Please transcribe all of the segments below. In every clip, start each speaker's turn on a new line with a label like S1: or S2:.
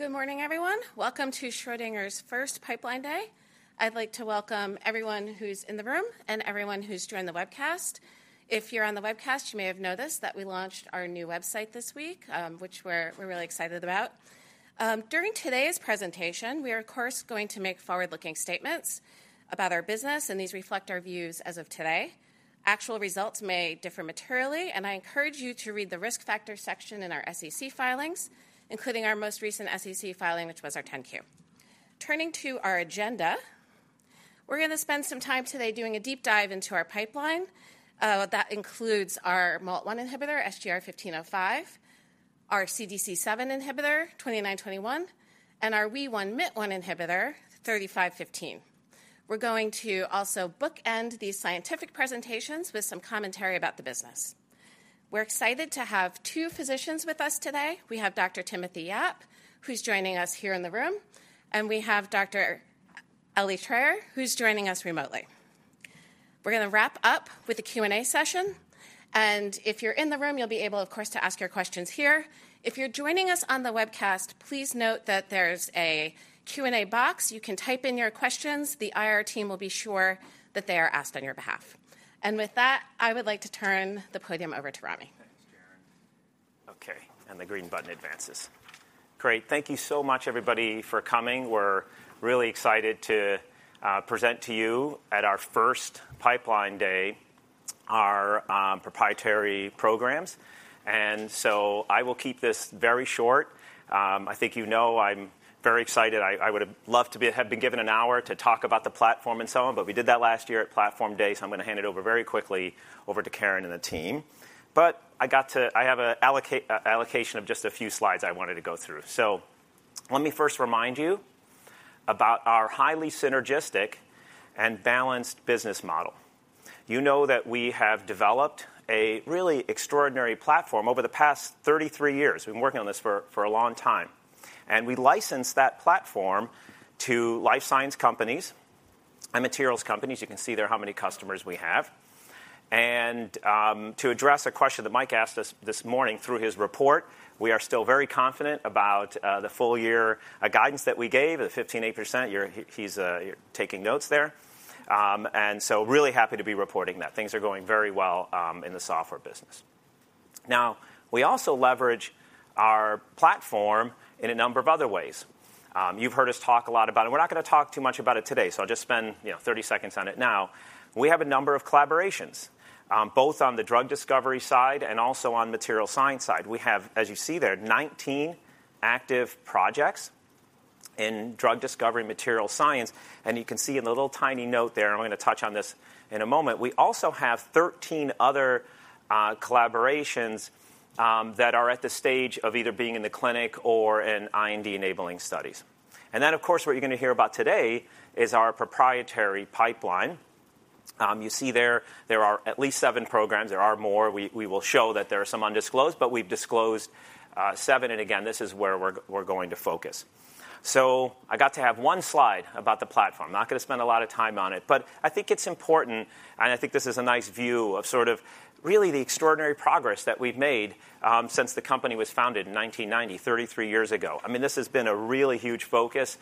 S1: Good morning, everyone. Welcome to Schrödinger's first Pipeline Day. I'd like to welcome everyone who's in the room and everyone who's joined the webcast. If you're on the webcast, you may have noticed that we launched our new website this week, which we're really excited about. During today's presentation, we are, of course, going to make forward-looking statements about our business, and these reflect our views as of today. Actual results may differ materially, and I encourage you to read the Risk Factors section in our SEC filings, including our most recent SEC filing, which was our 10-Q. Turning to our agenda, we're going to spend some time today doing a deep dive into our pipeline. That includes our MALT1 inhibitor, SGR-1505, our CDC7 inhibitor, SGR-2921, and our WEE1-MYT1 inhibitor, SGR-3515. We're going to also bookend these scientific presentations with some commentary about the business. We're excited to have two physicians with us today. We have Dr. Timothy Yap, who's joining us here in the room, and we have Dr. Elie Traer, who's joining us remotely. We're going to wrap up with a Q&A session, and if you're in the room, you'll be able, of course, to ask your questions here. If you're joining us on the webcast, please note that there's a Q&A box. You can type in your questions. The IR team will be sure that they are asked on your behalf. And with that, I would like to turn the podium over to Ramy.
S2: Thanks, Karen. Okay, and the green button advances. Great. Thank you so much, everybody, for coming. We're really excited to present to you at our first Pipeline Day, our proprietary programs, and so I will keep this very short. I think you know, I'm very excited. I would have loved to have been given an hour to talk about the platform and so on, but we did that last year at Platform Day, so I'm going to hand it over very quickly over to Karen and the team. But I have an allocation of just a few slides I wanted to go through. So let me first remind you about our highly synergistic and balanced business model. You know that we have developed a really extraordinary platform over the past 33 years. We've been working on this for a long time, and we licensed that platform to life science companies and materials companies. You can see there how many customers we have. To address a question that Mike asked us this morning through his report, we are still very confident about the full year guidance that we gave, the 15-18%. You're-- he's taking notes there. And so really happy to be reporting that. Things are going very well in the software business. Now, we also leverage our platform in a number of other ways. You've heard us talk a lot about it. We're not going to talk too much about it today, so I'll just spend, you know, 30 seconds on it now. We have a number of collaborations, both on the drug discovery side and also on the material science side. We have, as you see there, 19 active projects in drug discovery and material science, and you can see in the little tiny note there, I'm going to touch on this in a moment, we also have 13 other collaborations that are at the stage of either being in the clinic or in IND-enabling studies. And then, of course, what you're going to hear about today is our proprietary pipeline. You see there, there are at least seven programs. There are more. We will show that there are some undisclosed, but we've disclosed seven, and again, this is where we're going to focus. So I got to have one slide about the platform. Not going to spend a lot of time on it, but I think it's important, and I think this is a nice view of sort of really the extraordinary progress that we've made since the company was founded in 1990, 33 years ago. I mean, this has been a really huge focus.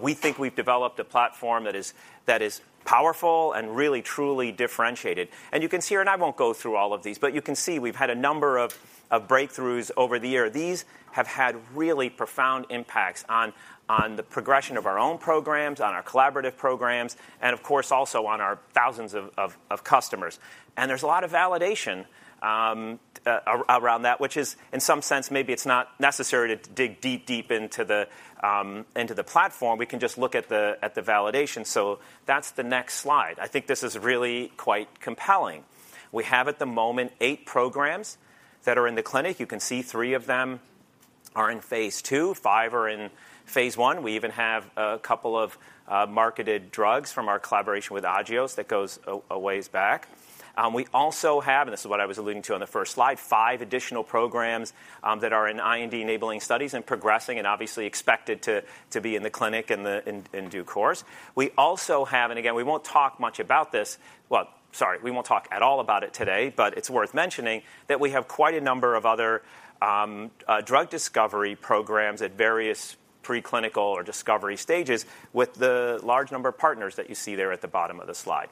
S2: We think we've developed a platform that is, that is powerful and really truly differentiated. And you can see here, and I won't go through all of these, but you can see we've had a number of, of breakthroughs over the year. These have had really profound impacts on, on the progression of our own programs, on our collaborative programs, and of course, also on our thousands of, of, of customers. There's a lot of validation around that, which is, in some sense, maybe it's not necessary to dig deep into the platform. We can just look at the validation. So that's the next slide. I think this is really quite compelling. We have, at the moment, 8 programs that are in the clinic. You can see 3 of them are in Phase II, 5 are in Phase I. We even have a couple of marketed drugs from our collaboration with Agios that goes a ways back. We also have, and this is what I was alluding to on the first slide, 5 additional programs that are in IND-enabling studies and progressing and obviously expected to be in the clinic in due course. We also have, and again, we won't talk much about this... Well, sorry, we won't talk at all about it today, but it's worth mentioning that we have quite a number of other drug discovery programs at various preclinical or discovery stages with the large number of partners that you see there at the bottom of the slide.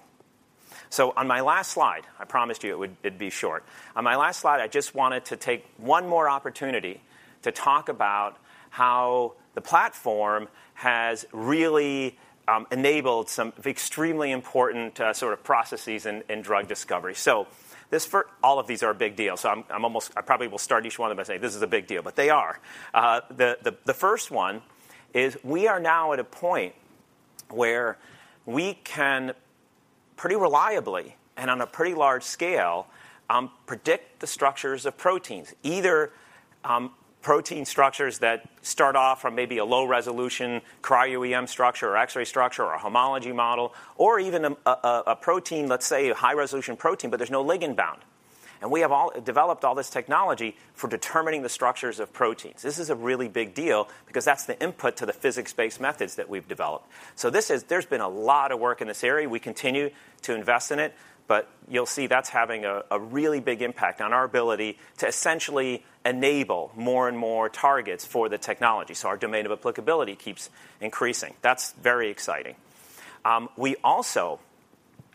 S2: So on my last slide, I promised you it would, it'd be short. On my last slide, I just wanted to take one more opportunity to talk about how the platform has really enabled some extremely important sort of processes in drug discovery. So all of these are a big deal, so I'm almost I probably will start each one of them by saying, "This is a big deal," but they are. The first one is we are now at a point where we can pretty reliably and on a pretty large scale predict the structures of proteins, either protein structures that start off from maybe a low-resolution cryo-EM structure, or X-ray structure, or a homology model, or even a protein, let's say, a high-resolution protein, but there's no ligand bound. And we have developed all this technology for determining the structures of proteins. This is a really big deal because that's the input to the physics-based methods that we've developed. So this is. There's been a lot of work in this area. We continue to invest in it, but you'll see that's having a really big impact on our ability to essentially enable more and more targets for the technology. So our domain of applicability keeps increasing. That's very exciting. We also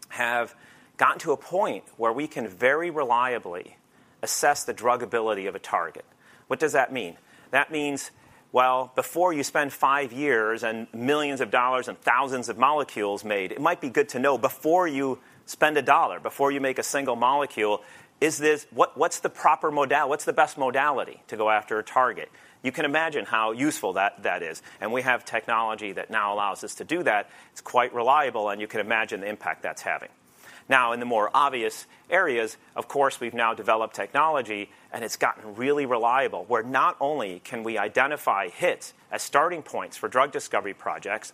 S2: have gotten to a point where we can very reliably assess the druggability of a target. What does that mean? That means, well, before you spend 5 years and $ millions and thousands of molecules made, it might be good to know before you spend a dollar, before you make a single molecule, is this—what's the best modality to go after a target? You can imagine how useful that is, and we have technology that now allows us to do that. It's quite reliable, and you can imagine the impact that's having. Now, in the more obvious areas, of course, we've now developed technology, and it's gotten really reliable, where not only can we identify hits as starting points for drug discovery projects,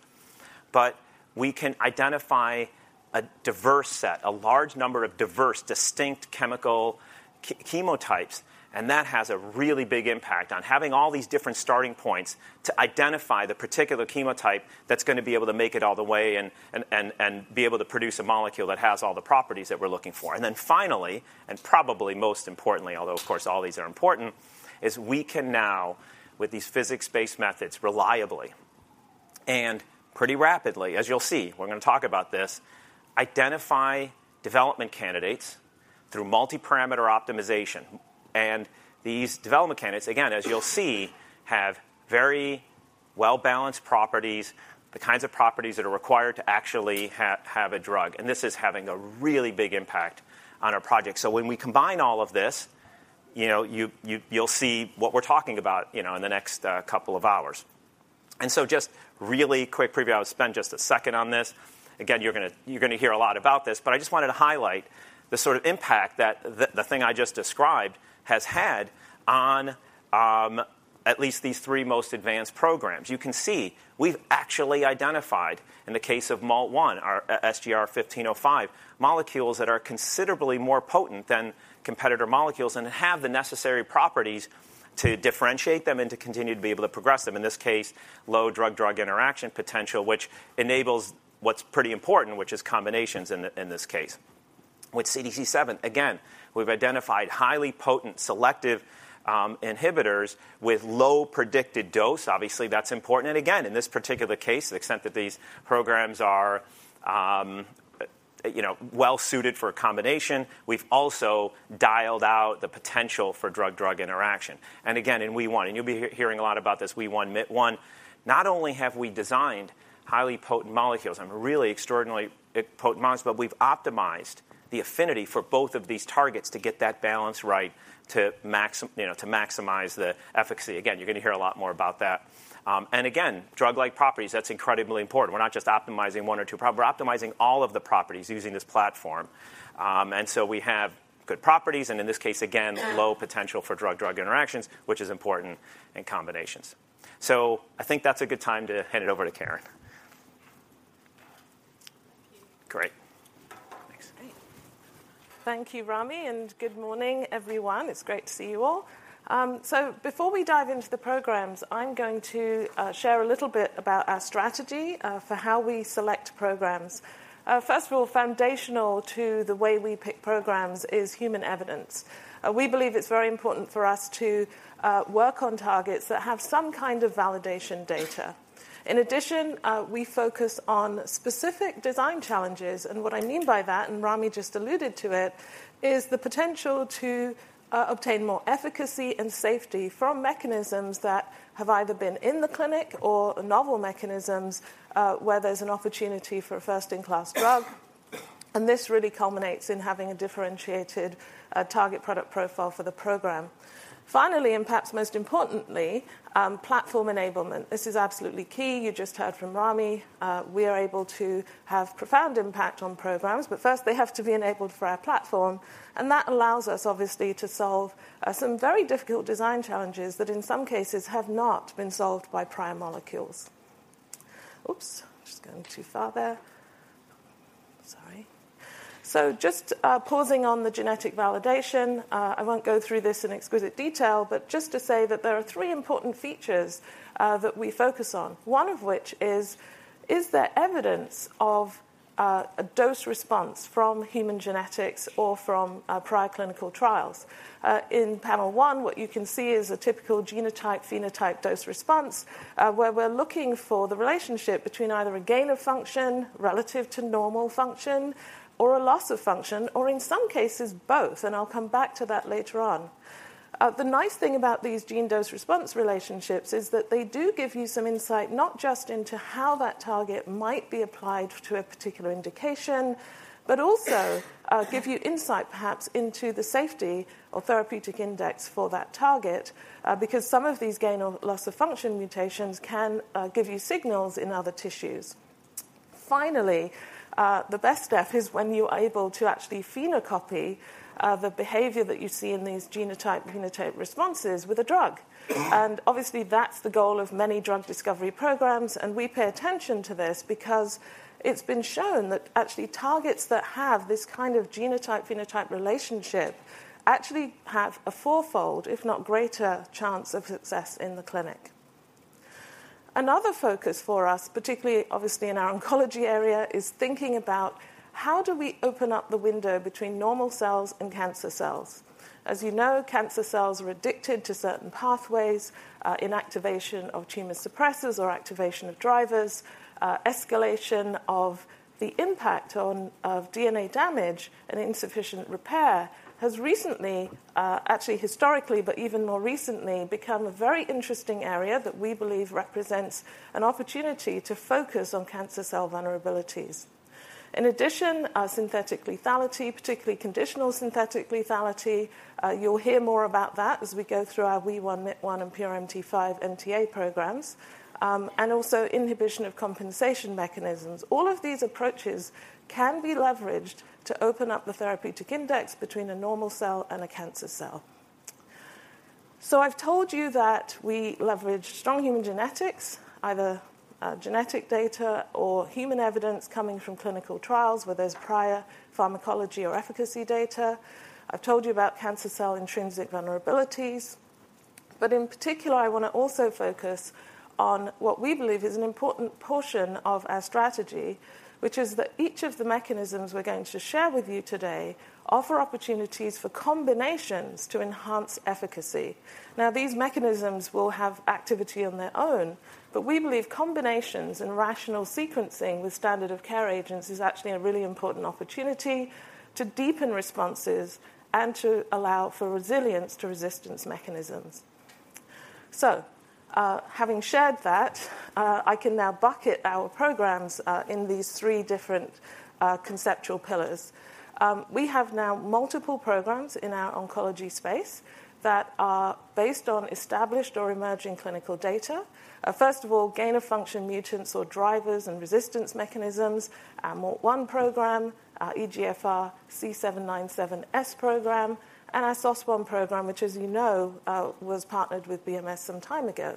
S2: but we can identify a diverse set, a large number of diverse, distinct chemical chemotypes, and that has a really big impact on having all these different starting points to identify the particular chemotype that's gonna be able to make it all the way and be able to produce a molecule that has all the properties that we're looking for. And then finally, and probably most importantly, although of course, all these are important, is we can now, with these physics-based methods, reliably and pretty rapidly, as you'll see, we're gonna talk about this, identify development candidates through multi-parameter optimization. And these development candidates, again, as you'll see, have very well-balanced properties, the kinds of properties that are required to actually have a drug, and this is having a really big impact on our project. So when we combine all of this, you know, you, you'll see what we're talking about, you know, in the next couple of hours. And so just really quick preview, I'll spend just a second on this. Again, you're gonna hear a lot about this, but I just wanted to highlight the sort of impact that the thing I just described has had on at least these three most advanced programs. You can see we've actually identified, in the case of MALT1, our SGR-1505, molecules that are considerably more potent than competitor molecules and have the necessary properties to differentiate them and to continue to be able to progress them. In this case, low drug-drug interaction potential, which enables what's pretty important, which is combinations in this case. With CDC7, again, we've identified highly potent selective inhibitors with low predicted dose. Obviously, that's important. And again, in this particular case, the extent that these programs are, you know, well suited for a combination, we've also dialed out the potential for drug-drug interaction. Again, in WEE1, and you'll be hearing a lot about this, WEE1/MYT1, not only have we designed highly potent molecules and really extraordinarily potent molecules, but we've optimized the affinity for both of these targets to get that balance right, you know, to maximize the efficacy. Again, you're gonna hear a lot more about that. And again, drug-like properties, that's incredibly important. We're not just optimizing one or two properties. We're optimizing all of the properties using this platform. And so we have good properties, and in this case, again, low potential for drug-drug interactions, which is important in combinations. So I think that's a good time to hand it over to Karen.
S3: Thank you.
S2: Great. Thanks.
S3: Thank you, Ramy, and good morning, everyone. It's great to see you all. So before we dive into the programs, I'm going to share a little bit about our strategy for how we select programs. First of all, foundational to the way we pick programs is human evidence. We believe it's very important for us to work on targets that have some kind of validation data. In addition, we focus on specific design challenges, and what I mean by that, and Ramy just alluded to it, is the potential to obtain more efficacy and safety from mechanisms that have either been in the clinic or novel mechanisms, where there's an opportunity for a first-in-class drug, and this really culminates in having a differentiated target product profile for the program. Finally, and perhaps most importantly, platform enablement. This is absolutely key. You just heard from Ramy. We are able to have profound impact on programs, but first they have to be enabled for our platform, and that allows us, obviously, to solve some very difficult design challenges that in some cases have not been solved by prior molecules. Oops! Just going too far there. Sorry. So just pausing on the genetic validation. I won't go through this in exquisite detail, but just to say that there are three important features that we focus on, one of which is: is there evidence of a dose response from human genetics or from prior clinical trials? In panel one, what you can see is a typical genotype, phenotype dose response, where we're looking for the relationship between either a gain of function relative to normal function or a loss of function, or in some cases, both, and I'll come back to that later on. The nice thing about these gene dose response relationships is that they do give you some insight, not just into how that target might be applied to a particular indication, but also give you insight perhaps into the safety or therapeutic index for that target, because some of these gain or loss of function mutations can give you signals in other tissues. Finally, the best stuff is when you're able to actually phenocopy the behavior that you see in these genotype, phenotype responses with a drug. Obviously, that's the goal of many drug discovery programs, and we pay attention to this because it's been shown that actually targets that have this kind of genotype, phenotype relationship actually have a fourfold, if not greater, chance of success in the clinic. Another focus for us, particularly obviously in our oncology area, is thinking about how do we open up the window between normal cells and cancer cells? As you know, cancer cells are addicted to certain pathways, inactivation of tumor suppressors or activation of drivers, escalation of the impact on, of DNA damage and insufficient repair has recently, actually historically, but even more recently, become a very interesting area that we believe represents an opportunity to focus on cancer cell vulnerabilities. In addition, our synthetic lethality, particularly conditional synthetic lethality, you'll hear more about that as we go through our WEE1, MYT1, and PRMT5/MTA programs, and also inhibition of compensation mechanisms. All of these approaches can be leveraged to open up the therapeutic index between a normal cell and a cancer cell. So I've told you that we leverage strong human genetics, either, genetic data or human evidence coming from clinical trials where there's prior pharmacology or efficacy data. I've told you about cancer cell intrinsic vulnerabilities, but in particular, I wanna also focus on what we believe is an important portion of our strategy, which is that each of the mechanisms we're going to share with you today offer opportunities for combinations to enhance efficacy. Now, these mechanisms will have activity on their own, but we believe combinations and rational sequencing with standard of care agents is actually a really important opportunity to deepen responses and to allow for resilience to resistance mechanisms. So, having shared that, I can now bucket our programs in these three different conceptual pillars. We have now multiple programs in our oncology space that are based on established or emerging clinical data. First of all, gain-of-function mutants or drivers and resistance mechanisms, our MYT1 program, our EGFR C797S program, and our SOS1 program, which, as you know, was partnered with BMS some time ago.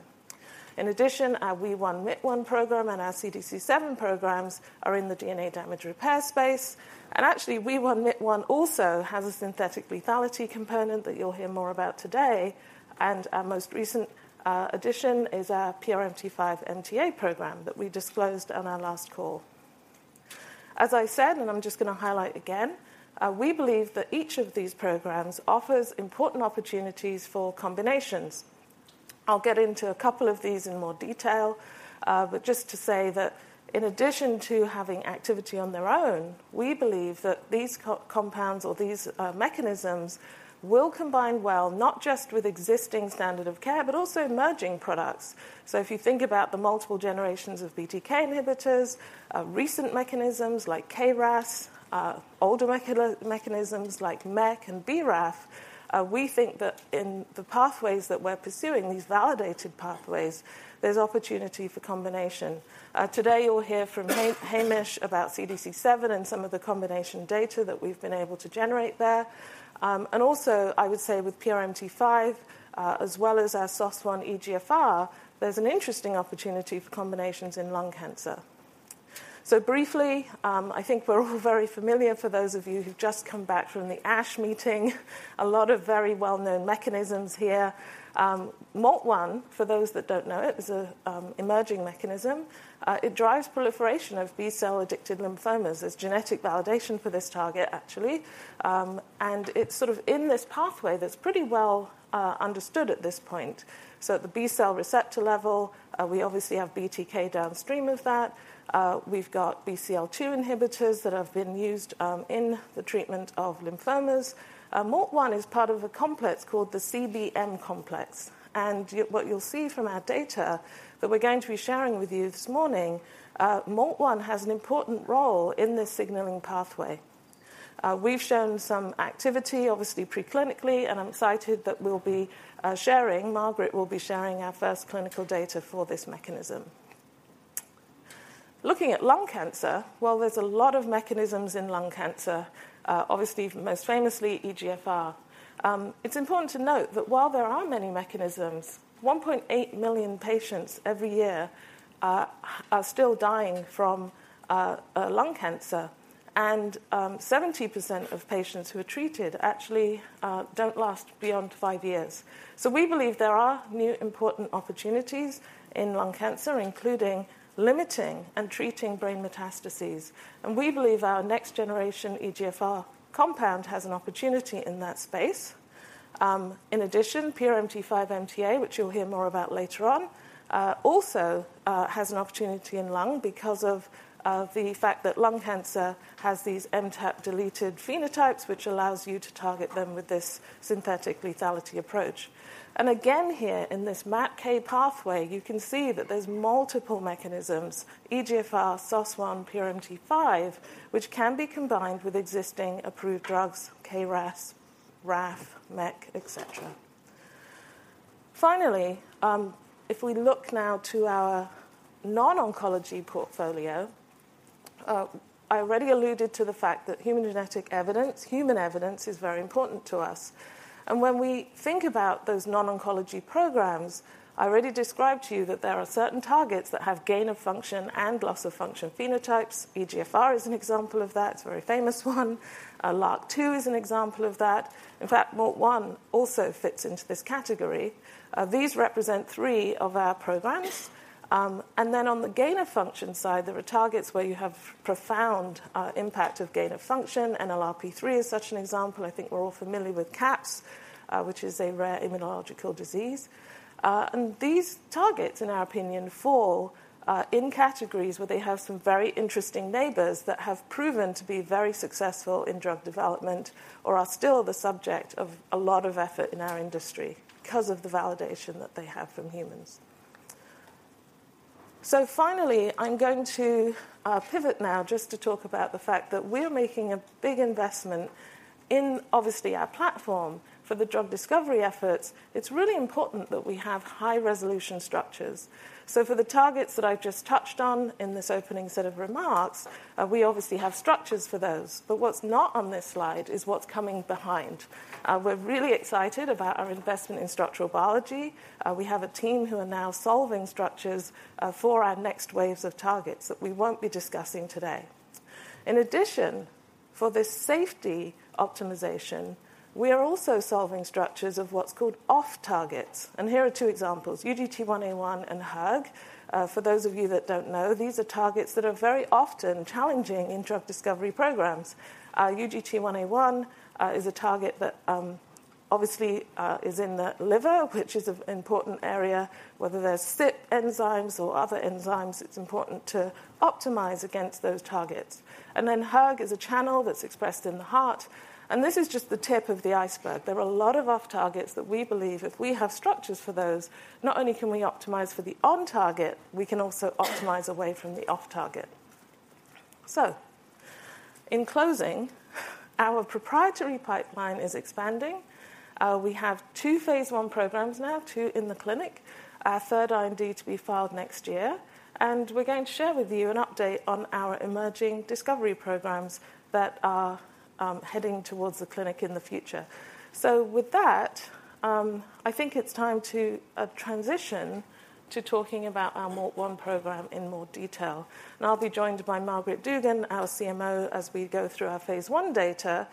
S3: In addition, our WEE1 MYT1 program and our CDC7 programs are in the DNA damage repair space, and actually, WEE1 MYT1 also has a synthetic lethality component that you'll hear more about today, and our most recent addition is our PRMT5/MTA program that we disclosed on our last call. As I said, and I'm just gonna highlight again, we believe that each of these programs offers important opportunities for combinations. I'll get into a couple of these in more detail, but just to say that in addition to having activity on their own, we believe that these co-compounds or these mechanisms will combine well, not just with existing standard of care, but also emerging products. So if you think about the multiple generations of BTK inhibitors, recent mechanisms like KRAS, older mechanisms like MEK and BRAF, we think that in the pathways that we're pursuing, these validated pathways, there's opportunity for combination. Today, you'll hear from Hamish about CDC7 and some of the combination data that we've been able to generate there. And also, I would say with PRMT5, as well as our SOS1 EGFR, there's an interesting opportunity for combinations in lung cancer. So briefly, I think we're all very familiar, for those of you who've just come back from the ASH meeting, a lot of very well-known mechanisms here. MYT1, for those that don't know it, is an emerging mechanism. It drives proliferation of B-cell addicted lymphomas. There's genetic validation for this target, actually, and it's sort of in this pathway that's pretty well understood at this point. So at the B-cell receptor level, we obviously have BTK downstream of that. We've got BCL-2 inhibitors that have been used in the treatment of lymphomas. MYT1 is part of a complex called the CBM complex, and what you'll see from our data that we're going to be sharing with you this morning, MYT1 has an important role in this signaling pathway. We've shown some activity, obviously pre-clinically, and I'm excited that we'll be sharing—Margaret will be sharing our first clinical data for this mechanism. Looking at lung cancer, while there's a lot of mechanisms in lung cancer, obviously, most famously EGFR, it's important to note that while there are many mechanisms, 1.8 million patients every year are still dying from lung cancer, and 70% of patients who are treated actually don't last beyond 5 years. So we believe there are new, important opportunities in lung cancer, including limiting and treating brain metastases, and we believe our next-generation EGFR compound has an opportunity in that space. In addition, PRMT5/MTA, which you'll hear more about later on, also has an opportunity in lung because of the fact that lung cancer has these MTAP-deleted phenotypes, which allows you to target them with this synthetic lethality approach. And again, here in this MTAP pathway, you can see that there's multiple mechanisms, EGFR, SOS1, PRMT5, which can be combined with existing approved drugs, KRAS, RAF, MEK, et cetera. Finally, if we look now to our non-oncology portfolio, I already alluded to the fact that human genetic evidence, human evidence is very important to us. And when we think about those non-oncology programs, I already described to you that there are certain targets that have gain-of-function and loss-of-function phenotypes. EGFR is an example of that, it's a very famous one. LRRK2 is an example of that. In fact, MYT1 also fits into this category. These represent three of our programs. And then on the gain-of-function side, there are targets where you have profound impact of gain-of-function. NLRP3 is such an example. I think we're all familiar with CAPS, which is a rare immunological disease. And these targets, in our opinion, fall in categories where they have some very interesting neighbors that have proven to be very successful in drug development or are still the subject of a lot of effort in our industry because of the validation that they have from humans. So finally, I'm going to pivot now just to talk about the fact that we're making a big investment in, obviously, our platform. For the drug discovery efforts, it's really important that we have high-resolution structures. So for the targets that I've just touched on in this opening set of remarks, we obviously have structures for those. But what's not on this slide is what's coming behind. We're really excited about our investment in structural biology. We have a team who are now solving structures for our next waves of targets that we won't be discussing today. In addition, for this safety optimization, we are also solving structures of what's called off-targets, and here are two examples: UGT1A1 and hERG. For those of you that don't know, these are targets that are very often challenging in drug discovery programs. UGT1A1 is a target that obviously is in the liver, which is an important area. Whether they're CYP enzymes or other enzymes, it's important to optimize against those targets. And then hERG is a channel that's expressed in the heart, and this is just the tip of the iceberg. There are a lot of off-targets that we believe if we have structures for those, not only can we optimize for the on-target, we can also optimize away from the off-target. In closing, our proprietary pipeline is expanding. We have two Phase I programs now, two in the clinic, a third IND to be filed next year, and we're going to share with you an update on our emerging discovery programs that are heading towards the clinic in the future. With that, I think it's time to transition to talking about our MYT1 program in more detail. I'll be joined by Margaret Dugan, our CMO, as we go through our Phase I data.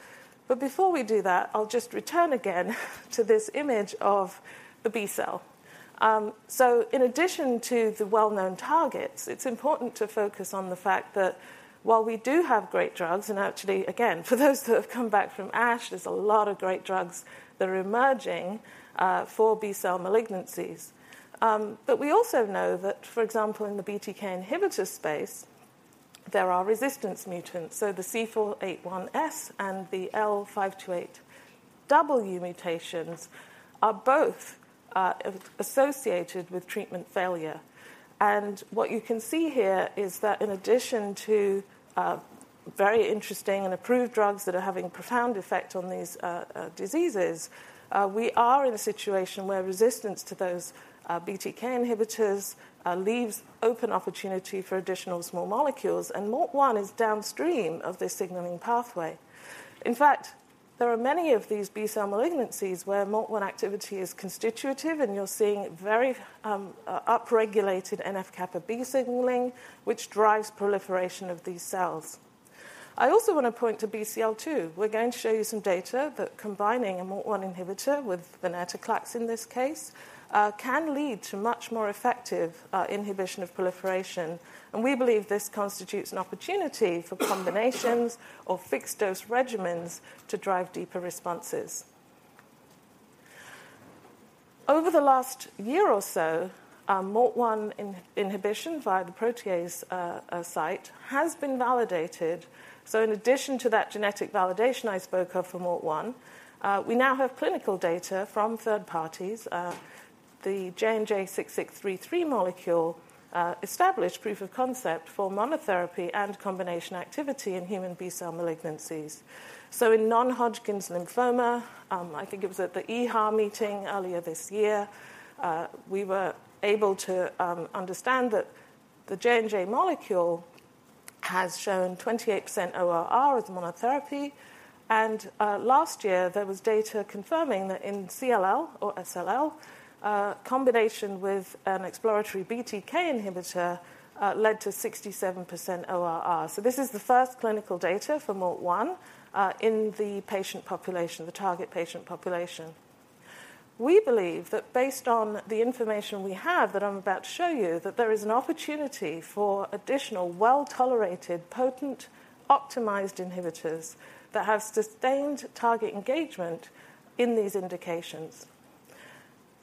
S3: Before we do that, I'll just return again to this image of the B-cell. In addition to the well-known targets, it's important to focus on the fact that while we do have great drugs... and actually, again, for those that have come back from ASH, there's a lot of great drugs that are emerging for B-cell malignancies. But we also know that, for example, in the BTK inhibitor space, there are resistance mutants. So the C481S and the L528W mutations are both associated with treatment failure. And what you can see here is that in addition to very interesting and approved drugs that are having a profound effect on these diseases, we are in a situation where resistance to those BTK inhibitors leaves open opportunity for additional small molecules, and MALT1 is downstream of this signaling pathway. In fact, there are many of these B-cell malignancies where MALT1 activity is constitutive, and you're seeing very upregulated NF-κB signaling, which drives proliferation of these cells. I also want to point to BCL-2. We're going to show you some data that combining a MALT1 inhibitor with venetoclax, in this case, can lead to much more effective, inhibition of proliferation, and we believe this constitutes an opportunity for combinations or fixed-dose regimens to drive deeper responses. Over the last year or so, MALT1 inhibition via the protease site has been validated. So in addition to that genetic validation I spoke of for MALT1, we now have clinical data from third parties. The JNJ-6633 molecule established proof of concept for monotherapy and combination activity in human B-cell malignancies. So in non-Hodgkin's lymphoma, I think it was at the EHA meeting earlier this year, we were able to understand that the J&J molecule has shown 28% ORR as monotherapy, and last year, there was data confirming that in CLL or SLL, combination with an exploratory BTK inhibitor led to 67% ORR. So this is the first clinical data for MALT1 in the patient population, the target patient population. We believe that based on the information we have, that I'm about to show you, that there is an opportunity for additional well-tolerated, potent, optimized inhibitors that have sustained target engagement in these indications.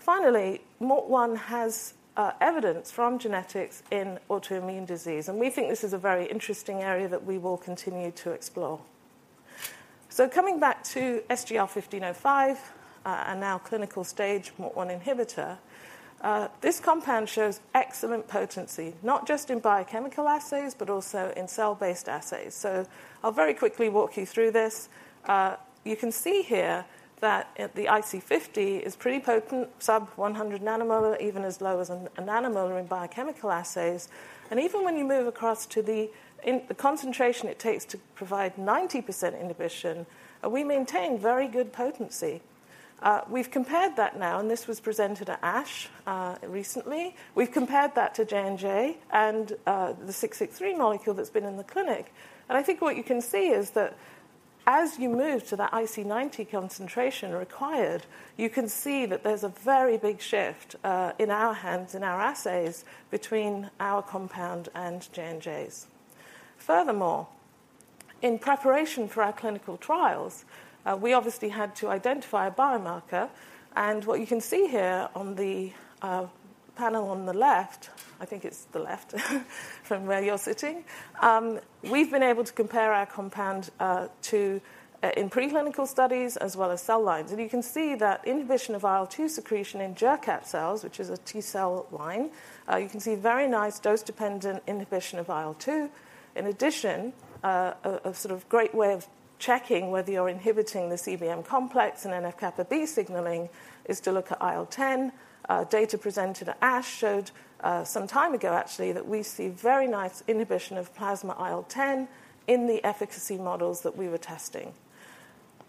S3: Finally, MALT1 has evidence from genetics in autoimmune disease, and we think this is a very interesting area that we will continue to explore. So coming back to SGR-1505, and now clinical-stage MALT1 inhibitor. This compound shows excellent potency, not just in biochemical assays, but also in cell-based assays. So I'll very quickly walk you through this. You can see here that at the IC50 is pretty potent, sub-100 nanomolar, even as low as a nanomolar in biochemical assays. And even when you move across to the, in the concentration it takes to provide 90% inhibition, we maintain very good potency. We've compared that now, and this was presented at ASH recently. We've compared that to J&J and the 6633 molecule that's been in the clinic. And I think what you can see is that as you move to that IC90 concentration required, you can see that there's a very big shift, in our hands, in our assays between our compound and J&J's. Furthermore, in preparation for our clinical trials, we obviously had to identify a biomarker, and what you can see here on the panel on the left, I think it's the left from where you're sitting. We've been able to compare our compound to in preclinical studies as well as cell lines. And you can see that inhibition of IL-2 secretion in Jurkat cells, which is a T cell line, you can see very nice dose-dependent inhibition of IL-2. In addition, a sort of great way of checking whether you're inhibiting the CBM complex and NF-κB signaling is to look at IL-10. Data presented at ASH showed some time ago, actually, that we see very nice inhibition of plasma IL-10 in the efficacy models that we were testing.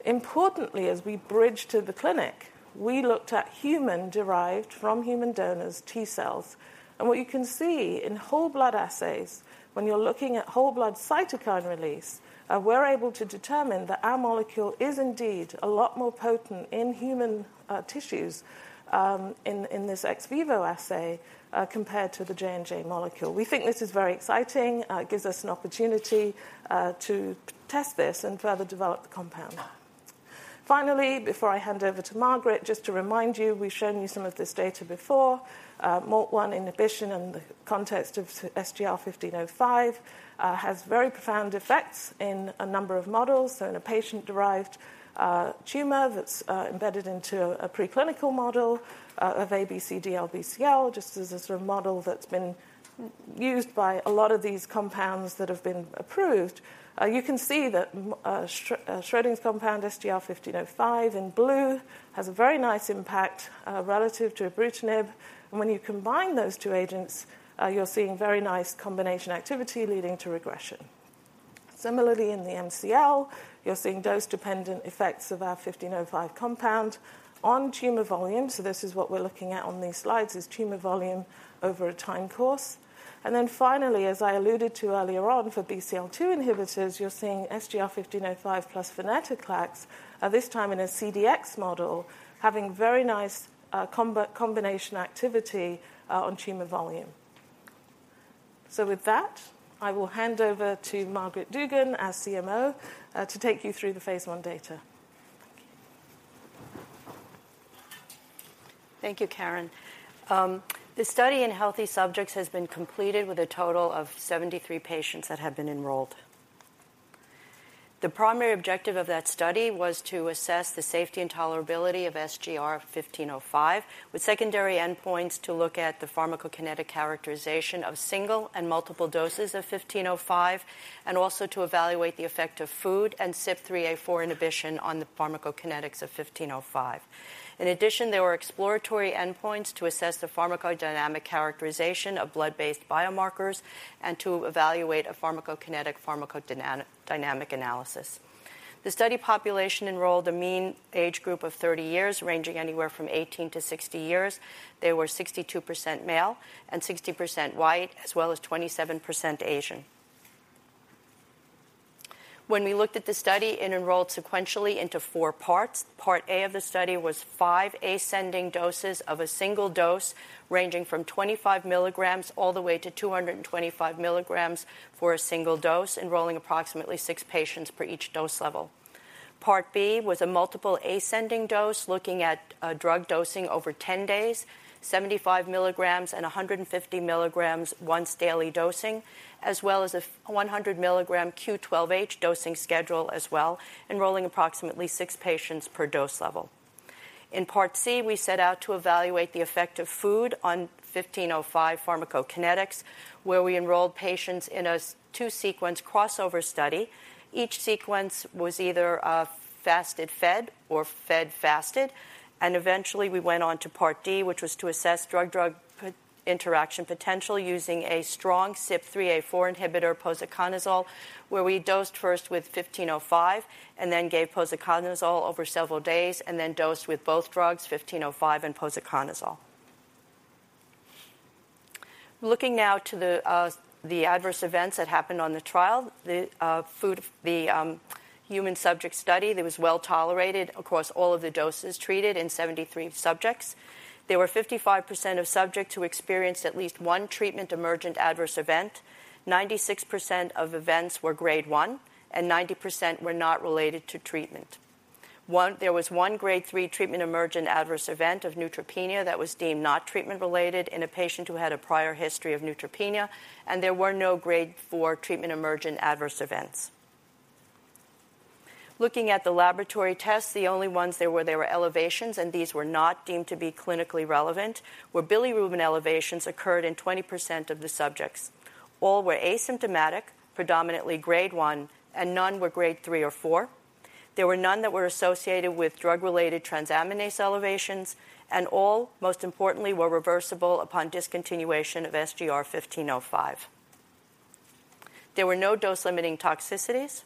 S3: Importantly, as we bridge to the clinic, we looked at human-derived, from human donors, T cells. What you can see in whole blood assays, when you're looking at whole blood cytokine release, we're able to determine that our molecule is indeed a lot more potent in human tissues, in this ex vivo assay, compared to the J&J molecule. We think this is very exciting. It gives us an opportunity to test this and further develop the compound. Finally, before I hand over to Margaret, just to remind you, we've shown you some of this data before. MYD88 inhibition in the context of SGR-1505 has very profound effects in a number of models. So in a patient-derived tumor that's embedded into a preclinical model of ABC DLBCL, just as a sort of model that's been used by a lot of these compounds that have been approved. You can see that Schrödinger's compound, SGR-1505, in blue, has a very nice impact relative to ibrutinib. And when you combine those two agents, you're seeing very nice combination activity leading to regression. Similarly, in the MCL, you're seeing dose-dependent effects of our 1505 compound on tumor volume. So this is what we're looking at on these slides, is tumor volume over a time course. And then finally, as I alluded to earlier on, for BCL-2 inhibitors, you're seeing SGR-1505 plus venetoclax, this time in a CDX model, having very nice, combination activity, on tumor volume. So with that, I will hand over to Margaret Dugan, our CMO, to take you through the Phase 1 data.
S4: Thank you, Karen. The study in healthy subjects has been completed with a total of 73 patients that have been enrolled. The primary objective of that study was to assess the safety and tolerability of SGR-1505, with secondary endpoints to look at the pharmacokinetic characterization of single and multiple doses of 1505, and also to evaluate the effect of food and CYP3A4 inhibition on the pharmacokinetics of 1505. In addition, there were exploratory endpoints to assess the pharmacodynamic characterization of blood-based biomarkers and to evaluate a pharmacokinetic/pharmacodynamic analysis. The study population enrolled a mean age group of 30 years, ranging anywhere from 18 to 60 years. They were 62% male and 60% White, as well as 27% Asian. When we looked at the study, it enrolled sequentially into four parts. Part A of the study was 5 ascending doses of a single dose, ranging from 25 milligrams all the way to 225 milligrams for a single dose, enrolling approximately 6 patients per each dose level. Part B was a multiple ascending dose, looking at drug dosing over 10 days, 75 milligrams and 150 milligrams once daily dosing, as well as a 100 milligram q12h dosing schedule as well, enrolling approximately 6 patients per dose level. In Part C, we set out to evaluate the effect of food on 1505 pharmacokinetics, where we enrolled patients in a 2-sequence crossover study. Each sequence was either fasted, fed or fed, fasted, and eventually, we went on to Part D, which was to assess drug-drug interaction potential using a strong CYP3A4 inhibitor, posaconazole, where we dosed first with 1505 and then gave posaconazole over several days and then dosed with both drugs, 1505 and posaconazole. Looking now to the adverse events that happened on the trial, the human subject study, it was well tolerated across all of the doses treated in 73 subjects. There were 55% of subjects who experienced at least one treatment emergent adverse event, 96% of events were grade one, and 90% were not related to treatment. One. There was 1 grade 3 treatment-emergent adverse event of neutropenia that was deemed not treatment-related in a patient who had a prior history of neutropenia, and there were no grade 4 treatment-emergent adverse events. Looking at the laboratory tests, the only ones there were, there were elevations, and these were not deemed to be clinically relevant, where bilirubin elevations occurred in 20% of the subjects. All were asymptomatic, predominantly grade 1, and none were grade 3 or 4. There were none that were associated with drug-related transaminase elevations, and all, most importantly, were reversible upon discontinuation of SGR-1505. There were no dose-limiting toxicities.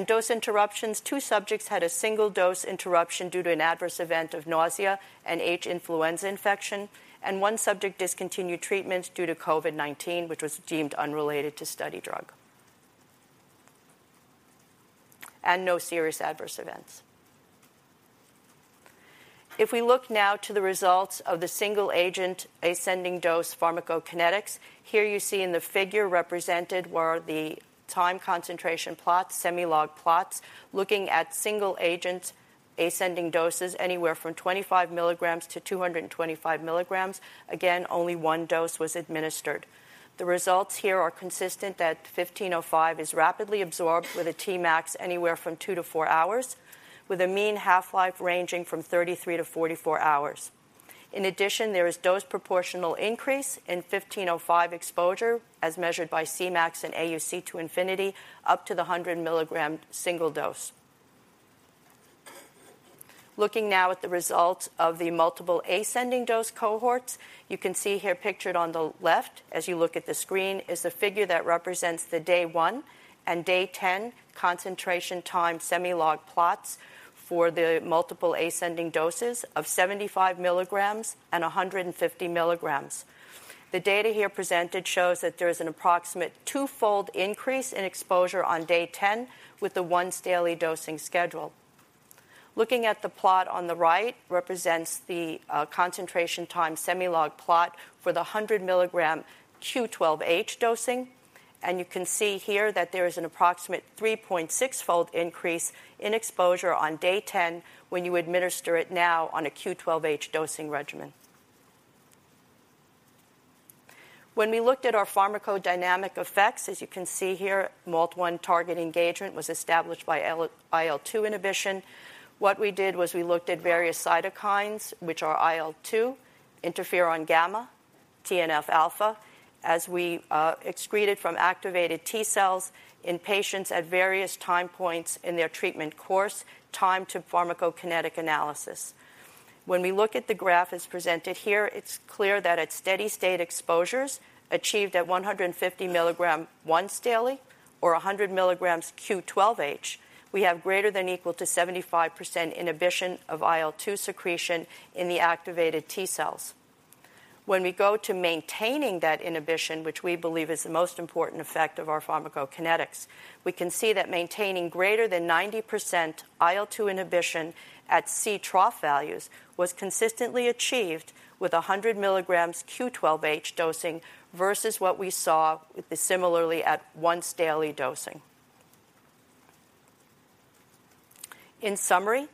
S4: Dose interruptions, 2 subjects had a single dose interruption due to an adverse event of nausea and H. influenzae infection, and 1 subject discontinued treatment due to COVID-19, which was deemed unrelated to study drug. No serious adverse events. If we look now to the results of the single agent ascending dose pharmacokinetics, here you see in the figure represented were the time concentration plots, semi-log plots, looking at single agent ascending doses anywhere from 25 milligrams to 225 milligrams. Again, only one dose was administered. The results here are consistent that 1505 is rapidly absorbed with a Tmax anywhere from 2 to 4 hours, with a mean half-life ranging from 33 to 44 hours. In addition, there is dose proportional increase in 1505 exposure as measured by Cmax and AUC to infinity, up to the 100 milligram single dose. Looking now at the results of the multiple ascending dose cohorts, you can see here pictured on the left, as you look at the screen, is the figure that represents the day 1 and day 10 concentration time semi-log plots for the multiple ascending doses of 75 milligrams and 150 milligrams. The data here presented shows that there is an approximate 2-fold increase in exposure on day 10 with the once daily dosing schedule. Looking at the plot on the right represents the concentration time semi-log plot for the 100 milligram Q12H dosing, and you can see here that there is an approximate 3.6-fold increase in exposure on day 10 when you administer it now on a Q12H dosing regimen. When we looked at our pharmacodynamic effects, as you can see here, MALT1 target engagement was established by IL-2 inhibition. What we did was we looked at various cytokines, which are IL-2, interferon gamma, TNF alpha, as we excreted from activated T cells in patients at various time points in their treatment course, time to pharmacokinetic analysis. When we look at the graph as presented here, it's clear that at steady-state exposures achieved at 150 mg once daily or 100 mg Q12H, we have ≥75% inhibition of IL-2 secretion in the activated T cells. When we go to maintaining that inhibition, which we believe is the most important effect of our pharmacokinetics, we can see that maintaining greater than 90% IL-2 inhibition at Ctrough values was consistently achieved with 100 mg Q12H dosing versus what we saw similarly at once daily dosing. In summary,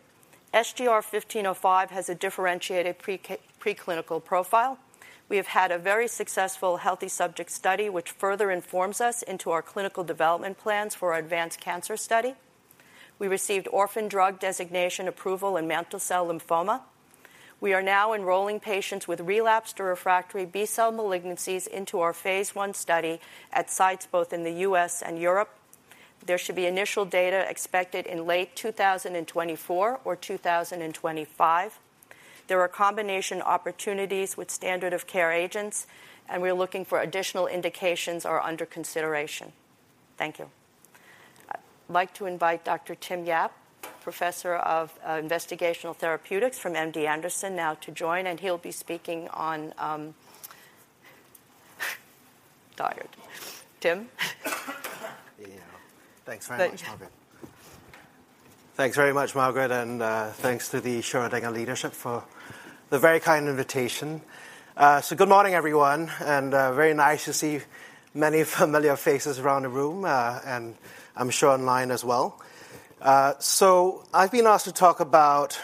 S4: SGR-1505 has a differentiated preclinical profile. We have had a very successful healthy subject study, which further informs us into our clinical development plans for our advanced cancer study. We received orphan drug designation approval in mantle cell lymphoma. We are now enrolling patients with relapsed or refractory B-cell malignancies into our Phase 1 study at sites both in the U.S. and Europe. There should be initial data expected in late 2024 or 2025. There are combination opportunities with standard of care agents, and we're looking for additional indications are under consideration. Thank you. I'd like to invite Dr. Timothy Yap, Professor of Investigational Therapeutics from MD Anderson, now to join, and he'll be speaking on WEE1. Tim?
S5: Yeah. Thanks very much, Margaret.
S4: Thank-
S5: Thanks very much, Margaret, and, thanks to the Schrödinger leadership for the very kind invitation. So good morning, everyone, and, very nice to see many familiar faces around the room, and I'm sure online as well. So I've been asked to talk about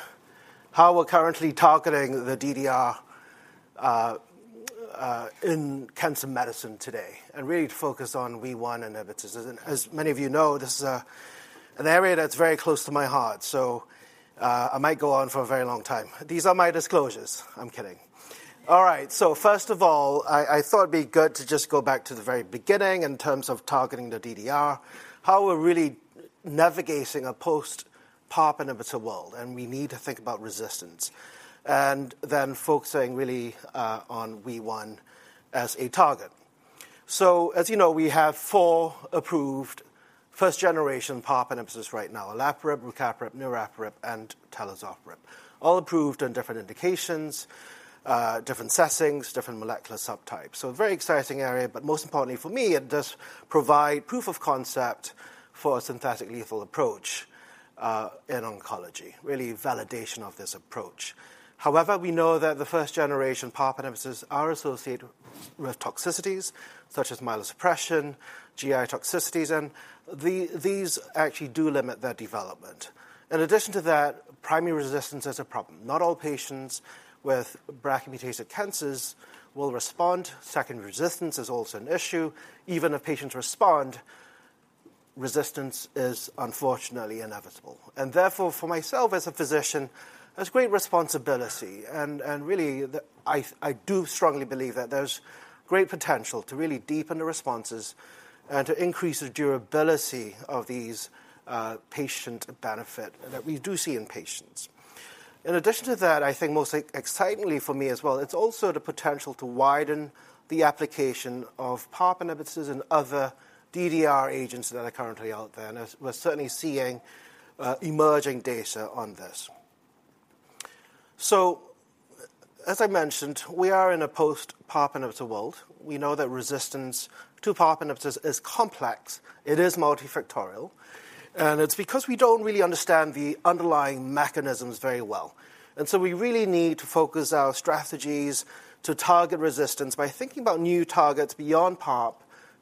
S5: how we're currently targeting the DDR, in cancer medicine today and really focus on WEE1 inhibitors. As, as many of you know, this is, an area that's very close to my heart, so, I might go on for a very long time. These are my disclosures. I'm kidding. All right, so first of all, I thought it'd be good to just go back to the very beginning in terms of targeting the DDR, how we're really navigating a post-PARP inhibitor world, and we need to think about resistance, and then focusing really on WEE1 as a target. So as you know, we have four approved first-generation PARP inhibitors right now: olaparib, rucaparib, niraparib, and talazoparib. All approved on different indications, different settings, different molecular subtypes. So a very exciting area, but most importantly for me, it does provide proof of concept for a synthetically lethal approach in oncology, really validation of this approach. However, we know that the first-generation PARP inhibitors are associated with toxicities such as myelosuppression, GI toxicities, and these actually do limit their development. In addition to that, primary resistance is a problem. Not all patients with BRCA-mutated cancers will respond. Secondary resistance is also an issue. Even if patients respond, resistance is unfortunately inevitable, and therefore, for myself as a physician, there's great responsibility, and really, I do strongly believe that there's great potential to really deepen the responses and to increase the durability of these patient benefit that we do see in patients. In addition to that, I think most excitingly for me as well, it's also the potential to widen the application of PARP inhibitors and other DDR agents that are currently out there, and as we're certainly seeing emerging data on this. So as I mentioned, we are in a post-PARP inhibitor world. We know that resistance to PARP inhibitors is complex. It is multifactorial, and it's because we don't really understand the underlying mechanisms very well. And so we really need to focus our strategies to target resistance by thinking about new targets beyond PARP,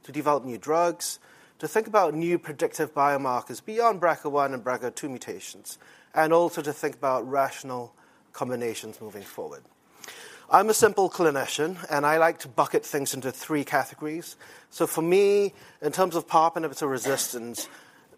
S5: to develop new drugs, to think about new predictive biomarkers beyond BRCA1 and BRCA2 mutations, and also to think about rational combinations moving forward. I'm a simple clinician, and I like to bucket things into three categories. So for me, in terms of PARP inhibitor resistance,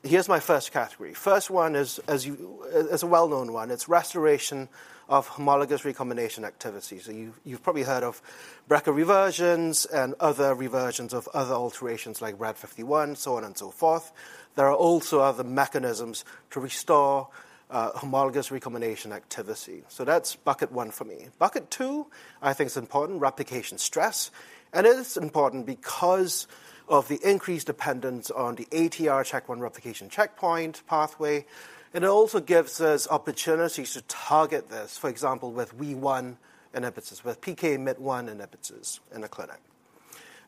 S5: here's my first category. First one is, as you know, is a well-known one. It's restoration of homologous recombination activity. So you've probably heard of BRCA reversions and other reversions of other alterations like RAD51, so on and so forth. There are also other mechanisms to restore homologous recombination activity. So that's bucket one for me. Bucket two, I think it's important, replication stress, and it is important because of the increased dependence on the ATR CHK1 replication checkpoint pathway. It also gives us opportunities to target this, for example, with WEE1 inhibitors, with PKMYT1 inhibitors in the clinic.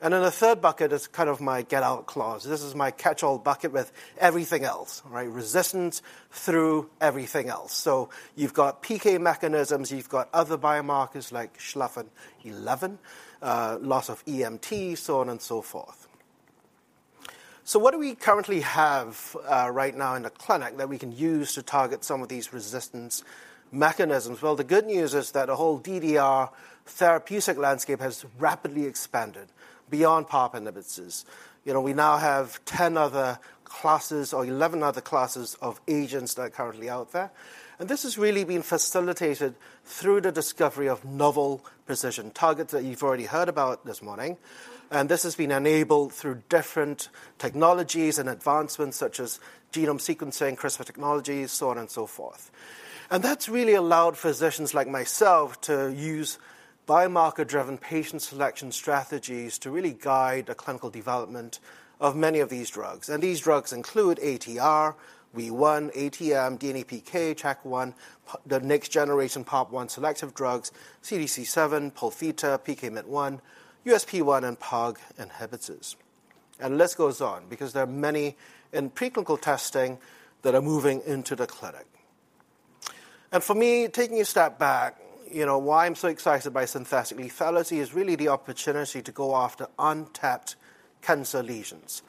S5: And then the third bucket is kind of my get-out clause. This is my catch-all bucket with everything else, right? Resistance through everything else. So you've got PK mechanisms, you've got other biomarkers like Schlafen 11, loss of EMT, so on and so forth. So what do we currently have, right now in the clinic that we can use to target some of these resistance mechanisms? Well, the good news is that the whole DDR therapeutic landscape has rapidly expanded beyond PARP inhibitors. You know, we now have 10 other classes or 11 other classes of agents that are currently out there, and this has really been facilitated through the discovery of novel precision targets that you've already heard about this morning. This has been enabled through different technologies and advancements, such as genome sequencing, CRISPR technologies, so on and so forth. That's really allowed physicians like myself to use biomarker-driven patient selection strategies to really guide the clinical development of many of these drugs. These drugs include ATR, WEE1, ATM, DNA-PK, CHK1, the next generation PARP-1 selective drugs, CDC7, Pol theta, PKMYT1, USP1, and POLQ inhibitors. The list goes on because there are many in preclinical testing that are moving into the clinic. For me, taking a step back, you know, why I'm so excited by synthetic lethality is really the opportunity to go after untapped cancer lesions.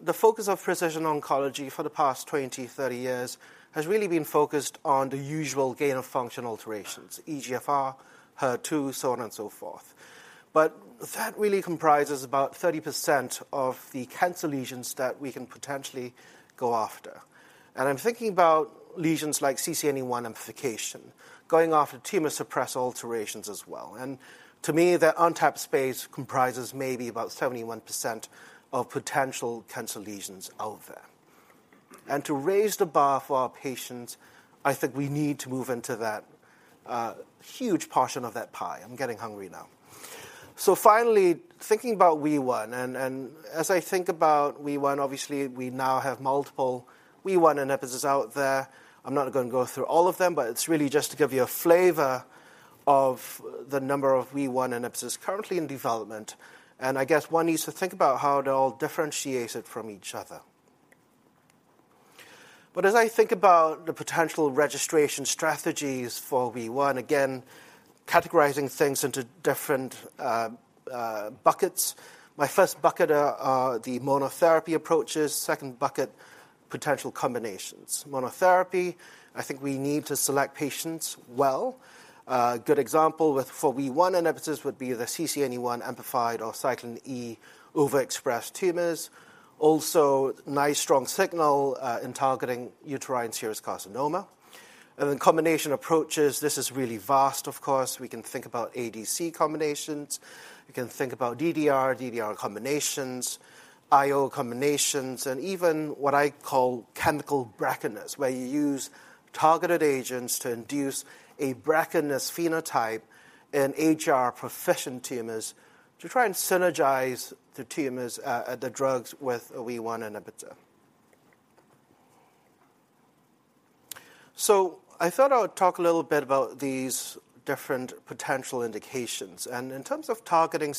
S5: The focus of precision oncology for the past 20, 30 years has really been focused on the usual gain-of-function alterations, EGFR, HER2, so on and so forth. But that really comprises about 30% of the cancer lesions that we can potentially go after. And I'm thinking about lesions like CCNE1 amplification, going after tumor suppressor alterations as well. And to me, that untapped space comprises maybe about 71% of potential cancer lesions out there. And to raise the bar for our patients, I think we need to move into that, huge portion of that pie. I'm getting hungry now. So finally, thinking about WEE1, and as I think about WEE1, obviously, we now have multiple WEE1 inhibitors out there. I'm not gonna go through all of them, but it's really just to give you a flavor of the number of WEE1 inhibitors currently in development, and I guess one needs to think about how they're all differentiated from each other. But as I think about the potential registration strategies for WEE1, again, categorizing things into different buckets, my first bucket are the monotherapy approaches, second bucket, potential combinations. Monotherapy, I think we need to select patients well. A good example for WEE1 inhibitors would be the CCNE1 amplified or cyclin E overexpressed tumors. Also, nice, strong signal in targeting uterine serous carcinoma. And then combination approaches, this is really vast, of course. We can think about ADC combinations, we can think about DDR combinations, IO combinations, and even what I call chemical BRCAness, where you use targeted agents to induce a BRCAness phenotype in HR-proficient tumors to try and synergize the drugs with a WEE1 inhibitor. So I thought I would talk a little bit about these different potential indications. In terms of targeting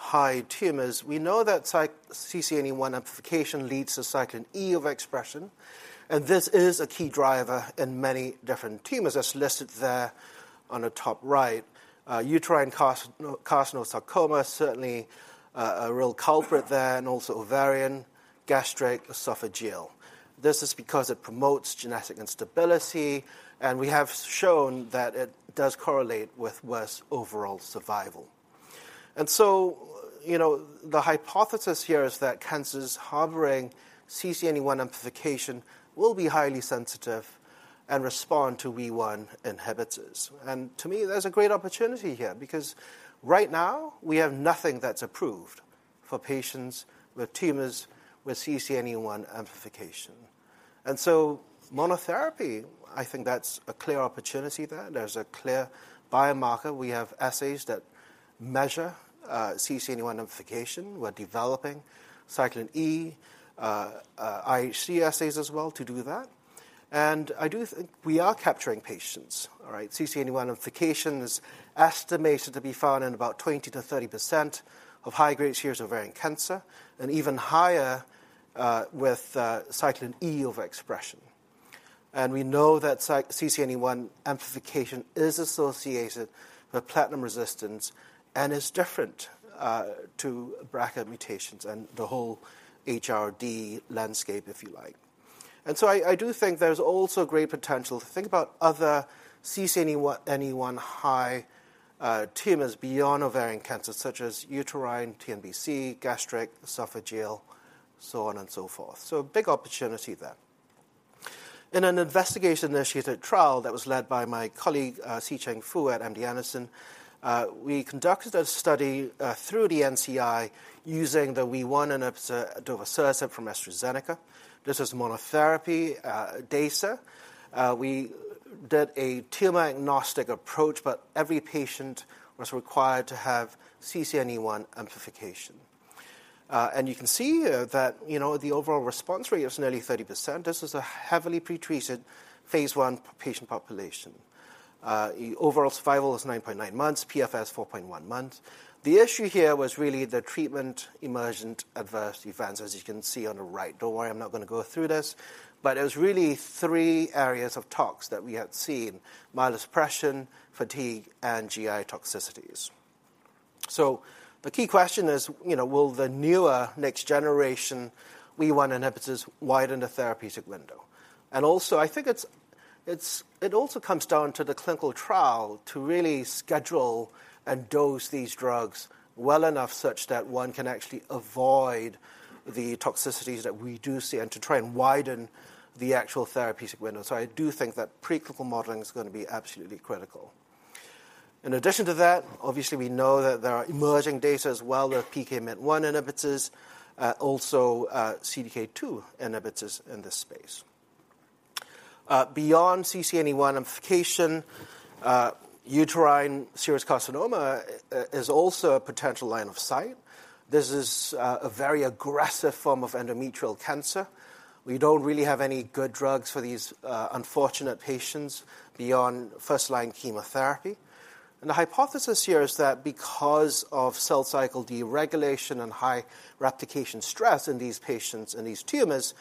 S5: CCNE1-high tumors, we know that CCNE1 amplification leads to cyclin E overexpression, and this is a key driver in many different tumors, as listed there on the top right. Uterine carcinosarcoma is certainly a real culprit there, and also ovarian, gastric, esophageal. This is because it promotes genetic instability, and we have shown that it does correlate with worse overall survival. And so, you know, the hypothesis here is that cancers harboring CCNE1 amplification will be highly sensitive and respond to WEE1 inhibitors. And to me, there's a great opportunity here because right now we have nothing that's approved for patients with tumors with CCNE1 amplification. And so monotherapy, I think that's a clear opportunity there. There's a clear biomarker. We have assays that measure CCNE1 amplification. We're developing cyclin E IHC assays as well to do that. And I do think we are capturing patients. All right. CCNE1 amplification is estimated to be found in about 20%-30% of high-grade serous ovarian cancer and even higher with cyclin E overexpression. And we know that CCNE1 amplification is associated with platinum resistance and is different to BRCA mutations and the whole HRD landscape, if you like. And so I do think there's also great potential to think about other CCNE1 high tumors beyond ovarian cancer, such as uterine TNBC, gastric, esophageal, so on and so forth. So a big opportunity there. In an investigator-initiated trial that was led by my colleague, Siqing Fu at MD Anderson, we conducted a study through the NCI using the WEE1 inhibitor adavosertib from AstraZeneca. This is monotherapy data. We did a tumor-agnostic approach, but every patient was required to have CCNE1 amplification. And you can see here that, you know, the overall response rate is nearly 30%. This is a heavily pretreated Phase 1 patient population. Overall survival is 9.9 months, PFS 4.1 months. The issue here was really the treatment-emergent adverse events, as you can see on the right. Don't worry, I'm not going to go through this, but it was really three areas of tox that we had seen: myelosuppression, fatigue, and GI toxicities. So the key question is, you know, will the newer next generation WEE1 inhibitors widen the therapeutic window? And also, I think it also comes down to the clinical trial to really schedule and dose these drugs well enough such that one can actually avoid the toxicities that we do see and to try and widen the actual therapeutic window. So I do think that preclinical modeling is going to be absolutely critical. In addition to that, obviously, we know that there are emerging data as well with PKMYT1 inhibitors, also, CDK2 inhibitors in this space. Beyond CCNE1 amplification, uterine serous carcinoma is also a potential line of sight. This is a very aggressive form of endometrial cancer. We don't really have any good drugs for these unfortunate patients beyond first-line chemotherapy. The hypothesis here is that because of cell cycle deregulation and high replication stress in these patients, in these tumors,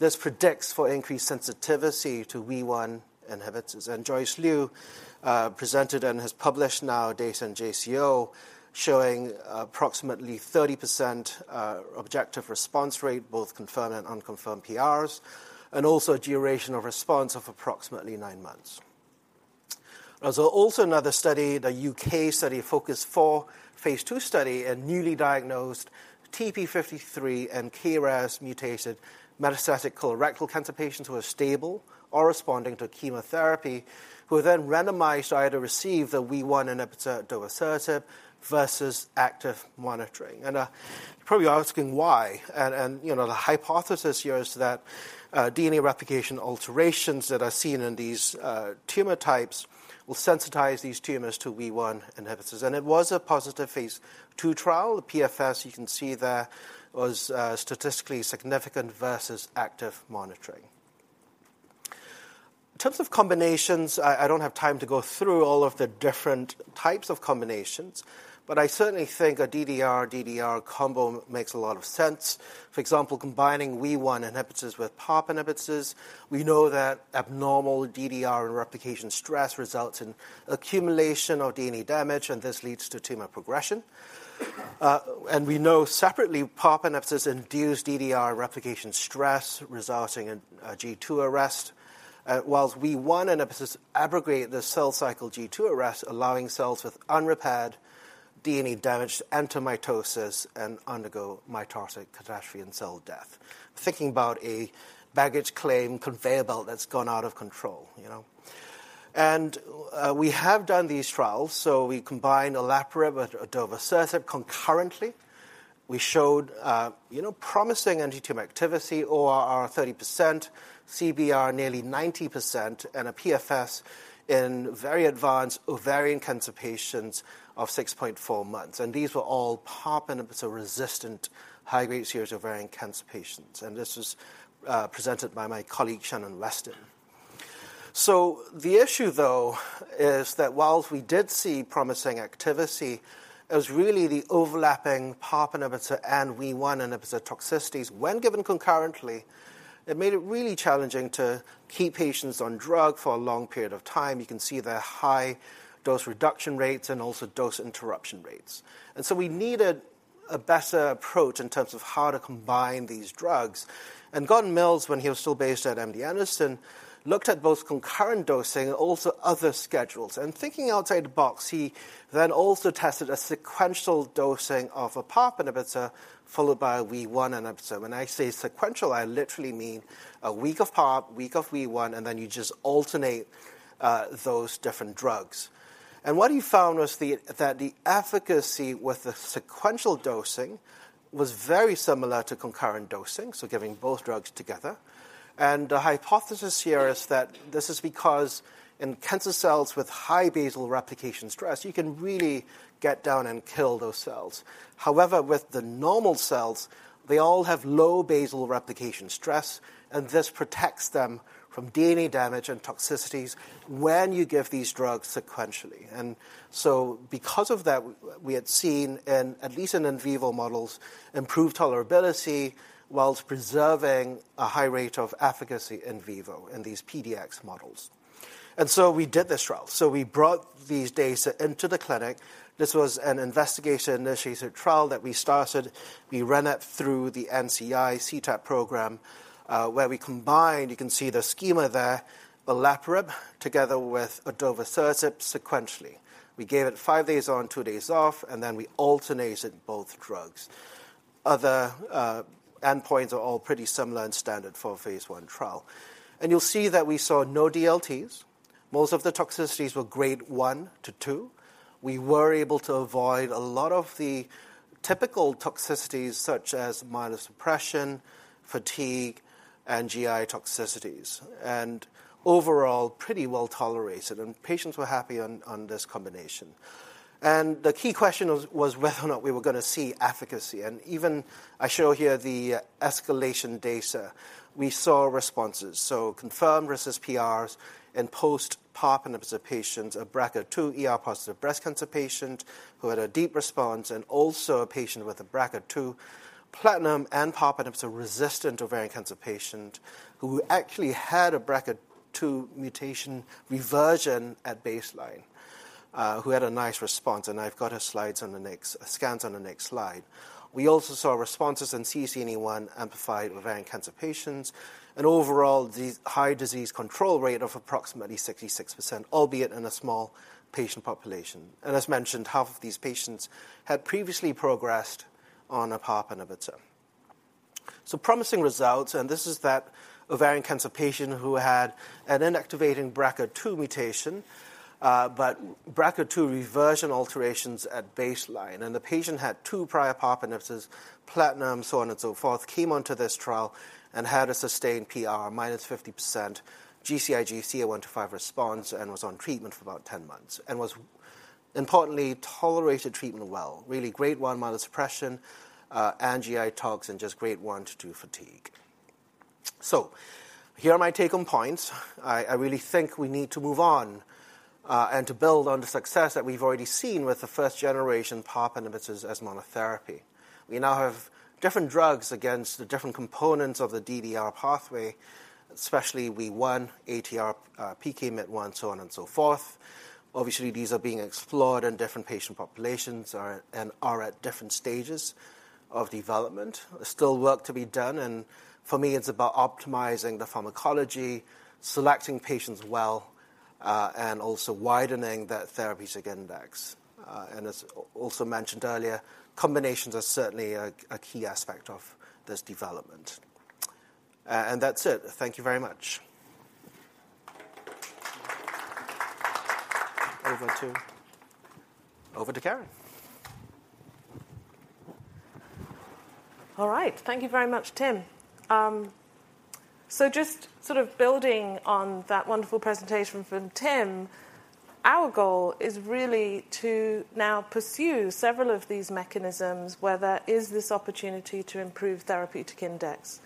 S5: this predicts for increased sensitivity to WEE1 inhibitors. Joyce Liu presented and has published now data in JCO, showing approximately 30% objective response rate, both confirmed and unconfirmed PRs, and also a duration of response of approximately 9 months. There's also another study, the U.K. study, FOCUS4, Phase II study in newly diagnosed TP53 and KRAS-mutated metastatic colorectal cancer patients who are stable or responding to chemotherapy, who are then randomized either to receive the WEE1 inhibitor adavosertib versus active monitoring. You're probably asking why, and, you know, the hypothesis here is that DNA replication alterations that are seen in these tumor types will sensitize these tumors to WEE1 inhibitors. It was a positive Phase II trial. The PFS, you can see there, was statistically significant versus active monitoring. In terms of combinations, I don't have time to go through all of the different types of combinations, but I certainly think a DDR/DDR combo makes a lot of sense. For example, combining WEE1 inhibitors with PARP inhibitors. We know that abnormal DDR and replication stress results in accumulation of DNA damage, and this leads to tumor progression. And we know separately, PARP inhibitors induce DDR replication stress, resulting in G2 arrest, while WEE1 inhibitors abrogate the cell cycle G2 arrest, allowing cells with unrepaired DNA damage to enter mitosis and undergo mitotic catastrophe and cell death. Thinking about a baggage claim conveyor belt that's gone out of control, you know. We have done these trials, so we combined olaparib with adavosertib concurrently. We showed, you know, promising antitumor activity, ORR 30%, CBR nearly 90%, and a PFS in very advanced ovarian cancer patients of 6.4 months. These were all PARP inhibitor-resistant high-grade serous ovarian cancer patients. This was presented by my colleague, Shannon Westin. So the issue, though, is that while we did see promising activity, it was really the overlapping PARP inhibitor and WEE1 inhibitor toxicities when given concurrently. It made it really challenging to keep patients on drug for a long period of time. You can see the high dose reduction rates and also dose interruption rates. So we needed a better approach in terms of how to combine these drugs. Gordon Mills, when he was still based at MD Anderson, looked at both concurrent dosing and also other schedules. Thinking outside the box, he then also tested a sequential dosing of a PARP inhibitor, followed by a WEE1 inhibitor. When I say sequential, I literally mean a week of PARP, week of WEE1, and then you just alternate those different drugs. What he found was that the efficacy with the sequential dosing was very similar to concurrent dosing, so giving both drugs together. The hypothesis here is that this is because in cancer cells with high basal replication stress, you can really get down and kill those cells. However, with the normal cells, they all have low basal replication stress, and this protects them from DNA damage and toxicities when you give these drugs sequentially. And so because of that, we had seen, in at least in vivo models, improved tolerability while preserving a high rate of efficacy in vivo in these PDX models. And so we did this trial. So we brought these data into the clinic. This was an investigator-initiated trial that we started. We ran it through the NCI CTEP program, where we combined, you can see the schema there, the olaparib together with adavosertib sequentially. We gave it 5 days on, 2 days off, and then we alternated both drugs. Other endpoints are all pretty similar and standard for a Phase 1 trial. And you'll see that we saw no DLTs. Most of the toxicities were grade 1-2. We were able to avoid a lot of the typical toxicities, such as myelosuppression, fatigue, and GI toxicities, and overall, pretty well tolerated, and patients were happy on, on this combination. The key question was, was whether or not we were gonna see efficacy, and even—I show here the escalation data. We saw responses, so confirmed versus PRs in post-PARP inhibitors patients, a BRCA2 ER-positive breast cancer patient who had a deep response, and also a patient with a BRCA2 platinum and PARP inhibitor-resistant ovarian cancer patient, who actually had a BRCA2 mutation reversion at baseline, who had a nice response, and I've got her slides on the next—scans on the next slide. We also saw responses in CCNE1-amplified ovarian cancer patients, and overall, the high disease control rate of approximately 66%, albeit in a small patient population. And as mentioned, half of these patients had previously progressed on a PARP inhibitor. So promising results, and this is that ovarian cancer patient who had an inactivating BRCA2 mutation, but BRCA2 reversion alterations at baseline, and the patient had 2 prior PARP inhibitors, platinum, so on and so forth, came onto this trial and had a sustained PR, -50% GCIG CA125 response, and was on treatment for about 10 months, and was importantly, tolerated treatment well. Really great one, myelosuppression, and GI tox, and just grade 1-2 fatigue. So here are my take-home points. I, I really think we need to move on, and to build on the success that we've already seen with the first generation PARP inhibitors as monotherapy. We now have different drugs against the different components of the DDR pathway, especially WEE1, ATR, PKMYT1, so on and so forth. Obviously, these are being explored in different patient populations or and are at different stages of development. There's still work to be done, and for me, it's about optimizing the pharmacology, selecting patients well, and also widening that therapeutic index. And as also mentioned earlier, combinations are certainly a key aspect of this development. And that's it. Thank you very much. Over to Karen.
S3: All right. Thank you very much, Tim. So just sort of building on that wonderful presentation from Tim, our goal is really to now pursue several of these mechanisms where there is this opportunity to improve therapeutic index.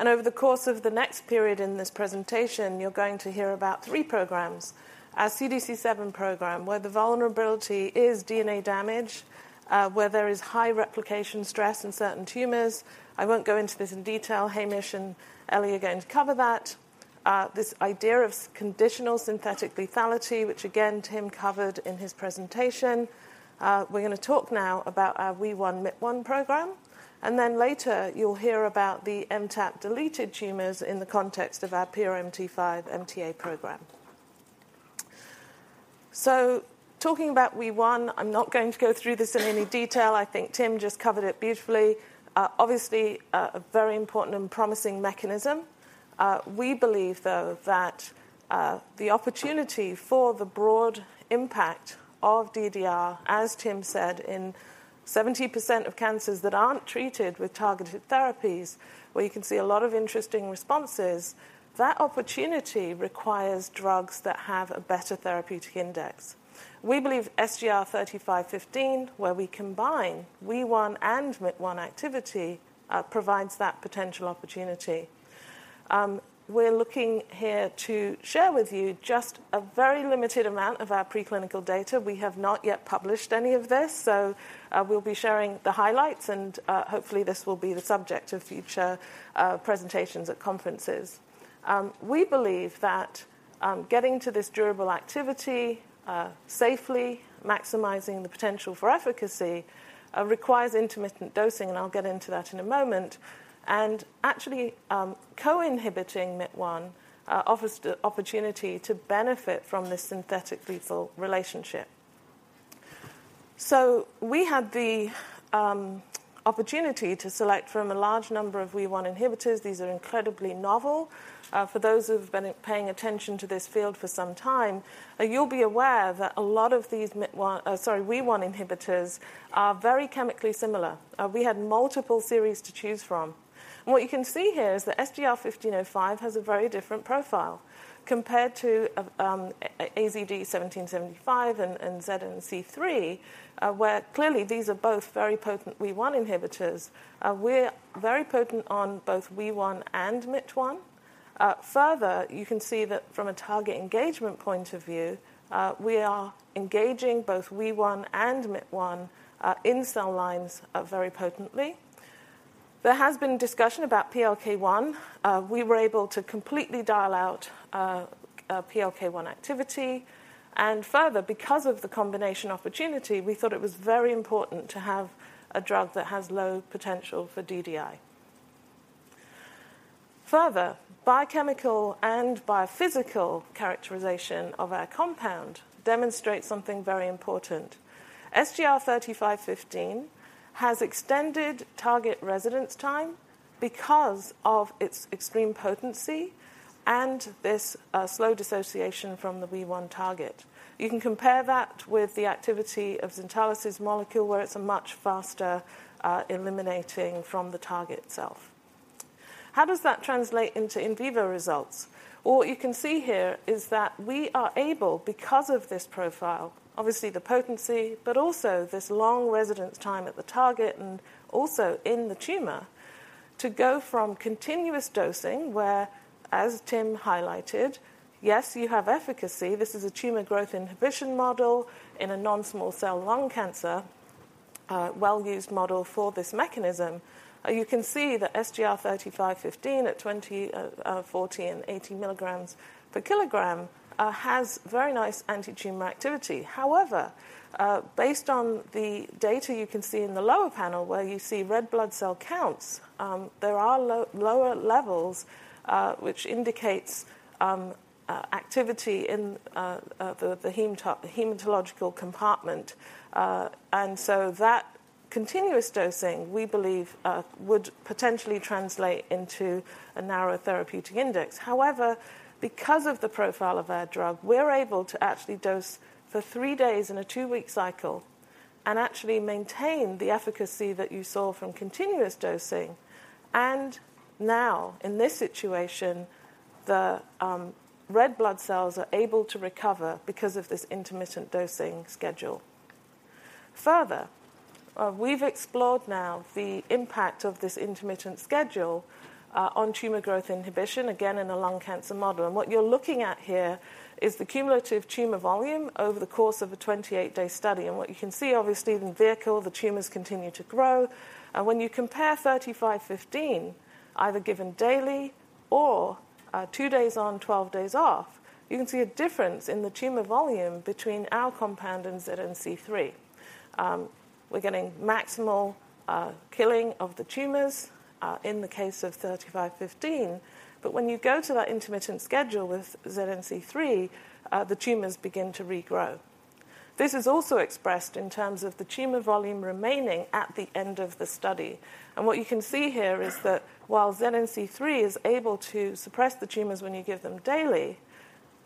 S3: Over the course of the next period in this presentation, you're going to hear about three programs. Our CDC7 program, where the vulnerability is DNA damage, where there is high replication stress in certain tumors. I won't go into this in detail. Hamish and Elie are going to cover that. This idea of conditional synthetic lethality, which, again, Tim covered in his presentation. We're gonna talk now about our WEE1/MYT1 program, and then later, you'll hear about the MTAP-deleted tumors in the context of our PRMT5/MTA program. Talking about WEE1, I'm not going to go through this in any detail. I think Tim just covered it beautifully. Obviously, a very important and promising mechanism. We believe, though, that the opportunity for the broad impact of DDR, as Tim said, in 70% of cancers that aren't treated with targeted therapies, where you can see a lot of interesting responses, that opportunity requires drugs that have a better therapeutic index. We believe SGR-3515, where we combine WEE1 and MYT1 activity, provides that potential opportunity. We're looking here to share with you just a very limited amount of our preclinical data. We have not yet published any of this, so we'll be sharing the highlights and hopefully, this will be the subject of future presentations at conferences. We believe that, getting to this durable activity, safely, maximizing the potential for efficacy, requires intermittent dosing, and I'll get into that in a moment. And actually, co-inhibiting MYT1, offers the opportunity to benefit from this synthetic lethal relationship. So we had the, opportunity to select from a large number of WEE1 inhibitors. These are incredibly novel. For those who've been paying attention to this field for some time, you'll be aware that a lot of these MYT1, sorry, WEE1 inhibitors are very chemically similar. We had multiple series to choose from, and what you can see here is that SGR-3515 has a very different profile compared to, AZD-1775 and ZN-c3, where clearly these are both very potent WEE1 inhibitors. We're very potent on both WEE1 and MYT1. Further, you can see that from a target engagement point of view, we are engaging both WEE1 and MYT1, in cell lines, very potently. There has been discussion about PLK1. We were able to completely dial out, PLK1 activity, and further, because of the combination opportunity, we thought it was very important to have a drug that has low potential for DDI. Further, biochemical and biophysical characterization of our compound demonstrates something very important. SGR-3515 has extended target residence time because of its extreme potency and this, slow dissociation from the WEE1 target. You can compare that with the activity of Zentalis' molecule, where it's a much faster, eliminating from the target itself. How does that translate into in vivo results? What you can see here is that we are able, because of this profile, obviously the potency, but also this long residence time at the target and also in the tumor, to go from continuous dosing, where, as Tim highlighted, yes, you have efficacy. This is a tumor growth inhibition model in a non-small cell lung cancer, well-used model for this mechanism. You can see that SGR-3515 at 20, 40 and 80 milligrams per kilogram has very nice anti-tumor activity. However, based on the data you can see in the lower panel, where you see red blood cell counts, there are lower levels, which indicates activity in the hematological compartment. And so that continuous dosing, we believe, would potentially translate into a narrow therapeutic index. However, because of the profile of our drug, we're able to actually dose for 3 days in a 2-week cycle and actually maintain the efficacy that you saw from continuous dosing. And now, in this situation, the red blood cells are able to recover because of this intermittent dosing schedule. Further, we've explored now the impact of this intermittent schedule on tumor growth inhibition, again, in a lung cancer model. And what you're looking at here is the cumulative tumor volume over the course of a 28-day study. And what you can see, obviously, in the vehicle, the tumors continue to grow. And when you compare SGR-3515, either given daily or 2 days on, 12 days off, you can see a difference in the tumor volume between our compound and ZN-c3. We're getting maximal killing of the tumors in the case of 3515, but when you go to that intermittent schedule with ZN-c3, the tumors begin to regrow. This is also expressed in terms of the tumor volume remaining at the end of the study. And what you can see here is that while ZN-c3 is able to suppress the tumors when you give them daily,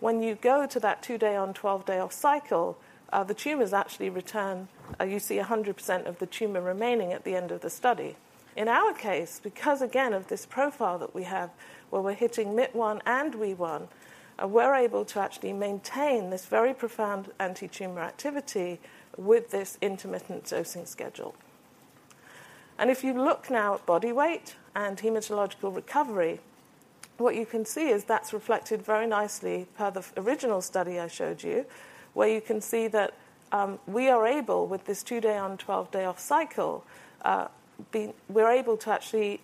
S3: when you go to that 2-day on, 12-day off cycle, the tumors actually return, you see 100% of the tumor remaining at the end of the study. In our case, because again, of this profile that we have, where we're hitting MYT1 and WEE1, we're able to actually maintain this very profound anti-tumor activity with this intermittent dosing schedule. If you look now at body weight and hematological recovery, what you can see is that's reflected very nicely per the original study I showed you, where you can see that we are able, with this 2-day on, 12-day off cycle, we're able to actually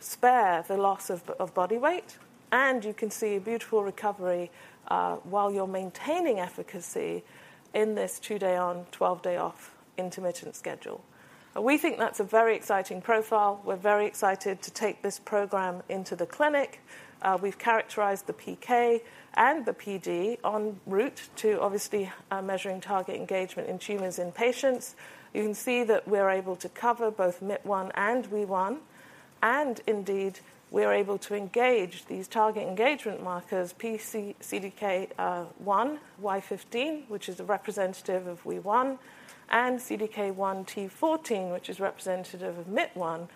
S3: spare the loss of body weight, and you can see a beautiful recovery while you're maintaining efficacy in this 2-day on, 12-day off intermittent schedule. We think that's a very exciting profile. We're very excited to take this program into the clinic. We've characterized the PK and the PD on route to obviously measuring target engagement in tumors in patients. You can see that we're able to cover both MYT1 and WEE1, and indeed, we are able to engage these target engagement markers, p-CDK1 Y15, which is a representative of WEE1, and CDK1 T14, which is representative of MYT1.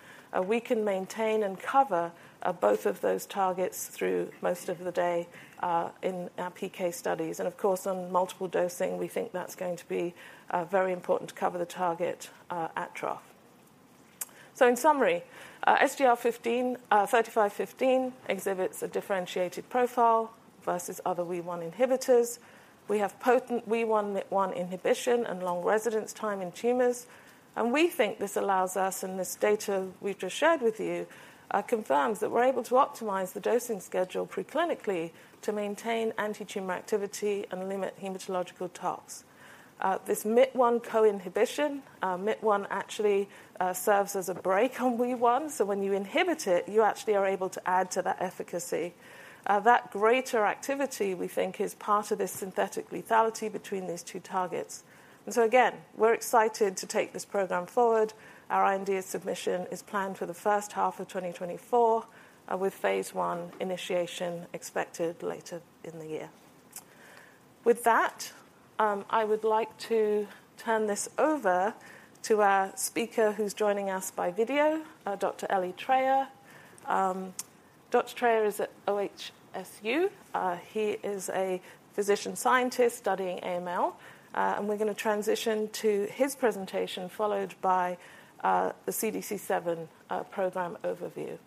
S3: We can maintain and cover both of those targets through most of the day in our PK studies. And of course, on multiple dosing, we think that's going to be very important to cover the target at trough. So in summary, SGR-3515 exhibits a differentiated profile versus other WEE1 inhibitors. We have potent WEE1 MYT1 inhibition and long residence time in tumors, and we think this allows us, and this data we've just shared with you, confirms that we're able to optimize the dosing schedule preclinically to maintain anti-tumor activity and limit hematological toxicity. This MYT1 co-inhibition, MYT1 actually, serves as a brake on WEE1. So when you inhibit it, you actually are able to add to that efficacy. That greater activity, we think, is part of this synthetic lethality between these two targets. And so again, we're excited to take this program forward. Our IND submission is planned for the first half of 2024, with Phase 1 initiation expected later in the year. With that, I would like to turn this over to our speaker who's joining us by video, Dr. Elie Traer. Dr. Traer is at OHSU. He is a physician scientist studying AML, and we're gonna transition to his presentation, followed by the CDC7 program overview.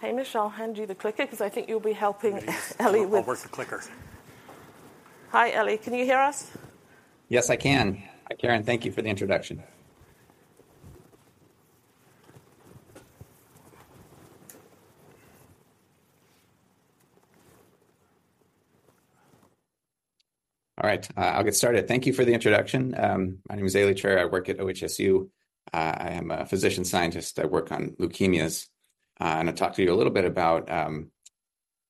S3: Hamish, I'll hand you the clicker because I think you'll be helping Elie with-
S6: I'll work the clicker.
S3: Hi, Elie. Can you hear us?
S7: Yes, I can. Karen, thank you for the introduction. All right, I'll get started. Thank you for the introduction. My name is Elie Traer. I work at OHSU. I am a physician scientist. I work on leukemias. And I'll talk to you a little bit about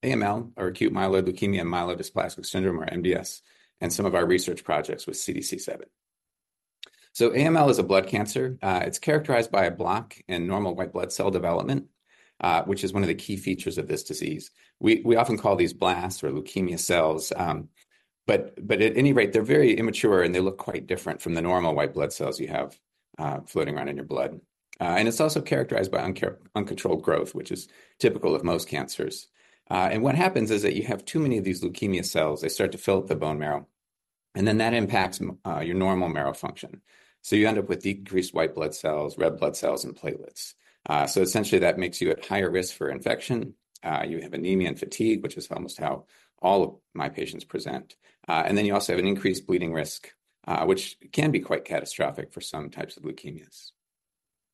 S7: AML, or acute myeloid leukemia, and myelodysplastic syndrome, or MDS, and some of our research projects with CDC7. So AML is a blood cancer. It's characterized by a block in normal white blood cell development, which is one of the key features of this disease. We often call these blasts or leukemia cells, but at any rate, they're very immature, and they look quite different from the normal white blood cells you have floating around in your blood. and it's also characterized by uncontrolled growth, which is typical of most cancers. And what happens is that you have too many of these leukemia cells, they start to fill up the bone marrow, and then that impacts your normal marrow function. So you end up with decreased white blood cells, red blood cells, and platelets. So essentially, that makes you at higher risk for infection. You have anemia and fatigue, which is almost how all of my patients present. And then you also have an increased bleeding risk, which can be quite catastrophic for some types of leukemias.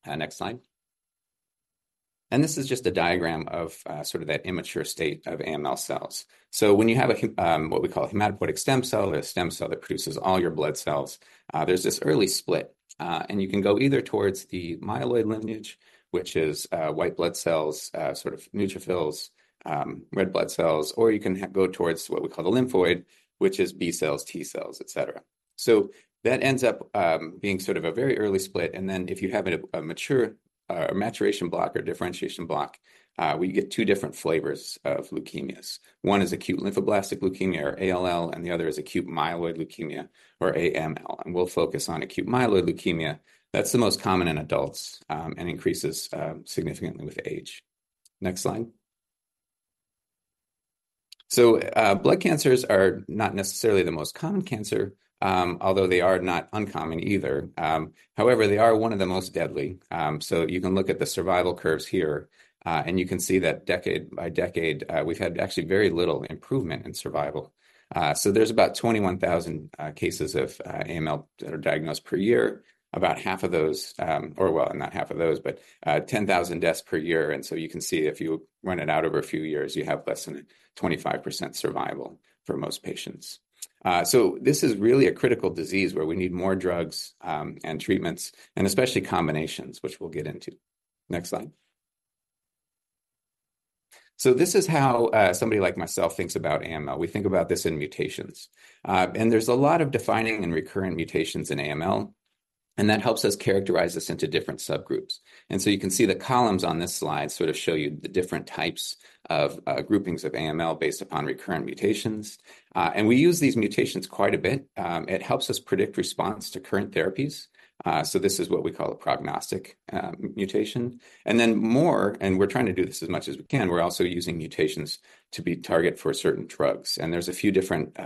S7: Next slide. And this is just a diagram of, sort of that immature state of AML cells. So when you have a what we call a hematopoietic stem cell, or a stem cell that produces all your blood cells, there's this early split, and you can go either towards the myeloid lineage, which is white blood cells, sort of neutrophils, red blood cells, or you can go towards what we call the lymphoid, which is B cells, T cells, et cetera. So that ends up being sort of a very early split, and then if you have a mature maturation block or differentiation block, we get two different flavors of leukemias. One is acute lymphoblastic leukemia, or ALL, and the other is acute myeloid leukemia, or AML, and we'll focus on acute myeloid leukemia. That's the most common in adults, and increases significantly with age. Next slide. So, blood cancers are not necessarily the most common cancer, although they are not uncommon either. However, they are one of the most deadly. So you can look at the survival curves here, and you can see that decade by decade, we've had actually very little improvement in survival. So there's about 21,000 cases of AML that are diagnosed per year. About half of those, or, well, not half of those, but 10,000 deaths per year. And so you can see if you run it out over a few years, you have less than 25% survival for most patients. So this is really a critical disease where we need more drugs, and treatments, and especially combinations, which we'll get into. Next slide. So this is how somebody like myself thinks about AML. We think about this in mutations. And there's a lot of defining and recurrent mutations in AML, and that helps us characterize this into different subgroups. And so you can see the columns on this slide sort of show you the different types of groupings of AML based upon recurrent mutations. And we use these mutations quite a bit. It helps us predict response to current therapies, so this is what we call a prognostic mutation. And then more, and we're trying to do this as much as we can, we're also using mutations to be target for certain drugs. And there's a few different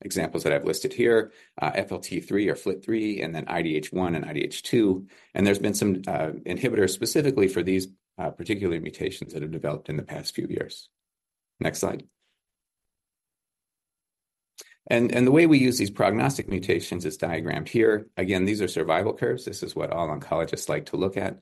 S7: examples that I've listed here, FLT3 or FLT3, and then IDH1 and IDH2. And there's been some inhibitors specifically for these particular mutations that have developed in the past few years. Next slide. And the way we use these prognostic mutations is diagrammed here. Again, these are survival curves. This is what all oncologists like to look at.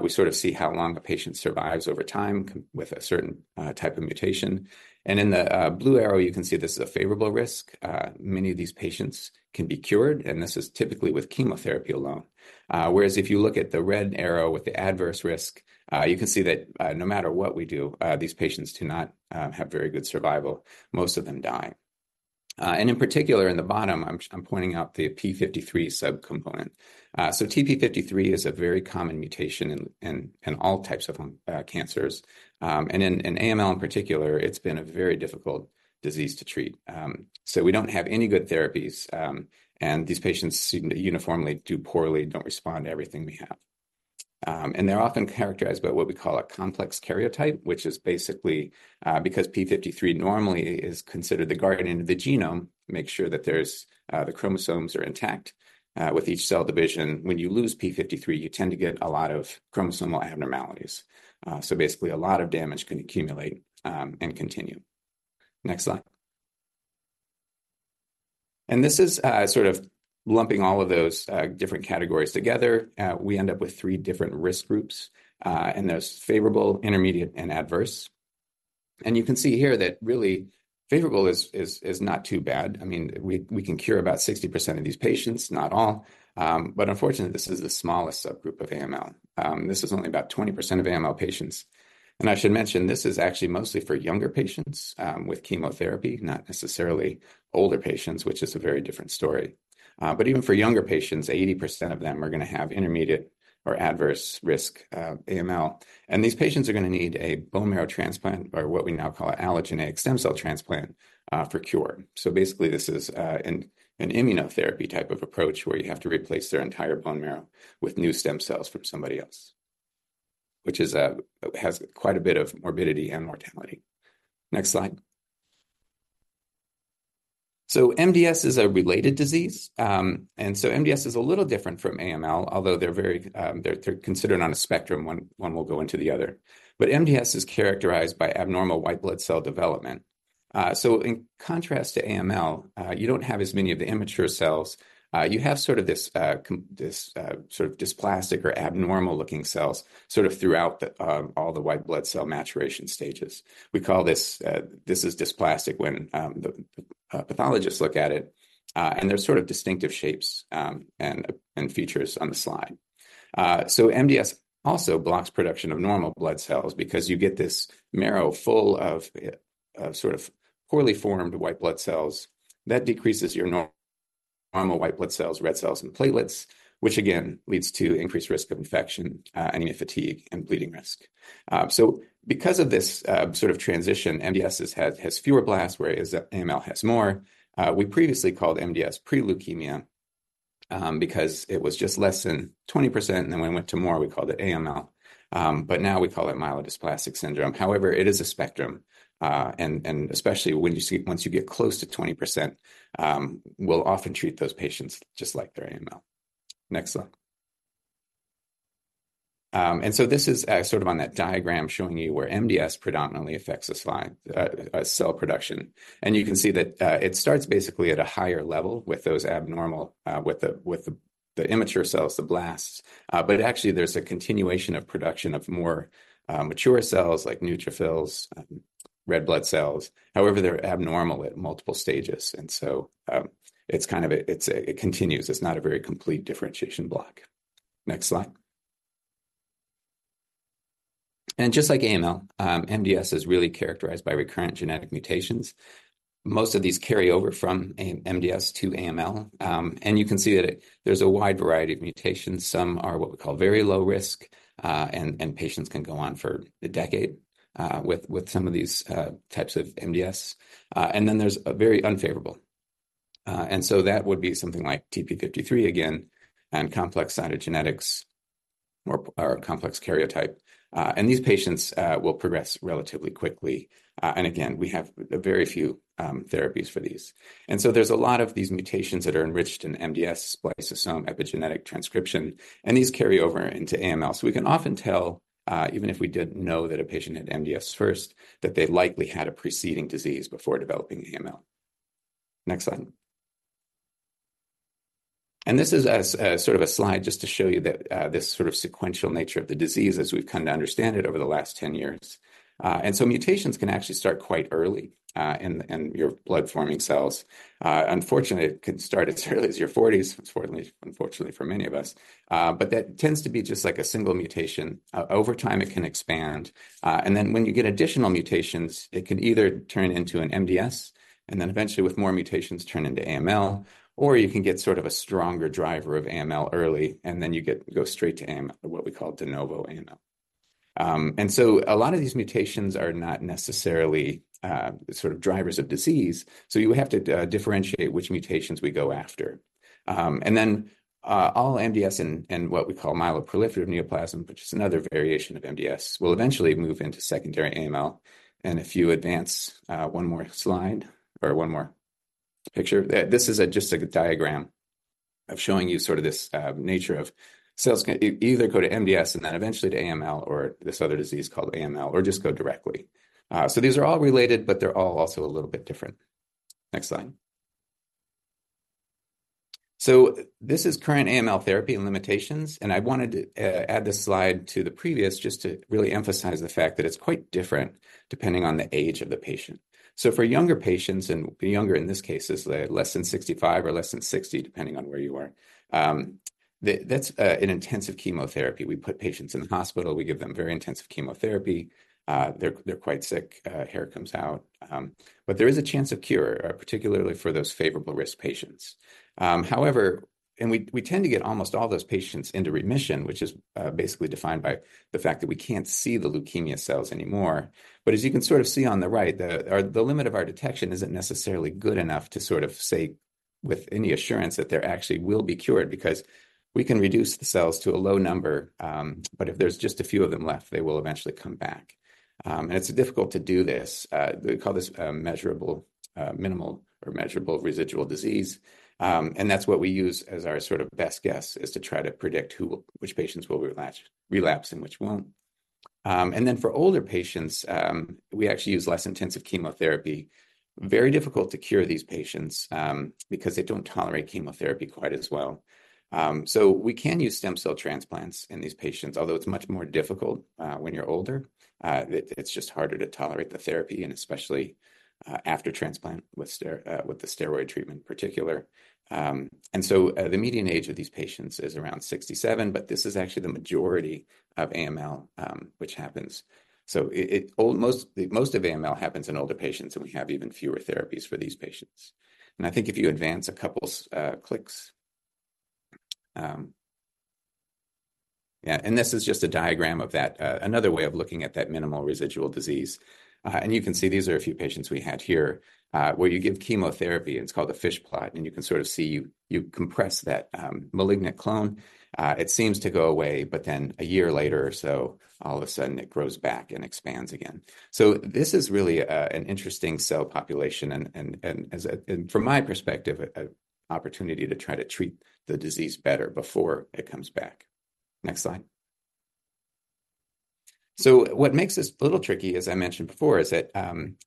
S7: We sort of see how long a patient survives over time with a certain type of mutation. And in the blue arrow, you can see this is a favorable risk. Many of these patients can be cured, and this is typically with chemotherapy alone. Whereas if you look at the red arrow with the adverse risk, you can see that no matter what we do, these patients do not have very good survival. Most of them die. And in particular, in the bottom, I'm pointing out the p53 subcomponent. So TP53 is a very common mutation in all types of lung cancers. In AML in particular, it's been a very difficult disease to treat. We don't have any good therapies, and these patients uniformly do poorly and don't respond to everything we have. They're often characterized by what we call a complex karyotype, which is basically because p53 normally is considered the guardian of the genome, make sure that there's the chromosomes are intact. With each cell division, when you lose p53, you tend to get a lot of chromosomal abnormalities. So basically, a lot of damage can accumulate, and continue. Next slide. This is sort of lumping all of those different categories together. We end up with three different risk groups, and there's favorable, intermediate, and adverse. You can see here that really favorable is not too bad. I mean, we can cure about 60% of these patients, not all. But unfortunately, this is the smallest subgroup of AML. This is only about 20% of AML patients. And I should mention, this is actually mostly for younger patients, with chemotherapy, not necessarily older patients, which is a very different story. But even for younger patients, 80% of them are gonna have intermediate or adverse risk, AML. And these patients are gonna need a bone marrow transplant, or what we now call allogeneic stem cell transplant, for cure. So basically, this is an immunotherapy type of approach where you have to replace their entire bone marrow with new stem cells from somebody else, which has quite a bit of morbidity and mortality. Next slide. So MDS is a related disease. And so MDS is a little different from AML, although they're very, they're considered on a spectrum, one will go into the other. But MDS is characterized by abnormal white blood cell development. So in contrast to AML, you don't have as many of the immature cells. You have sort of this sort of dysplastic or abnormal-looking cells, sort of throughout all the white blood cell maturation stages. We call this, this is dysplastic when the pathologists look at it, and there's sort of distinctive shapes and features on the slide. So MDS also blocks production of normal blood cells because you get this marrow full of sort of poorly formed white blood cells. That decreases your normal white blood cells, red cells, and platelets, which again, leads to increased risk of infection, anemia, fatigue, and bleeding risk. So because of this sort of transition, MDS has fewer blasts, whereas AML has more. We previously called MDS pre-leukemia, because it was just less than 20%, and then when it went to more, we called it AML. But now we call it myelodysplastic syndrome. However, it is a spectrum, and especially when you see... once you get close to 20%, we'll often treat those patients just like they're AML. Next slide. And so this is sort of on that diagram showing you where MDS predominantly affects the slide, cell production. You can see that it starts basically at a higher level with those abnormal with the immature cells, the blasts. But actually, there's a continuation of production of more mature cells like neutrophils, red blood cells. However, they're abnormal at multiple stages, and so it's kind of a, it continues. It's not a very complete differentiation block. Next slide. Just like AML, MDS is really characterized by recurrent genetic mutations. Most of these carry over from an MDS to AML, and you can see that there's a wide variety of mutations. Some are what we call very low risk, and patients can go on for a decade with some of these types of MDS. And then there's a very unfavorable, and so that would be something like TP53 again, and complex cytogenetics or complex karyotype. And these patients will progress relatively quickly. And again, we have a very few therapies for these. And so there's a lot of these mutations that are enriched in MDS, spliceosome, epigenetic transcription, and these carry over into AML. So we can often tell, even if we didn't know that a patient had MDS first, that they likely had a preceding disease before developing AML. Next slide. And this is a sort of a slide just to show you that, this sort of sequential nature of the disease as we've come to understand it over the last 10 years. And so mutations can actually start quite early, in your blood-forming cells. Unfortunately, it can start as early as your forties, fortunately, unfortunately for many of us. But that tends to be just like a single mutation. Over time, it can expand, and then when you get additional mutations, it can either turn into an MDS, and then eventually, with more mutations, turn into AML, or you can get sort of a stronger driver of AML early, and then you get, go straight to AML, what we call de novo AML. And so a lot of these mutations are not necessarily, sort of drivers of disease, so you have to differentiate which mutations we go after. And then, all MDS and, and what we call myeloproliferative neoplasm, which is another variation of MDS, will eventually move into secondary AML. If you advance one more slide or one more picture, that this is just like a diagram of showing you sort of this nature of cells. It either go to MDS and then eventually to AML, or this other disease called AML, or just go directly. So these are all related, but they're all also a little bit different. Next slide. This is current AML therapy and limitations, and I wanted to add this slide to the previous, just to really emphasize the fact that it's quite different depending on the age of the patient. For younger patients, and younger in this case is less than 65 or less than 60, depending on where you are, that's an intensive chemotherapy. We put patients in the hospital, we give them very intensive chemotherapy, they're quite sick, hair comes out, but there is a chance of cure, particularly for those favorable risk patients. However, we tend to get almost all those patients into remission, which is basically defined by the fact that we can't see the leukemia cells anymore. But as you can sort of see on the right, the limit of our detection isn't necessarily good enough to sort of say with any assurance that they actually will be cured because we can reduce the cells to a low number, but if there's just a few of them left, they will eventually come back. It's difficult to do this. We call this minimal or measurable residual disease. And that's what we use as our sort of best guess, is to try to predict who, which patients will relapse, and which won't. And then for older patients, we actually use less intensive chemotherapy. Very difficult to cure these patients, because they don't tolerate chemotherapy quite as well. So we can use stem cell transplants in these patients, although it's much more difficult when you're older. It's just harder to tolerate the therapy and especially after transplant with the steroid treatment in particular. And so, the median age of these patients is around 67, but this is actually the majority of AML, which happens. So most of AML happens in older patients, and we have even fewer therapies for these patients. I think if you advance a couple clicks. Yeah, and this is just a diagram of that, another way of looking at that minimal residual disease. And you can see these are a few patients we had here, where you give chemotherapy, and it's called a FISH plot, and you can sort of see you compress that malignant clone. It seems to go away, but then a year later or so, all of a sudden, it grows back and expands again. So this is really an interesting cell population and from my perspective, an opportunity to try to treat the disease better before it comes back. Next slide. So what makes this a little tricky, as I mentioned before, is that,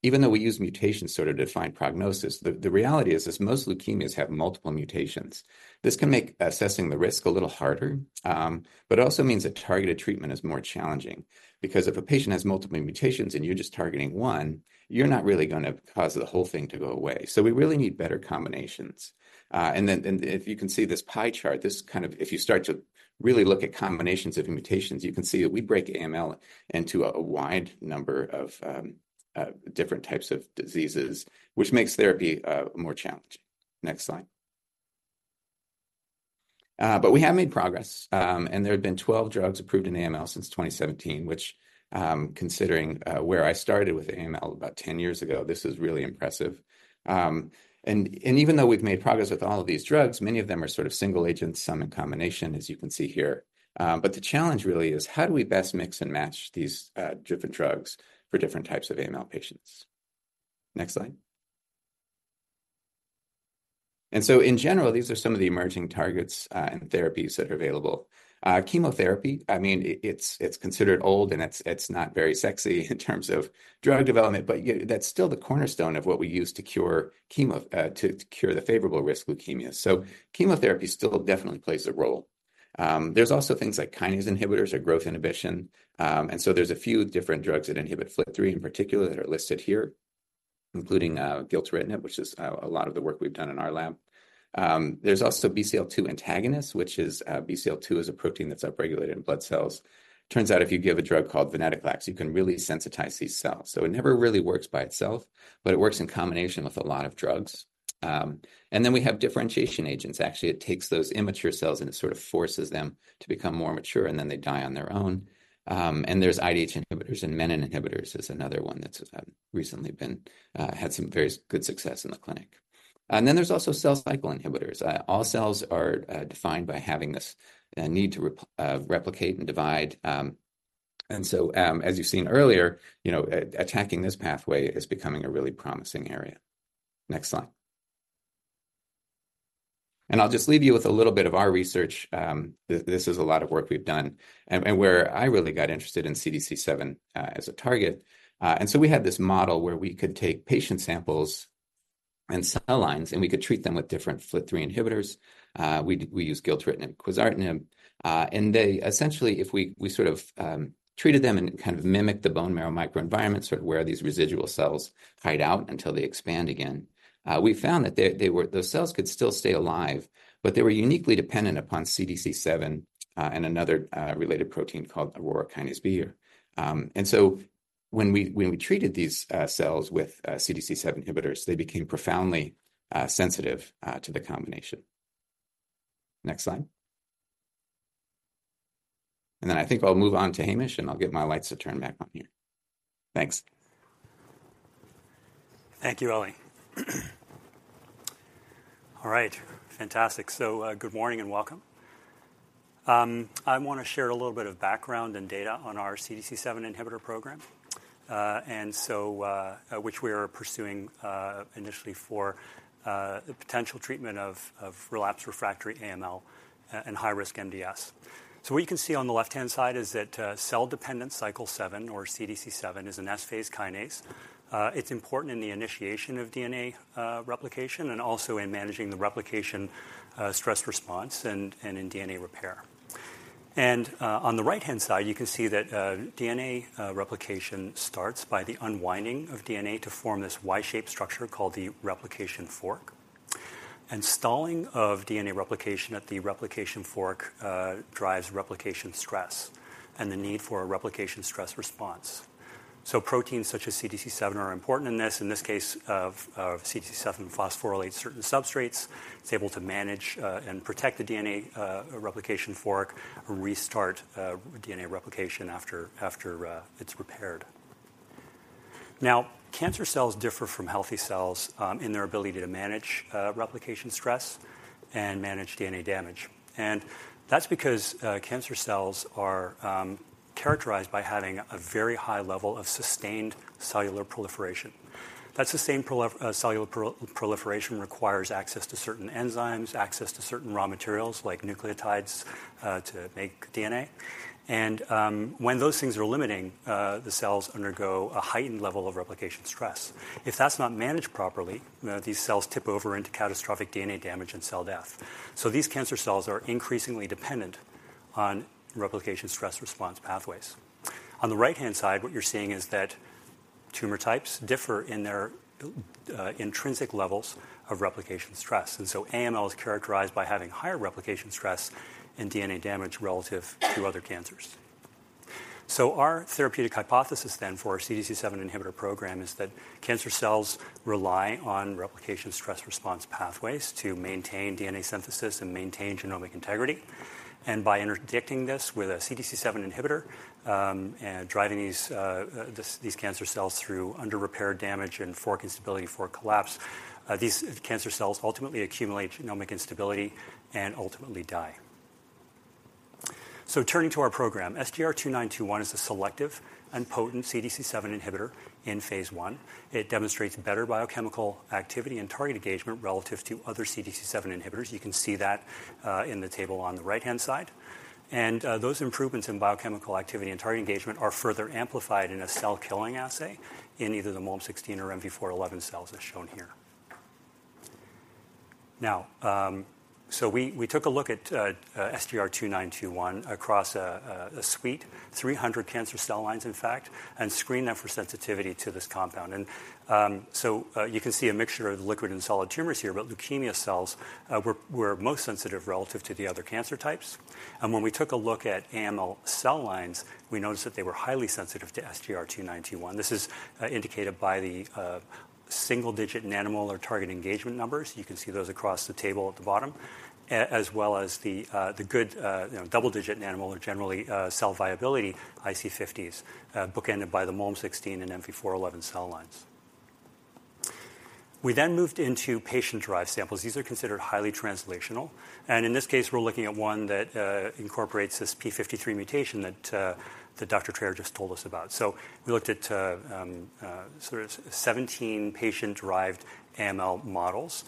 S7: even though we use mutations sort of to find prognosis, the reality is most leukemias have multiple mutations. This can make assessing the risk a little harder, but it also means that targeted treatment is more challenging. Because if a patient has multiple mutations and you're just targeting one, you're not really gonna cause the whole thing to go away. So we really need better combinations. And then if you can see this pie chart, this kind of... if you start to really look at combinations of mutations, you can see that we break AML into a wide number of different types of diseases, which makes therapy more challenging. Next slide. But we have made progress, and there have been 12 drugs approved in AML since 2017, which, considering, where I started with AML about 10 years ago, this is really impressive. And even though we've made progress with all of these drugs, many of them are sort of single agents, some in combination, as you can see here. But the challenge really is: how do we best mix and match these, different drugs for different types of AML patients? Next slide. So, in general, these are some of the emerging targets, and therapies that are available. Chemotherapy, I mean, it's considered old, and it's not very sexy in terms of drug development, but that's still the cornerstone of what we use to cure chemo, to cure the favorable risk leukemia. So chemotherapy still definitely plays a role. There's also things like kinase inhibitors or growth inhibition. And so there's a few different drugs that inhibit FLT3, in particular, that are listed here, including gilteritinib, which is a lot of the work we've done in our lab. There's also BCL-2 antagonists, which is BCL-2 is a protein that's upregulated in blood cells. Turns out, if you give a drug called venetoclax, you can really sensitize these cells. So it never really works by itself, but it works in combination with a lot of drugs. And then we have differentiation agents. Actually, it takes those immature cells, and it sort of forces them to become more mature, and then they die on their own. And there's IDH inhibitors and menin inhibitors is another one that's recently been had some very good success in the clinic. And then there's also cell cycle inhibitors. All cells are defined by having this need to replicate and divide, and so, as you've seen earlier, you know, attacking this pathway is becoming a really promising area. Next slide. And I'll just leave you with a little bit of our research. This is a lot of work we've done and where I really got interested in CDC7 as a target. And so we had this model where we could take patient samples and cell lines, and we could treat them with different FLT3 inhibitors. We used gilteritinib and quizartinib, and they... Essentially, if we treated them and kind of mimicked the bone marrow microenvironment, sort of where these residual cells hide out until they expand again, we found that they were, those cells could still stay alive, but they were uniquely dependent upon CDC7 and another related protein called Aurora kinase B here. And so when we treated these cells with CDC7 inhibitors, they became profoundly sensitive to the combination. Next slide. And then I think I'll move on to Hamish, and I'll get my lights to turn back on here. Thanks.
S6: Thank you, Elie. All right, fantastic. Good morning, and welcome. I wanna share a little bit of background and data on our CDC7 inhibitor program, and so which we are pursuing initially for the potential treatment of relapsed/refractory AML and high-risk MDS. What you can see on the left-hand side is that cell division cycle seven or CDC7 is an S-Phase kinase. It's important in the initiation of DNA replication and also in managing the replication stress response and in DNA repair. On the right-hand side, you can see that DNA replication starts by the unwinding of DNA to form this Y-shaped structure called the replication fork. Stalling of DNA replication at the replication fork drives replication stress and the need for a replication stress response. So proteins such as CDC7 are important in this. In this case, CDC7 phosphorylates certain substrates, it's able to manage and protect the DNA replication fork restart, DNA replication after it's repaired. Now, cancer cells differ from healthy cells in their ability to manage replication stress and manage DNA damage. And that's because cancer cells are characterized by having a very high level of sustained cellular proliferation. That sustained cellular proliferation requires access to certain enzymes, access to certain raw materials, like nucleotides, to make DNA. And when those things are limiting, the cells undergo a heightened level of replication stress. If that's not managed properly, these cells tip over into catastrophic DNA damage and cell death. So these cancer cells are increasingly dependent on replication stress response pathways. On the right-hand side, what you're seeing is that tumor types differ in their intrinsic levels of replication stress. So AML is characterized by having higher replication stress and DNA damage relative to other cancers. Our therapeutic hypothesis then for our CDC7 inhibitor program is that cancer cells rely on replication stress response pathways to maintain DNA synthesis and maintain genomic integrity. By interdicting this with a CDC7 inhibitor, and driving these cancer cells through under-repaired damage and fork instability, fork collapse, these cancer cells ultimately accumulate genomic instability and ultimately die. Turning to our program, SGR-2921 is a selective and potent CDC7 inhibitor in Phase 1. It demonstrates better biochemical activity and target engagement relative to other CDC7 inhibitors. You can see that in the table on the right-hand side. Those improvements in biochemical activity and target engagement are further amplified in a cell-killing assay in either the MOLM-16 or MV4-11 cells, as shown here. Now, we took a look at SGR-2921 across a suite of 300 cancer cell lines, in fact, and screened them for sensitivity to this compound. You can see a mixture of liquid and solid tumors here, but leukemia cells were most sensitive relative to the other cancer types. When we took a look at AML cell lines, we noticed that they were highly sensitive to SGR-2921. This is indicated by the single-digit nanomolar target engagement numbers. You can see those across the table at the bottom, as well as the good, you know, double-digit nanomolar, generally, cell viability IC50s, bookended by the MOLM-16 and MV4-11 cell lines. We then moved into patient-derived samples. These are considered highly translational, and in this case, we're looking at one that incorporates this TP53 mutation that Dr. Traer just told us about. So we looked at sort of 17 patient-derived AML models,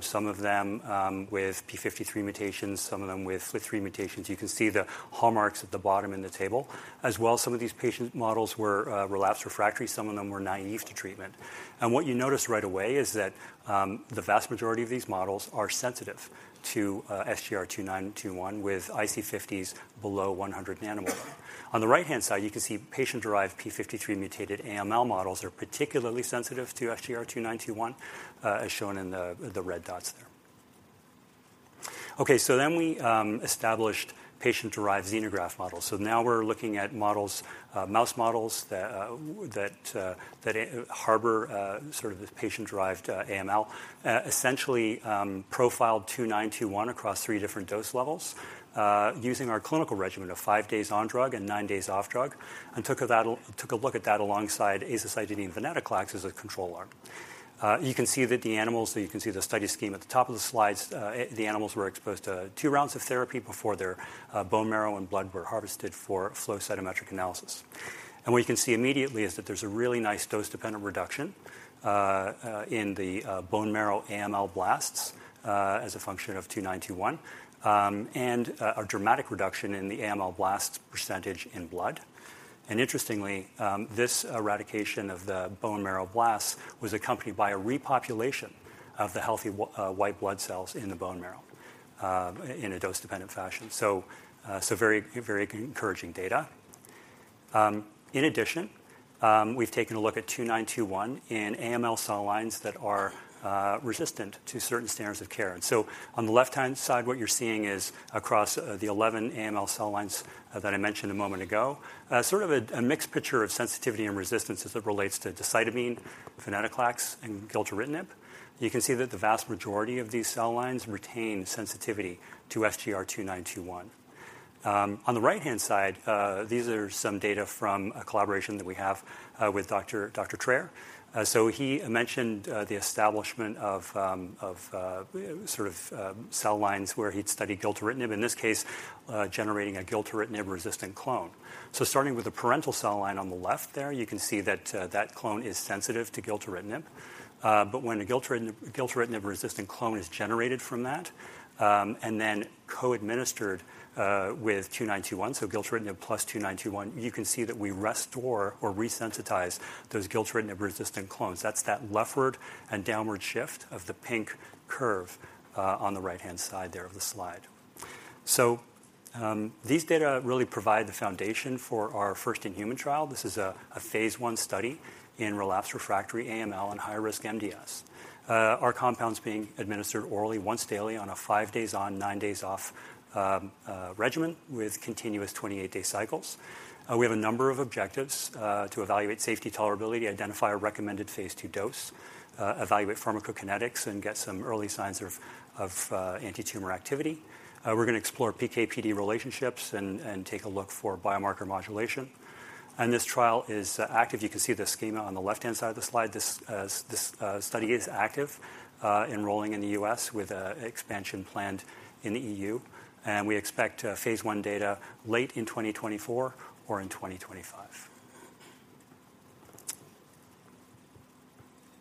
S6: some of them with TP53 mutations, some of them with FLT3 mutations. You can see the hallmarks at the bottom in the table, as well as some of these patient models were relapsed refractory, some of them were naive to treatment. And what you notice right away is that, the vast majority of these models are sensitive to SGR-2921, with IC50s below 100 nanomolar. On the right-hand side, you can see patient-derived p53 mutated AML models are particularly sensitive to SGR-2921, as shown in the red dots there. Okay, so then we established patient-derived xenograft models. So now we're looking at models, mouse models that harbor sort of this patient-derived AML. Essentially, profiled SGR-2921 across 3 different dose levels, using our clinical regimen of 5 days on drug and 9 days off drug, and took a look at that alongside azacitidine and venetoclax as a control arm. You can see that the animals, so you can see the study scheme at the top of the slides, the animals were exposed to 2 rounds of therapy before their bone marrow and blood were harvested for flow cytometric analysis. And what you can see immediately is that there's a really nice dose-dependent reduction in the bone marrow AML blasts as a function of 2921, and a dramatic reduction in the AML blasts percentage in blood. And interestingly, this eradication of the bone marrow blasts was accompanied by a repopulation of the healthy white blood cells in the bone marrow in a dose-dependent fashion. So very, very encouraging data. In addition, we've taken a look at SGR-2921 in AML cell lines that are resistant to certain standards of care. On the left-hand side, what you're seeing is across the 11 AML cell lines that I mentioned a moment ago, sort of a mixed picture of sensitivity and resistance as it relates to decitabine, venetoclax, and gilteritinib. You can see that the vast majority of these cell lines retain sensitivity to SGR-2921. On the right-hand side, these are some data from a collaboration that we have with Dr. Traer. So he mentioned the establishment of sort of cell lines where he'd studied gilteritinib, in this case, generating a gilteritinib-resistant clone. So starting with the parental cell line on the left there, you can see that that clone is sensitive to gilteritinib. But when a gilteritinib, gilteritinib-resistant clone is generated from that, and then co-administered with 2921, so gilteritinib plus 2921, you can see that we restore or resensitize those gilteritinib-resistant clones. That's that leftward and downward shift of the pink curve on the right-hand side there of the slide. So these data really provide the foundation for our first-in-human trial. This is a Phase 1 study in relapsed/refractory AML and high-risk MDS. Our compound's being administered orally, once daily, on a 5 days on, 9 days off regimen with continuous 28-day cycles. We have a number of objectives to evaluate safety, tolerability, identify a recommended Phase 2 dose, evaluate pharmacokinetics, and get some early signs of antitumor activity. We're going to explore PK/PD relationships and take a look for biomarker modulation. This trial is active. You can see the schema on the left-hand side of the slide. This study is active, enrolling in the U.S. with expansion planned in the E.U., and we expect Phase 1 data late in 2024 or in 2025.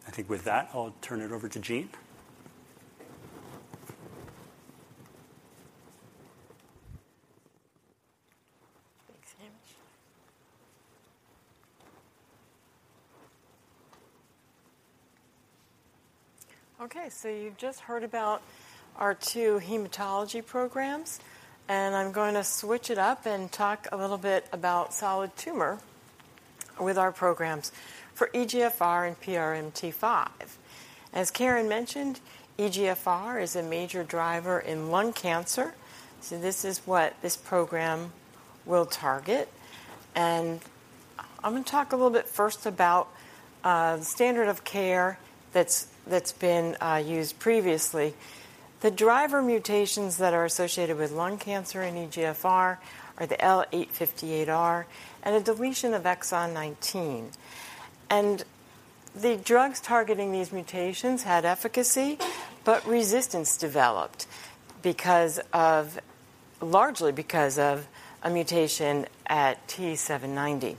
S6: I think with that, I'll turn it over to Jean.
S8: Thanks, Hamish. Okay, so you've just heard about our two hematology programs, and I'm going to switch it up and talk a little bit about solid tumor with our programs for EGFR and PRMT5. As Karen mentioned, EGFR is a major driver in lung cancer, so this is what this program will target. I'm going to talk a little bit first about the standard of care that's been used previously. The driver mutations that are associated with lung cancer in EGFR are the L858R and a deletion of exon 19. The drugs targeting these mutations had efficacy, but resistance developed because of largely because of a mutation at T790.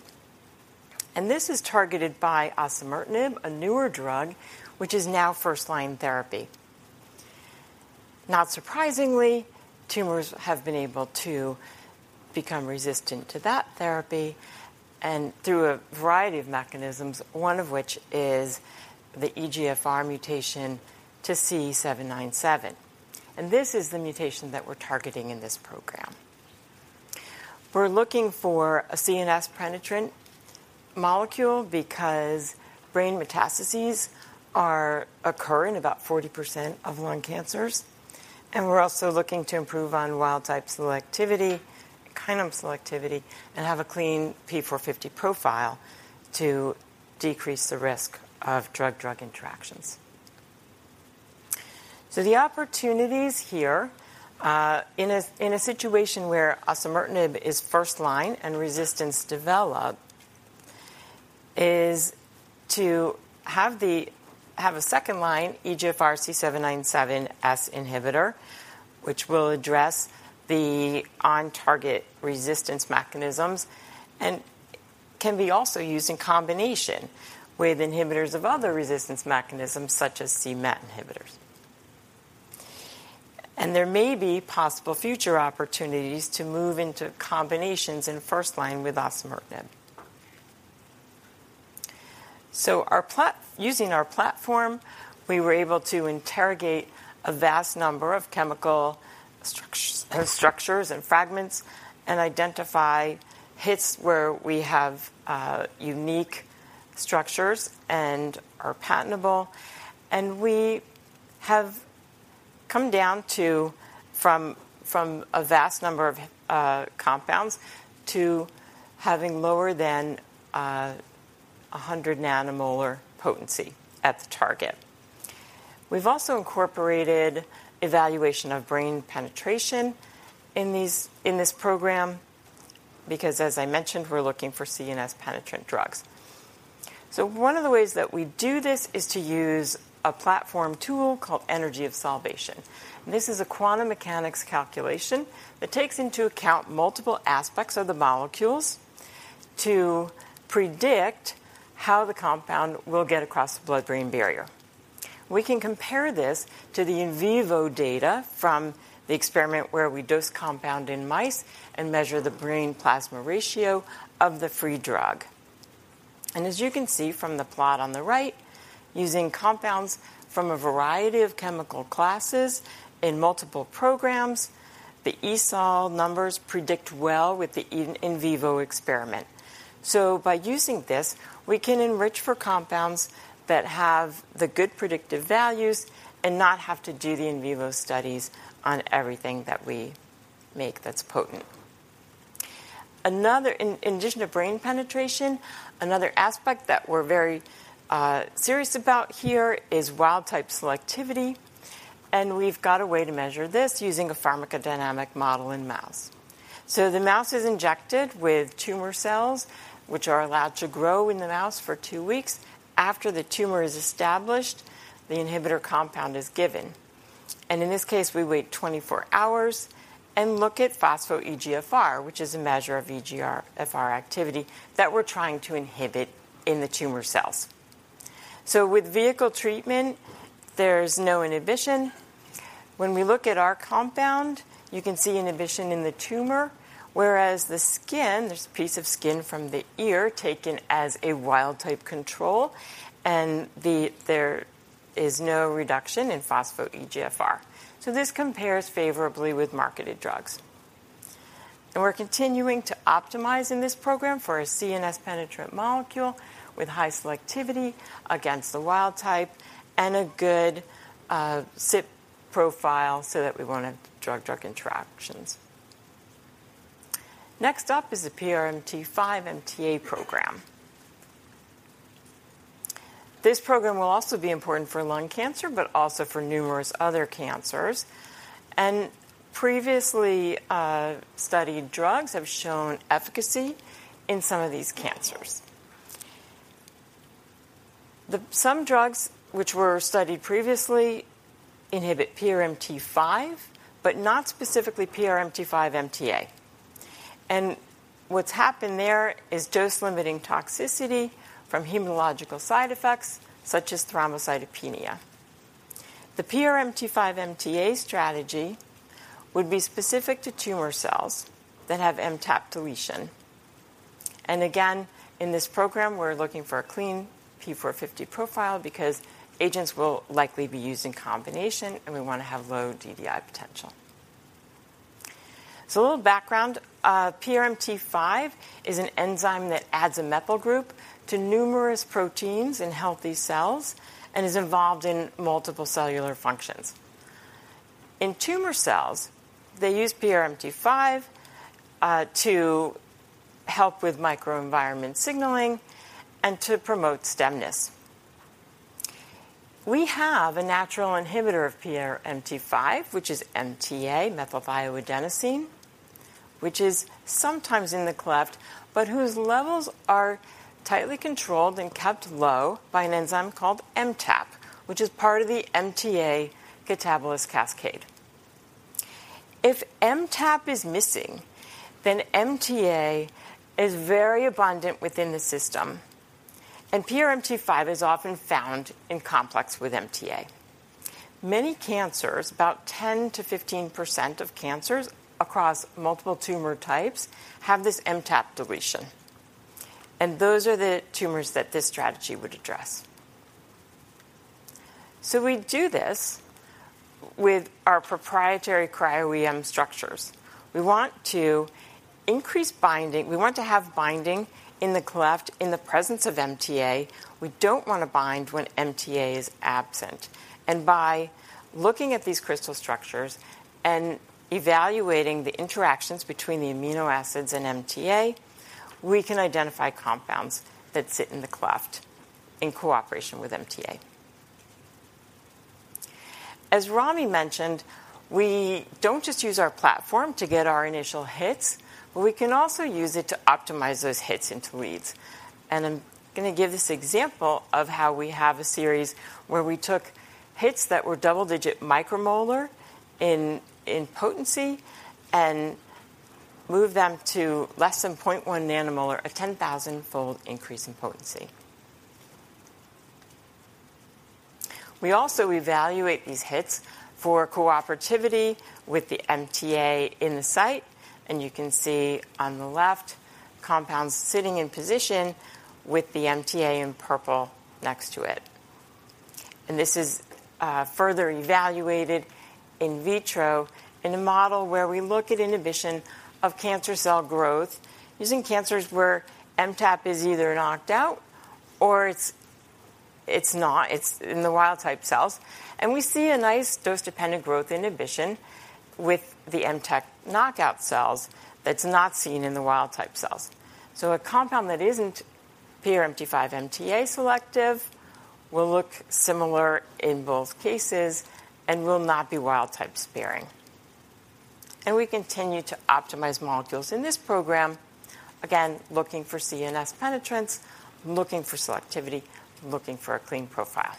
S8: This is targeted by osimertinib, a newer drug, which is now first-line therapy. Not surprisingly, tumors have been able to become resistant to that therapy and through a variety of mechanisms, one of which is the EGFR mutation to C797. And this is the mutation that we're targeting in this program. We're looking for a CNS penetrant molecule because brain metastases are occurring in about 40% of lung cancers, and we're also looking to improve on wild type selectivity, kinome selectivity, and have a clean P450 profile to decrease the risk of drug-drug interactions. So the opportunities here, in a situation where osimertinib is first line and resistance developed, is to have a second-line EGFR C797S inhibitor, which will address the on-target resistance mechanisms, and can be also used in combination with inhibitors of other resistance mechanisms, such as c-Met inhibitors. And there may be possible future opportunities to move into combinations in first line with osimertinib. So, using our platform, we were able to interrogate a vast number of chemical structures and fragments and identify hits where we have unique structures and are patentable. We have come down from a vast number of compounds to having lower than 100 nanomolar potency at the target. We've also incorporated evaluation of brain penetration in this program, because, as I mentioned, we're looking for CNS penetrant drugs. So one of the ways that we do this is to use a platform tool called Energy of Solvation. This is a quantum mechanics calculation that takes into account multiple aspects of the molecules to predict how the compound will get across the blood-brain barrier. We can compare this to the in vivo data from the experiment where we dose compound in mice and measure the brain plasma ratio of the free drug. And as you can see from the plot on the right, using compounds from a variety of chemical classes in multiple programs, the ESOL numbers predict well with the in vivo experiment. So by using this, we can enrich for compounds that have the good predictive values and not have to do the in vivo studies on everything that we make that's potent. Another. In addition to brain penetration, another aspect that we're very serious about here is wild type selectivity, and we've got a way to measure this using a pharmacodynamic model in mouse. So the mouse is injected with tumor cells, which are allowed to grow in the mouse for two weeks. After the tumor is established, the inhibitor compound is given, and in this case, we wait 24 hours and look at phospho-EGFR, which is a measure of EGFR activity that we're trying to inhibit in the tumor cells. So with vehicle treatment, there's no inhibition. When we look at our compound, you can see inhibition in the tumor, whereas the skin, there's a piece of skin from the ear taken as a wild-type control, and there is no reduction in phospho-EGFR. So this compares favorably with marketed drugs. And we're continuing to optimize in this program for a CNS penetrant molecule with high selectivity against the wild type and a good CYP profile so that we won't have drug-drug interactions. Next up is the PRMT5/MTA program.... This program will also be important for lung cancer, but also for numerous other cancers. Previously studied drugs have shown efficacy in some of these cancers. Some drugs which were studied previously inhibit PRMT5, but not specifically PRMT5/MTA. What's happened there is dose-limiting toxicity from hematological side effects, such as thrombocytopenia. The PRMT5/MTA strategy would be specific to tumor cells that have MTAP deletion. Again, in this program, we're looking for a clean P450 profile because agents will likely be used in combination, and we want to have low DDI potential. So a little background. PRMT5 is an enzyme that adds a methyl group to numerous proteins in healthy cells and is involved in multiple cellular functions. In tumor cells, they use PRMT5 to help with microenvironment signaling and to promote stemness. We have a natural inhibitor of PRMT5, which is MTA, methylthioadenosine, which is sometimes in the cleft, but whose levels are tightly controlled and kept low by an enzyme called MTAP, which is part of the MTA catabolic cascade. If MTAP is missing, then MTA is very abundant within the system, and PRMT5 is often found in complex with MTA. Many cancers, about 10%-15% of cancers across multiple tumor types, have this MTAP deletion, and those are the tumors that this strategy would address. So we do this with our proprietary cryo-EM structures. We want to increase binding. We want to have binding in the cleft in the presence of MTA. We don't want to bind when MTA is absent. By looking at these crystal structures and evaluating the interactions between the amino acids and MTA, we can identify compounds that sit in the cleft in cooperation with MTA. As Ramy mentioned, we don't just use our platform to get our initial hits, but we can also use it to optimize those hits into leads. And I'm gonna give this example of how we have a series where we took hits that were double-digit micromolar in potency and moved them to less than 0.1 nanomolar, a 10,000-fold increase in potency. We also evaluate these hits for cooperativity with the MTA in the site, and you can see on the left, compounds sitting in position with the MTA in purple next to it. This is further evaluated in vitro in a model where we look at inhibition of cancer cell growth using cancers where MTAP is either knocked out or it's not, it's in the wild-type cells. We see a nice dose-dependent growth inhibition with the MTAP knockout cells that's not seen in the wild-type cells. A compound that isn't PRMT5/MTA selective will look similar in both cases and will not be wild-type sparing. We continue to optimize molecules in this program, again, looking for CNS penetrance, looking for selectivity, looking for a clean profile.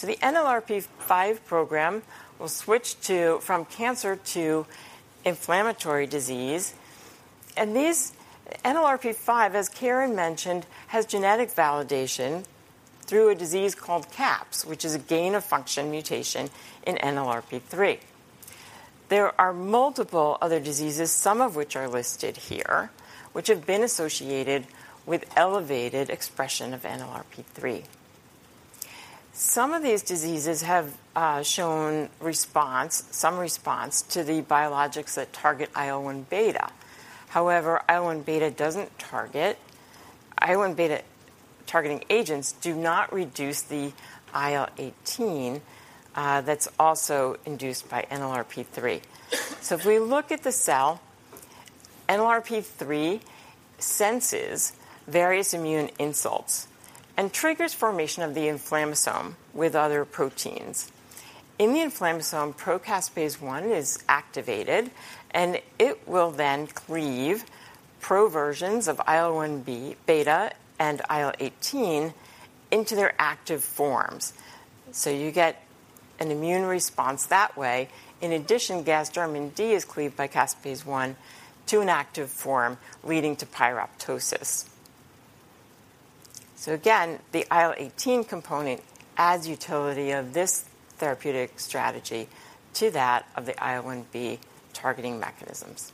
S8: The NLRP3 program will switch to from cancer to inflammatory disease, and these NLRP3, as Karen mentioned, has genetic validation through a disease called CAPS, which is a gain-of-function mutation in NLRP3. There are multiple other diseases, some of which are listed here, which have been associated with elevated expression of NLRP3. Some of these diseases have shown response, some response to the biologics that target IL-1β. However, IL-1β-targeting agents do not reduce the IL-18, that's also induced by NLRP3. So if we look at the cell, NLRP3 senses various immune insults and triggers formation of the inflammasome with other proteins. In the inflammasome, pro-caspase-1 is activated, and it will then cleave pro versions of IL-1β and IL-18 into their active forms. So you get an immune response that way. In addition, Gasdermin D is cleaved by caspase-1 to an active form, leading to pyroptosis. So again, the IL-18 component adds utility of this therapeutic strategy to that of the IL-1β targeting mechanisms.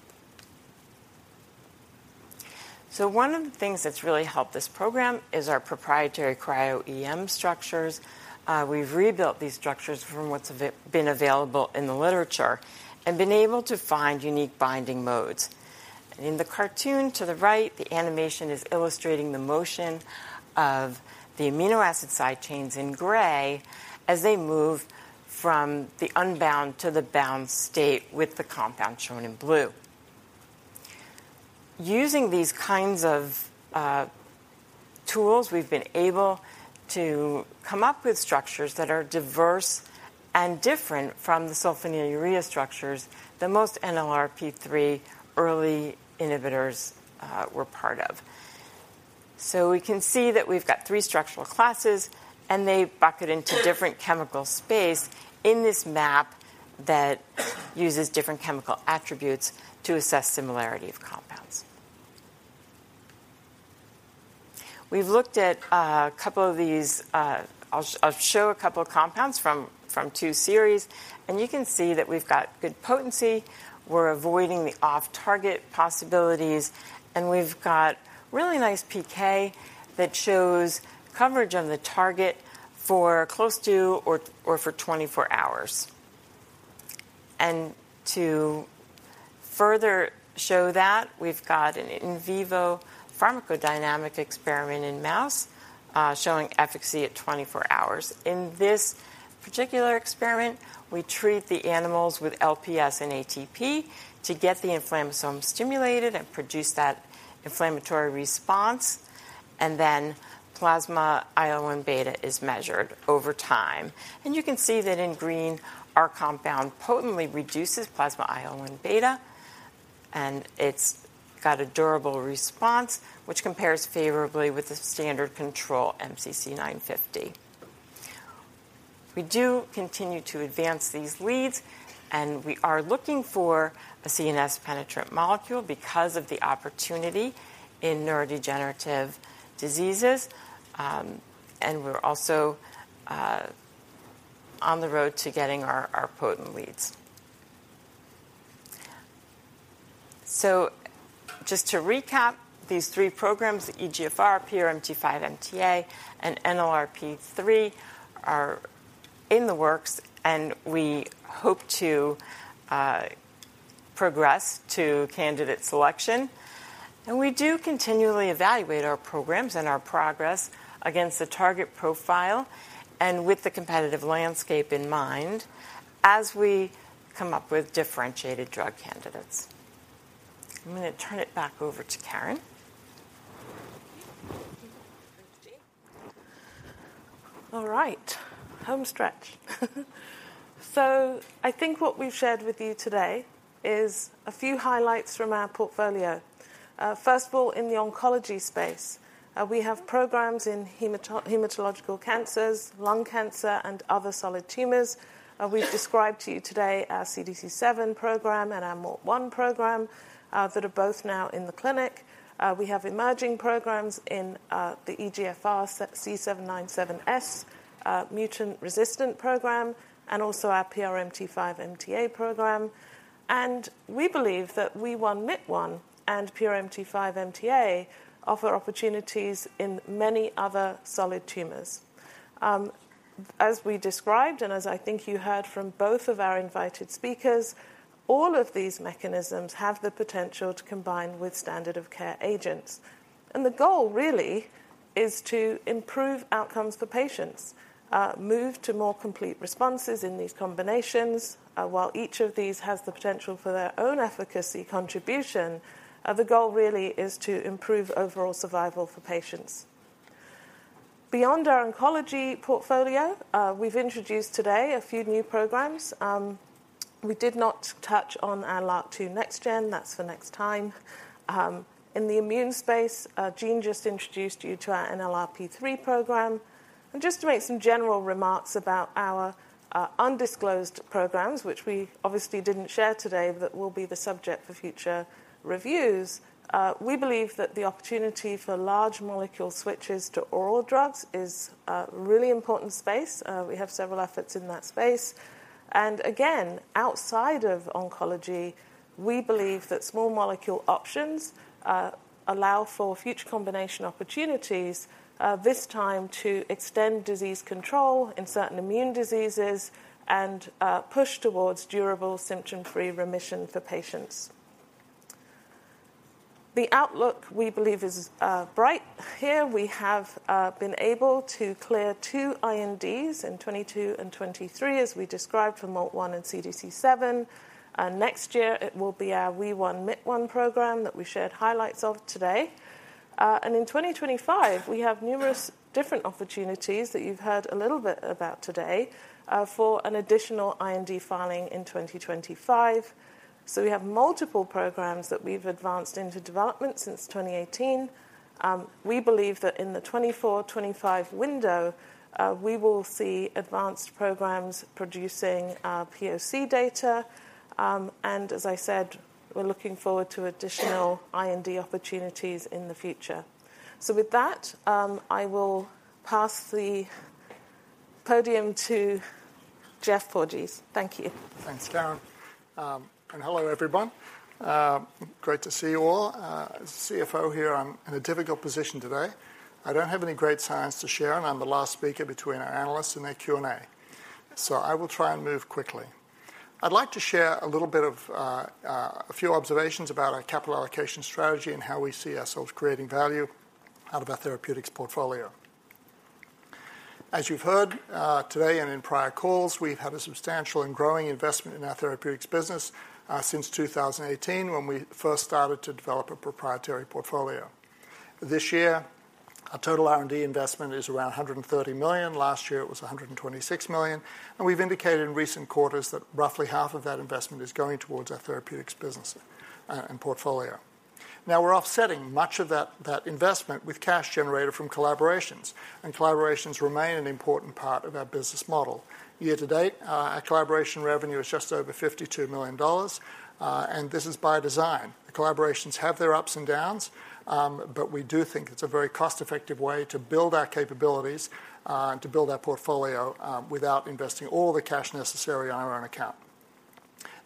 S8: So one of the things that's really helped this program is our proprietary cryo-EM structures. We've rebuilt these structures from what's been available in the literature and been able to find unique binding modes. And in the cartoon to the right, the animation is illustrating the motion of the amino acid side chains in gray as they move from the unbound to the bound state with the compound shown in blue. Using these kinds of tools, we've been able to come up with structures that are diverse and different from the sulfonylurea structures that most NLRP3 early inhibitors were part of. So we can see that we've got three structural classes, and they bucket into different chemical space in this map that uses different chemical attributes to assess similarity of compounds. We've looked at a couple of these. I'll show a couple of compounds from, from two series, and you can see that we've got good potency, we're avoiding the off-target possibilities, and we've got really nice PK that shows coverage on the target for close to or for 24 hours. And to further show that, we've got an in vivo pharmacodynamic experiment in mouse, showing efficacy at 24 hours. In this particular experiment, we treat the animals with LPS and ATP to get the inflammasome stimulated and produce that inflammatory response, and then plasma IL-1β is measured over time. And you can see that in green, our compound potently reduces plasma IL-1β, and it's got a durable response, which compares favorably with the standard control, MCC950. We do continue to advance these leads, and we are looking for a CNS penetrant molecule because of the opportunity in neurodegenerative diseases. We're also on the road to getting our potent leads. So just to recap, these three programs, EGFR, PRMT5/MTA, and NLRP3, are in the works, and we hope to progress to candidate selection. We do continually evaluate our programs and our progress against the target profile and with the competitive landscape in mind as we come up with differentiated drug candidates. I'm gonna turn it back over to Karen.
S3: Thank you. All right, home stretch. So I think what we've shared with you today is a few highlights from our portfolio. First of all, in the oncology space, we have programs in hematological cancers, lung cancer, and other solid tumors. We've described to you today our CDC7 program and our MALT1 program, that are both now in the clinic. We have emerging programs in, the EGFR C797S mutant-resistant program and also our PRMT5/MTA program. And we believe that WEE1/MYT1 and PRMT5/MTA offer opportunities in many other solid tumors. As we described, and as I think you heard from both of our invited speakers, all of these mechanisms have the potential to combine with standard of care agents, and the goal really is to improve outcomes for patients, move to more complete responses in these combinations. While each of these has the potential for their own efficacy contribution, the goal really is to improve overall survival for patients. Beyond our oncology portfolio, we've introduced today a few new programs. We did not touch on our LRRK2 NextGen. That's for next time. In the immune space, Jean just introduced you to our NLRP3 program. And just to make some general remarks about our undisclosed programs, which we obviously didn't share today, that will be the subject for future reviews, we believe that the opportunity for large molecule switches to oral drugs is a really important space. We have several efforts in that space. Again, outside of oncology, we believe that small molecule options allow for future combination opportunities, this time to extend disease control in certain immune diseases and push towards durable, symptom-free remission for patients. The outlook, we believe, is bright. Here we have been able to clear 2 INDs in 2022 and 2023, as we described, for MALT1 and CDC7, and next year it will be our WEE1/MYT1 program that we shared highlights of today. In 2025, we have numerous different opportunities that you've heard a little bit about today for an additional IND filing in 2025. We have multiple programs that we've advanced into development since 2018. We believe that in the 2024, 2025 window, we will see advanced programs producing POC data. As I said, we're looking forward to additional IND opportunities in the future. With that, I will pass the podium to Geoff Porges. Thank you.
S9: Thanks, Karen. And hello, everyone. Great to see you all. As CFO here, I'm in a difficult position today. I don't have any great science to share, and I'm the last speaker between our analysts and their Q&A, so I will try and move quickly. I'd like to share a little bit of, a few observations about our capital allocation strategy and how we see ourselves creating value out of our therapeutics portfolio. As you've heard, today and in prior calls, we've had a substantial and growing investment in our therapeutics business, since 2018, when we first started to develop a proprietary portfolio. This year, our total R&D investment is around $130 million. Last year, it was $126 million, and we've indicated in recent quarters that roughly half of that investment is going towards our therapeutics business and portfolio. Now, we're offsetting much of that, that investment with cash generated from collaborations, and collaborations remain an important part of our business model. Year to date, our collaboration revenue is just over $52 million, and this is by design. The collaborations have their ups and downs, but we do think it's a very cost-effective way to build our capabilities, to build our portfolio, without investing all the cash necessary on our own account.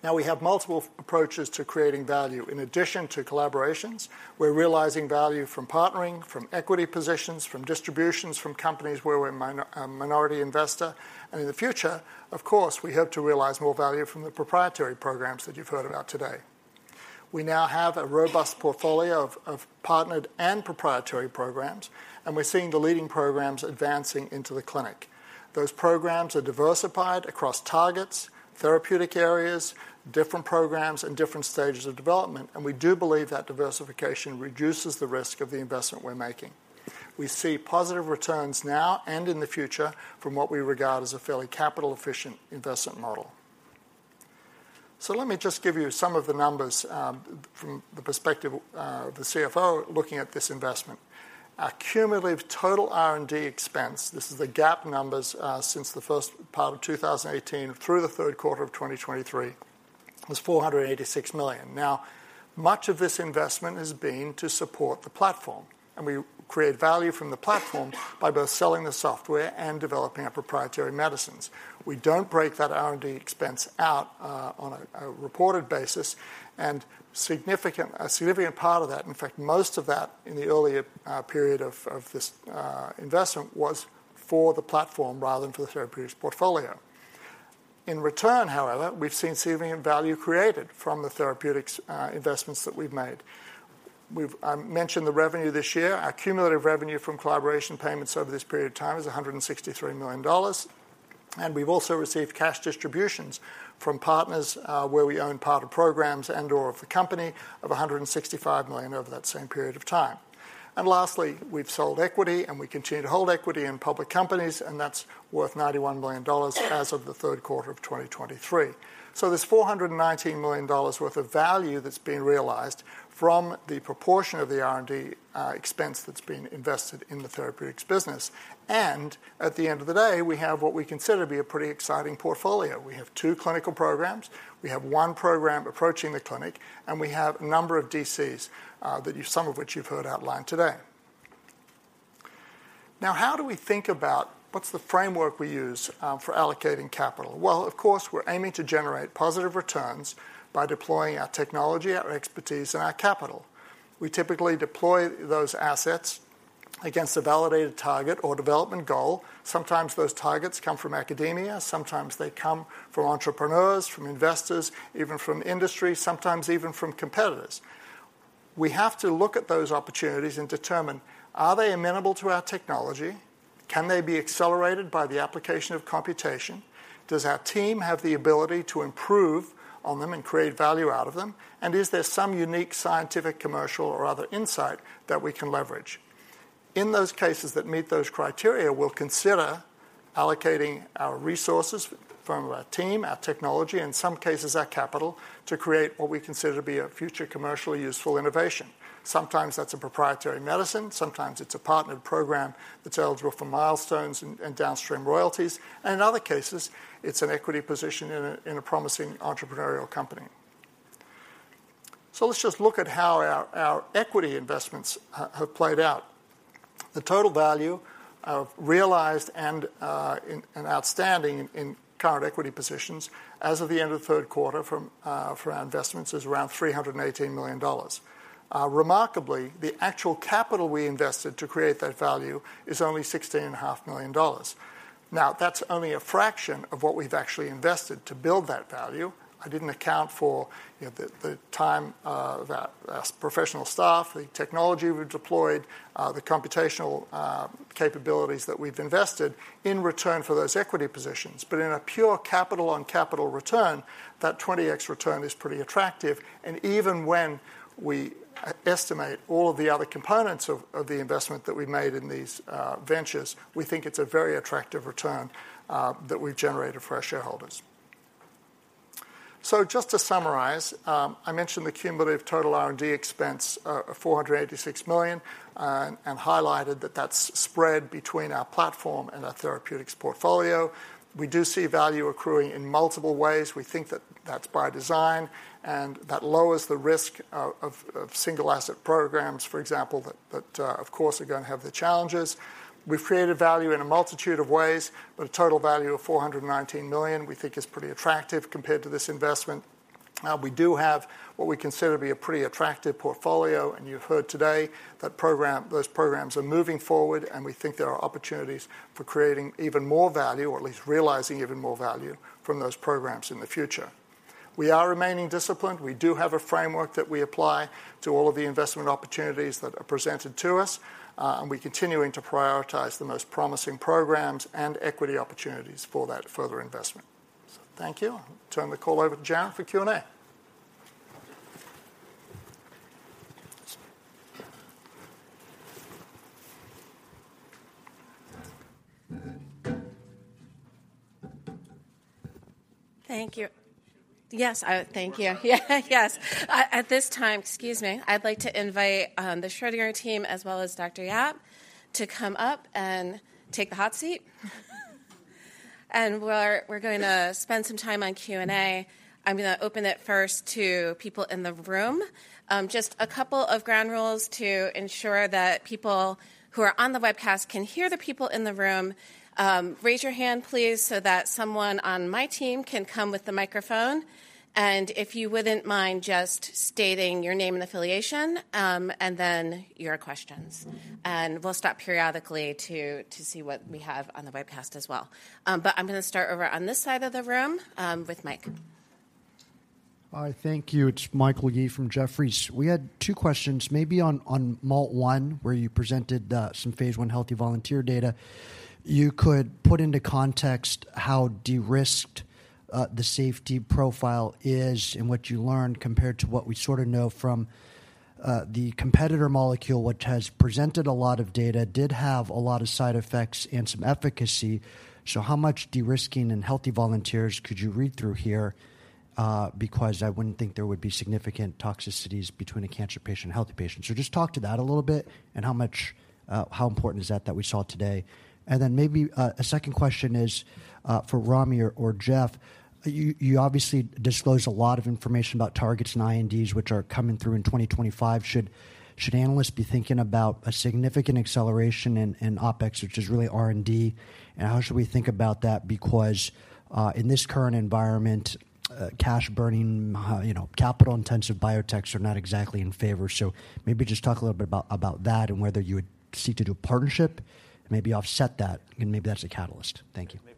S9: Now, we have multiple approaches to creating value. In addition to collaborations, we're realizing value from partnering, from equity positions, from distributions, from companies where we're a minority investor, and in the future, of course, we hope to realize more value from the proprietary programs that you've heard about today. We now have a robust portfolio of partnered and proprietary programs, and we're seeing the leading programs advancing into the clinic. Those programs are diversified across targets, therapeutic areas, different programs, and different stages of development, and we do believe that diversification reduces the risk of the investment we're making. We see positive returns now and in the future from what we regard as a fairly capital-efficient investment model. So let me just give you some of the numbers from the perspective of the CFO looking at this investment. Our cumulative total R&D expense, this is the GAAP numbers, since the first part of 2018 through the third quarter of 2023, was $486 million. Now, much of this investment has been to support the platform, and we create value from the platform by both selling the software and developing our proprietary medicines. We don't break that R&D expense out, on a reported basis, and a significant part of that, in fact, most of that in the earlier period of this investment, was for the platform rather than for the therapeutics portfolio. In return, however, we've seen significant value created from the therapeutics investments that we've made. We've... I mentioned the revenue this year. Our cumulative revenue from collaboration payments over this period of time is $163 million, and we've also received cash distributions from partners, where we own part of programs and/or of the company of $165 million over that same period of time. And lastly, we've sold equity, and we continue to hold equity in public companies, and that's worth $91 million as of the third quarter of 2023. So there's $419 million worth of value that's being realized from the proportion of the R&D expense that's been invested in the therapeutics business. And at the end of the day, we have what we consider to be a pretty exciting portfolio. We have two clinical programs, we have one program approaching the clinic, and we have a number of DCs that some of which you've heard outlined today. Now, how do we think about what's the framework we use for allocating capital? Well, of course, we're aiming to generate positive returns by deploying our technology, our expertise, and our capital. We typically deploy those assets against a validated target or development goal. Sometimes those targets come from academia, sometimes they come from entrepreneurs, from investors, even from industry, sometimes even from competitors. We have to look at those opportunities and determine, are they amenable to our technology? Can they be accelerated by the application of computation? Does our team have the ability to improve on them and create value out of them? And is there some unique scientific, commercial or other insight that we can leverage? In those cases that meet those criteria, we'll consider allocating our resources from our team, our technology, and in some cases, our capital, to create what we consider to be a future commercially useful innovation. Sometimes that's a proprietary medicine, sometimes it's a partnered program that's eligible for milestones and, and downstream royalties, and in other cases, it's an equity position in a, in a promising entrepreneurial company. So let's just look at how our equity investments have played out. The total value of realized and outstanding in current equity positions as of the end of the third quarter from for our investments is around $318 million. Remarkably, the actual capital we invested to create that value is only $16.5 million. Now, that's only a fraction of what we've actually invested to build that value. I didn't account for, you know, the time that as professional staff, the technology we've deployed, the computational capabilities that we've invested in return for those equity positions. But in a pure capital-on-capital return, that 20x return is pretty attractive, and even when we estimate all of the other components of the investment that we made in these ventures, we think it's a very attractive return that we've generated for our shareholders. So just to summarize, I mentioned the cumulative total R&D expense, $486 million, and highlighted that that's spread between our platform and our therapeutics portfolio. We do see value accruing in multiple ways. We think that that's by design, and that lowers the risk of single-asset programs, for example, that of course are going to have the challenges. We've created value in a multitude of ways, but a total value of $419 million, we think is pretty attractive compared to this investment. We do have what we consider to be a pretty attractive portfolio, and you've heard today that program... those programs are moving forward, and we think there are opportunities for creating even more value, or at least realizing even more value from those programs in the future. We are remaining disciplined. We do have a framework that we apply to all of the investment opportunities that are presented to us, and we're continuing to prioritize the most promising programs and equity opportunities for that further investment. So thank you. I'll turn the call over to Jaren for Q&A.
S1: Thank you. Yes. Thank you. Yeah. Yes. At this time... Excuse me. I'd like to invite the Schrödinger team, as well as Dr. Yap, to come up and take the hot seat. And we're gonna spend some time on Q&A. I'm gonna open it first to people in the room. Just a couple of ground rules to ensure that people who are on the webcast can hear the people in the room. Raise your hand, please, so that someone on my team can come with the microphone. And if you wouldn't mind just stating your name and affiliation and then your questions. And we'll stop periodically to see what we have on the webcast as well. But I'm gonna start over on this side of the room with Mike.
S10: Hi, thank you. It's Michael Yee from Jefferies. We had two questions. Maybe on MALT1, where you presented some Phase I healthy volunteer data, you could put into context how de-risked the safety profile is and what you learned, compared to what we sort of know from the competitor molecule, which has presented a lot of data, did have a lot of side effects and some efficacy. So how much de-risking in healthy volunteers could you read through here? Because I wouldn't think there would be significant toxicities between a cancer patient and a healthy patient. So just talk to that a little bit, and how much how important is that, that we saw today? And then maybe a second question is for Ramy or Geoff. You obviously disclose a lot of information about targets and INDs, which are coming through in 2025. Should analysts be thinking about a significant acceleration in OpEx, which is really R&D, and how should we think about that? Because in this current environment, cash burning, you know, capital-intensive biotechs are not exactly in favor. So maybe just talk a little bit about that and whether you would seek to do a partnership, maybe offset that, and maybe that's a catalyst. Thank you.
S2: Maybe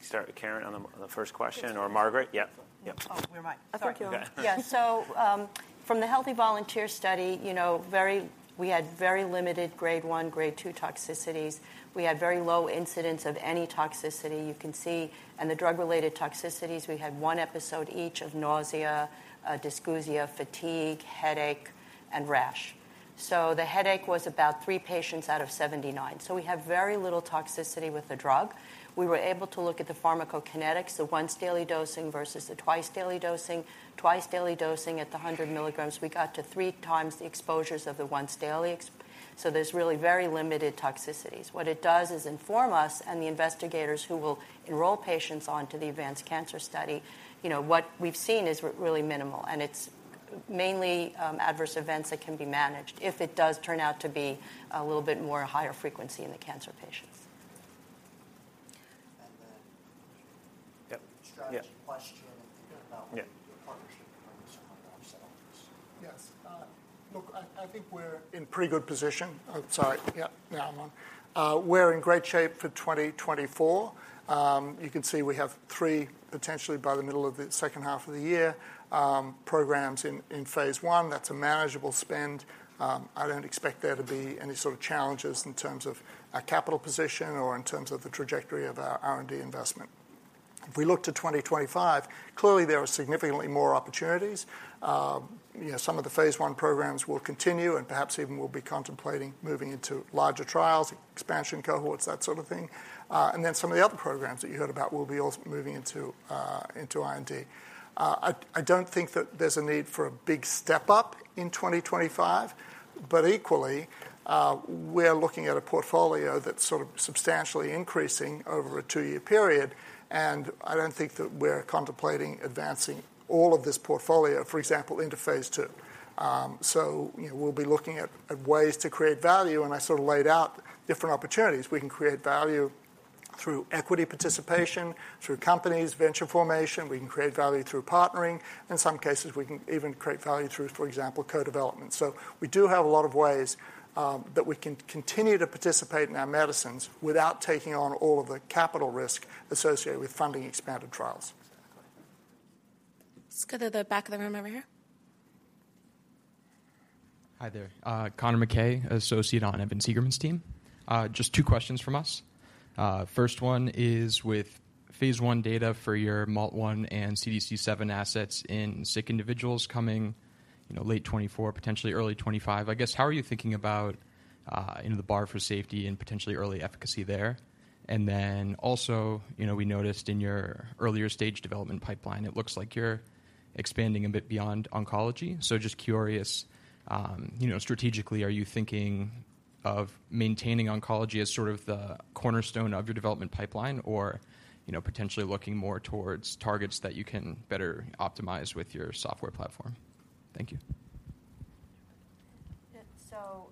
S2: start with Karen on the first question or Margaret? Yep. Yep.
S4: Oh, you're right.
S1: Thank you.
S4: Yeah. So, from the healthy volunteer study, you know, very we had very limited Grade 1, Grade 2 toxicities. We had very low incidence of any toxicity, you can see. And the drug-related toxicities, we had one episode each of nausea, dysgeusia, fatigue, headache, and rash. So the headache was about 3 patients out of 79, so we have very little toxicity with the drug. We were able to look at the pharmacokinetics, the once-daily dosing versus the twice-daily dosing. Twice-daily dosing at the 100 milligrams, we got to three times the exposures of the once-daily. So there's really very limited toxicities. What it does is inform us and the investigators who will enroll patients onto the advanced cancer study. You know, what we've seen is really minimal, and it's mainly adverse events that can be managed if it does turn out to be a little bit more higher frequency in the cancer patients.
S2: And then...
S9: Yep. Yeah.
S2: Strategy question-
S9: Yeah
S2: about your partnership with ourselves.
S9: Yes. Look, I think we're in pretty good position. Sorry. Yeah, now I'm on. We're in great shape for 2024. You can see we have three, potentially by the middle of the second half of the year, programs in Phase I. That's a manageable spend. I don't expect there to be any sort of challenges in terms of our capital position or in terms of the trajectory of our R&D investment. If we look to 2025, clearly there are significantly more opportunities. You know, some of the Phase I programs will continue, and perhaps even we'll be contemplating moving into larger trials, expansion cohorts, that sort of thing. And then some of the other programs that you heard about will be also moving into R&D. I don't think that there's a need for a big step-up in 2025, but equally, we're looking at a portfolio that's sort of substantially increasing over a two-year period, and I don't think that we're contemplating advancing all of this portfolio, for example, into Phase II. So, you know, we'll be looking at ways to create value, and I sort of laid out different opportunities. We can create value through equity participation, through companies, venture formation. We can create value through partnering. In some cases, we can even create value through, for example, co-development. So we do have a lot of ways that we can continue to participate in our medicines without taking on all of the capital risk associated with funding expanded trials.
S1: Let's go to the back of the room over here.
S11: Hi there. Connor McKay, associate on Evan Seigerman's team. Just two questions from us. First one is: with Phase 1 data for your MALT1 and CDC7 assets in sick individuals coming, you know, late 2024, potentially early 2025, I guess, how are you thinking about, you know, the bar for safety and potentially early efficacy there? And then also, you know, we noticed in your earlier stage development pipeline, it looks like you're expanding a bit beyond oncology. So just curious, you know, strategically, are you thinking of maintaining oncology as sort of the cornerstone of your development pipeline, or, you know, potentially looking more towards targets that you can better optimize with your software platform? Thank you.
S4: Yeah, so,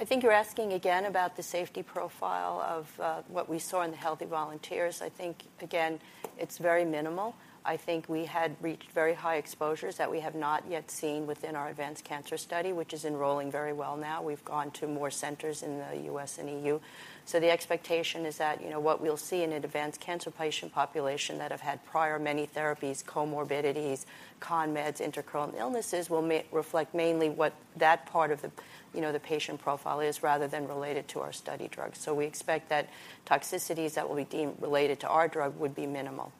S4: I think you're asking again about the safety profile of what we saw in the healthy volunteers. I think, again, it's very minimal. I think we had reached very high exposures that we have not yet seen within our advanced cancer study, which is enrolling very well now. We've gone to more centers in the U.S. and E.U. So the expectation is that, you know, what we'll see in an advanced cancer patient population that have had prior many therapies, comorbidities, con meds, intercurrent illnesses, will reflect mainly what that part of the, you know, the patient profile is, rather than related to our study drugs. So we expect that toxicities that will be deemed related to our drug would be minimal.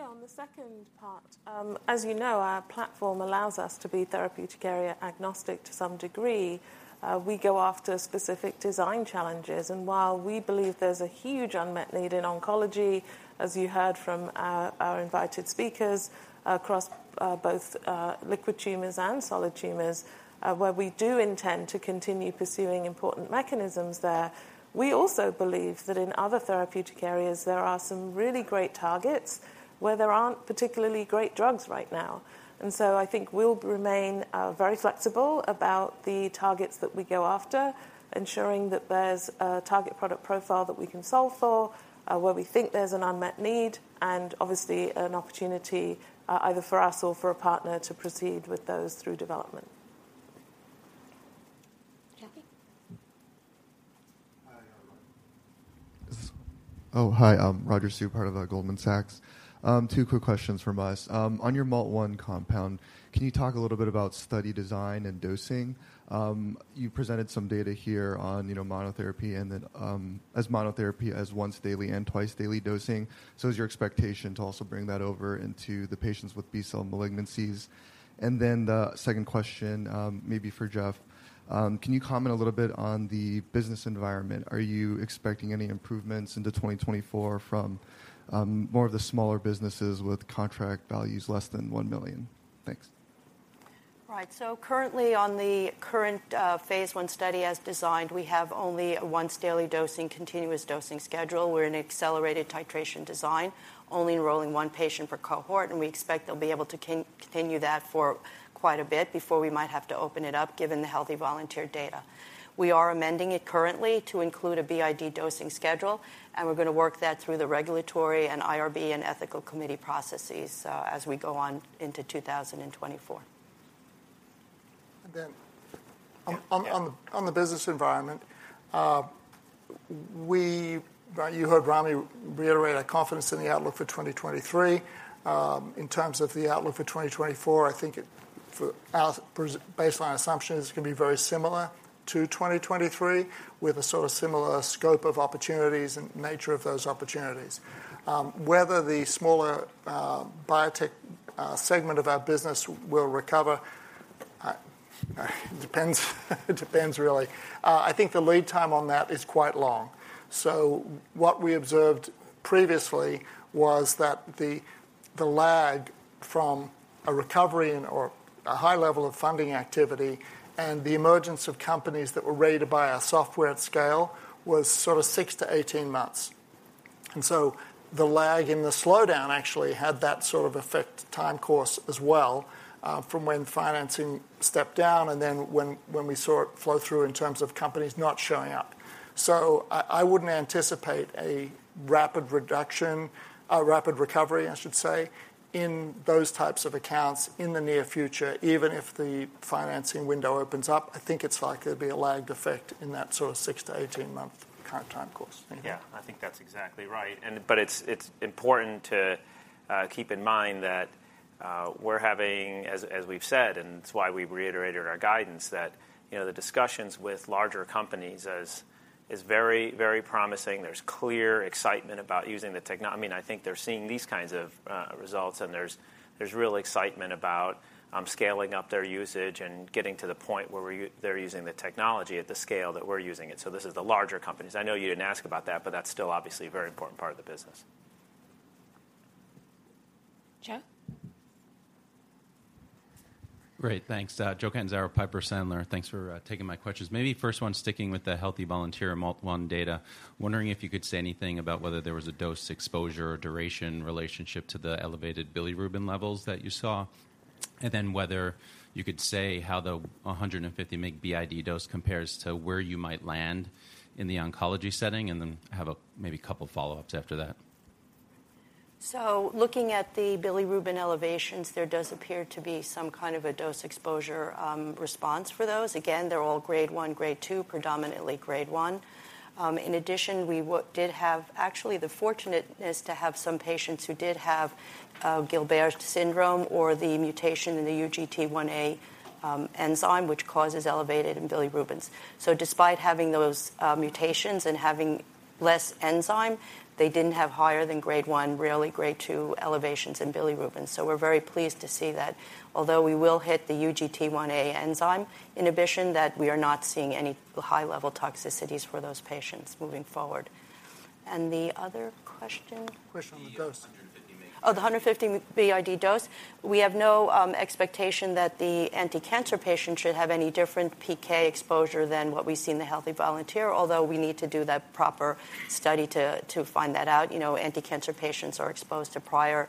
S2: And then Karen.
S3: Yeah, on the second part, as you know, our platform allows us to be therapeutic area agnostic to some degree. We go after specific design challenges, and while we believe there's a huge unmet need in oncology, as you heard from our, our invited speakers across, both, liquid tumors and solid tumors, where we do intend to continue pursuing important mechanisms there, we also believe that in other therapeutic areas, there are some really great targets where there aren't particularly great drugs right now. And so I think we'll remain, very flexible about the targets that we go after, ensuring that there's a target product profile that we can solve for, where we think there's an unmet need, and obviously an opportunity, either for us or for a partner to proceed with those through development.
S1: Kathy?
S12: Hi, everyone. Oh, hi, Roger Su, part of Goldman Sachs. Two quick questions from us. On your MALT1 compound, can you talk a little bit about study design and dosing? You presented some data here on, you know, monotherapy and then, as monotherapy, as once daily and twice daily dosing. So is your expectation to also bring that over into the patients with B-cell malignancies? And then the second question, maybe for Geoff, can you comment a little bit on the business environment? Are you expecting any improvements into 2024 from more of the smaller businesses with contract values less than $1 million? Thanks.
S4: Right. So currently on the current Phase 1 study as designed, we have only a once daily dosing, continuous dosing schedule. We're in accelerated titration design, only enrolling one patient per cohort, and we expect they'll be able to continue that for quite a bit before we might have to open it up, given the healthy volunteer data. We are amending it currently to include a BID dosing schedule, and we're gonna work that through the regulatory and IRB and ethical committee processes, as we go on into 2024.
S9: And then-
S2: Yeah
S9: on the business environment, you heard Ramy reiterate our confidence in the outlook for 2023. In terms of the outlook for 2024, I think, for our present baseline assumption is gonna be very similar to 2023, with a sort of similar scope of opportunities and nature of those opportunities. Whether the smaller biotech segment of our business will recover depends, it depends really. I think the lead time on that is quite long. So what we observed previously was that the lag from a recovery and or a high level of funding activity and the emergence of companies that were rated by our software at scale was sort of 6-18 months. And so the lag in the slowdown actually had that sort of effect, time course as well, from when financing stepped down and then when, when we saw it flow through in terms of companies not showing up. So I, I wouldn't anticipate a rapid reduction, a rapid recovery, I should say, in those types of accounts in the near future, even if the financing window opens up. I think it's likely there'd be a lagged effect in that sort of 6-18-month current time course.
S12: Thank you.
S2: Yeah, I think that's exactly right. But it's important to keep in mind that, as we've said, and it's why we reiterated our guidance, that, you know, the discussions with larger companies is very, very promising. There's clear excitement about using the technology. I mean, I think they're seeing these kinds of results, and there's real excitement about scaling up their usage and getting to the point where they're using the technology at the scale that we're using it. So this is the larger companies. I know you didn't ask about that, but that's still obviously a very important part of the business.
S1: Geoff?
S13: Great, thanks. Joe Catanzaro, Piper Sandler. Thanks for taking my questions. Maybe first one, sticking with the healthy volunteer MALT1 data, wondering if you could say anything about whether there was a dose, exposure, or duration relationship to the elevated bilirubin levels that you saw? And then whether you could say how the 150 mg BID dose compares to where you might land in the oncology setting, and then I have a maybe couple follow-ups after that.
S4: So looking at the bilirubin elevations, there does appear to be some kind of a dose exposure response for those. Again, they're all grade 1, grade 2, predominantly grade 1. In addition, we did have actually the fortunateness to have some patients who did have Gilbert's syndrome or the mutation in the UGT1A enzyme, which causes elevated bilirubins. So despite having those mutations and having less enzyme, they didn't have higher than grade 1, really grade 2 elevations in bilirubin. So we're very pleased to see that. Although we will hit the UGT1A enzyme inhibition, that we are not seeing any high-level toxicities for those patients moving forward. And the other question?
S9: Question on the dose.
S13: The 150 mg.
S4: Oh, the 150 BID dose. We have no expectation that the anticancer patient should have any different PK exposure than what we see in the healthy volunteer, although we need to do that proper study to find that out. You know, anticancer patients are exposed to prior,...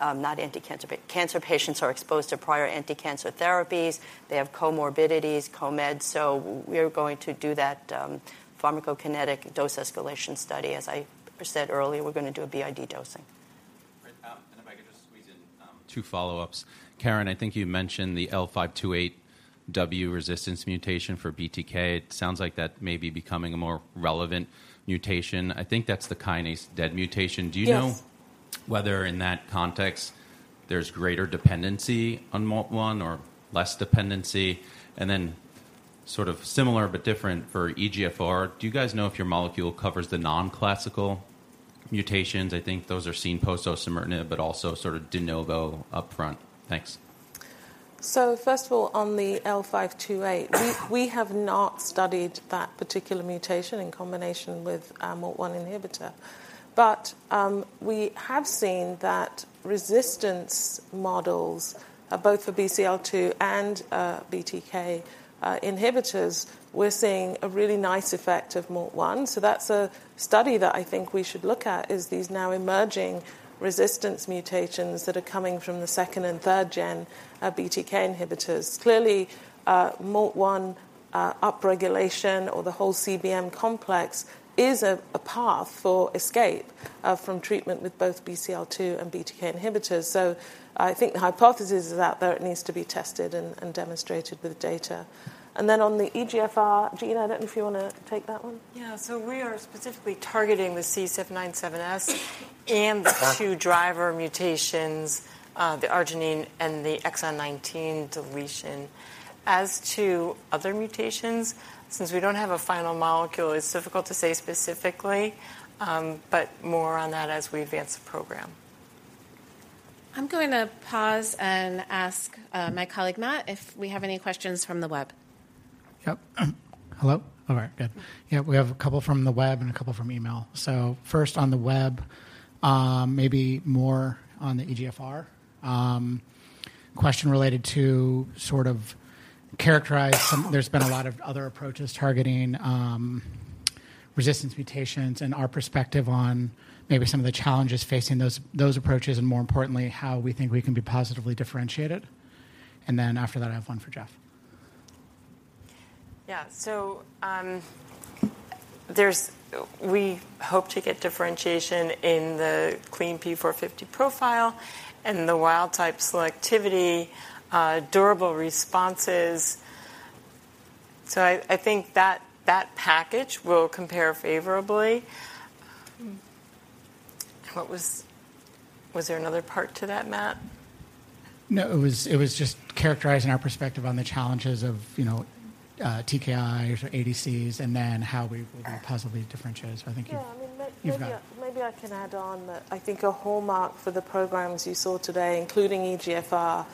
S4: not anti-cancer, but cancer patients are exposed to prior anti-cancer therapies. They have comorbidities, co-meds, so we are going to do that, pharmacokinetic dose escalation study. As I said earlier, we're going to do a BID dosing.
S13: Great, if I could just squeeze in, two follow-ups. Karen, I think you mentioned the L528W resistance mutation for BTK. It sounds like that may be becoming a more relevant mutation. I think that's the kinase dead mutation.
S3: Yes.
S13: Do you know whether in that context there's greater dependency on MALT1 or less dependency? And then sort of similar but different for EGFR, do you guys know if your molecule covers the non-classical mutations? I think those are seen post-osimertinib, but also sort of de novo upfront. Thanks.
S3: So first of all, on the L528, we have not studied that particular mutation in combination with our MALT1 inhibitor. But, we have seen that resistance models, both for BCL-2 and, BTK, inhibitors, we're seeing a really nice effect of MALT1. So that's a study that I think we should look at, is these now emerging resistance mutations that are coming from the second and third gen of BTK inhibitors. Clearly, MALT1, upregulation or the whole CBM complex is a, a path for escape, from treatment with both BCL-2 and BTK inhibitors. So I think the hypothesis is out there, it needs to be tested and, and demonstrated with data. And then on the EGFR, Jean, I don't know if you wanna take that one?
S8: Yeah. We are specifically targeting the C797S and the-
S13: Uh-huh...
S8: two driver mutations, the arginine and the exon 19 deletion. As to other mutations, since we don't have a final molecule, it's difficult to say specifically, but more on that as we advance the program.
S1: I'm going to pause and ask, my colleague, Matt, if we have any questions from the web.
S6: Yep. Hello? All right, good. Yeah, we have a couple from the web and a couple from email. So first on the web, maybe more on the EGFR. Question related to sort of characterize some. There's been a lot of other approaches targeting resistance mutations and our perspective on maybe some of the challenges facing those approaches, and more importantly, how we think we can be positively differentiated. And then after that, I have one for Geoff.
S3: Yeah. So, we hope to get differentiation in the clean P450 profile and the wild-type selectivity, durable responses. So I think that package will compare favorably. What was? Was there another part to that, Matt?
S6: No, it was, it was just characterizing our perspective on the challenges of, you know, TKIs or ADCs, and then how we-
S3: Uh...
S6: will be positively differentiated. I think you-
S3: Yeah, I mean, may-
S6: You got it....
S3: maybe I can add on that I think a hallmark for the programs you saw today, including EGFR,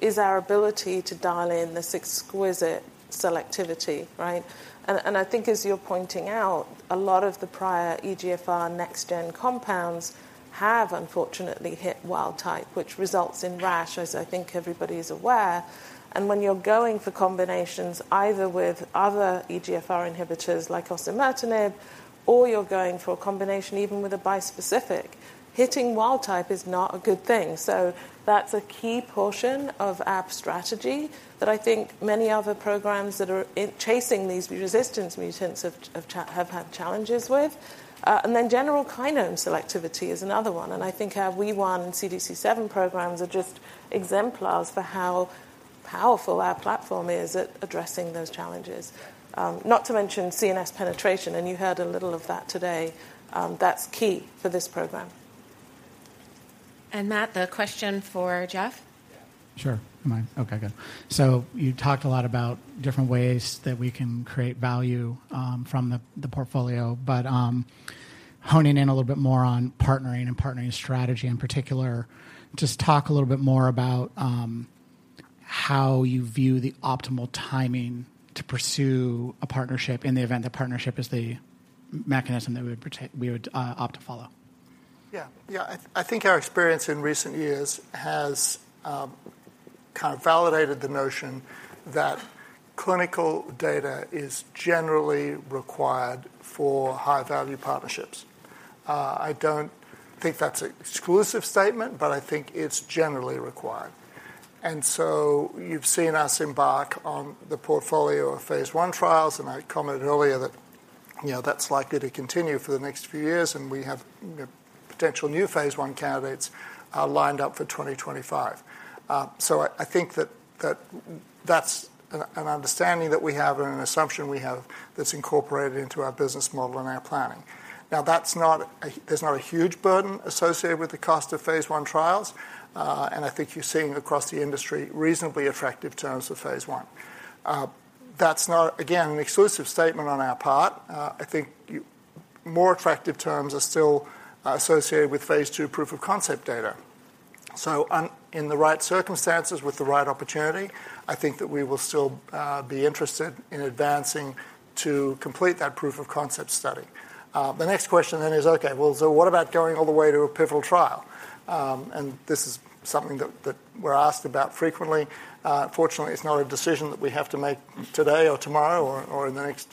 S3: is our ability to dial in this exquisite selectivity, right? And I think as you're pointing out, a lot of the prior EGFR next gen compounds have unfortunately hit wild type, which results in rash, as I think everybody is aware. And when you're going for combinations, either with other EGFR inhibitors like osimertinib, or you're going for a combination even with a bispecific, hitting wild type is not a good thing. So that's a key portion of our strategy that I think many other programs that are in chasing these resistance mutants have had challenges with. and then general kinome selectivity is another one, and I think our WEE1 and CDC7 programs are just exemplars for how powerful our platform is at addressing those challenges. Not to mention CNS penetration, and you heard a little of that today. That's key for this program.
S1: Matt, the question for Geoff?
S6: Yeah. Sure. Okay, good. So you talked a lot about different ways that we can create value from the portfolio. But, honing in a little bit more on partnering and partnering strategy in particular, just talk a little bit more about how you view the optimal timing to pursue a partnership in the event that partnership is the mechanism that we would opt to follow.
S9: Yeah. Yeah, I think our experience in recent years has kind of validated the notion that clinical data is generally required for high-value partnerships. I don't think that's an exclusive statement, but I think it's generally required. And so you've seen us embark on the portfolio of Phase I trials, and I commented earlier that, you know, that's likely to continue for the next few years, and we have potential new Phase I candidates lined up for 2025. So I think that that's an understanding that we have and an assumption we have that's incorporated into our business model and our planning. Now, there's not a huge burden associated with the cost of Phase I trials, and I think you're seeing across the industry reasonably attractive terms for Phase I. That's not, again, an exclusive statement on our part. I think you-- more attractive terms are still associated with Phase II proof of concept data. So on-- in the right circumstances, with the right opportunity, I think that we will still be interested in advancing... to complete that proof of concept study. The next question then is, okay, well, so what about going all the way to a pivotal trial? And this is something that we're asked about frequently. Fortunately, it's not a decision that we have to make today or tomorrow or in the next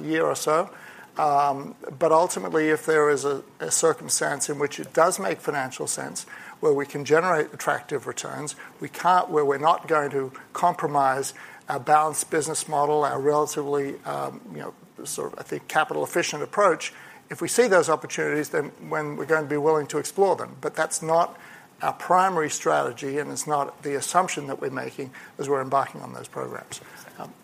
S9: year or so. But ultimately, if there is a circumstance in which it does make financial sense, where we can generate attractive returns, where we're not going to compromise our balanced business model, our relatively, you know, sort of, I think, capital-efficient approach. If we see those opportunities, then when we're going to be willing to explore them. But that's not our primary strategy, and it's not the assumption that we're making as we're embarking on those programs.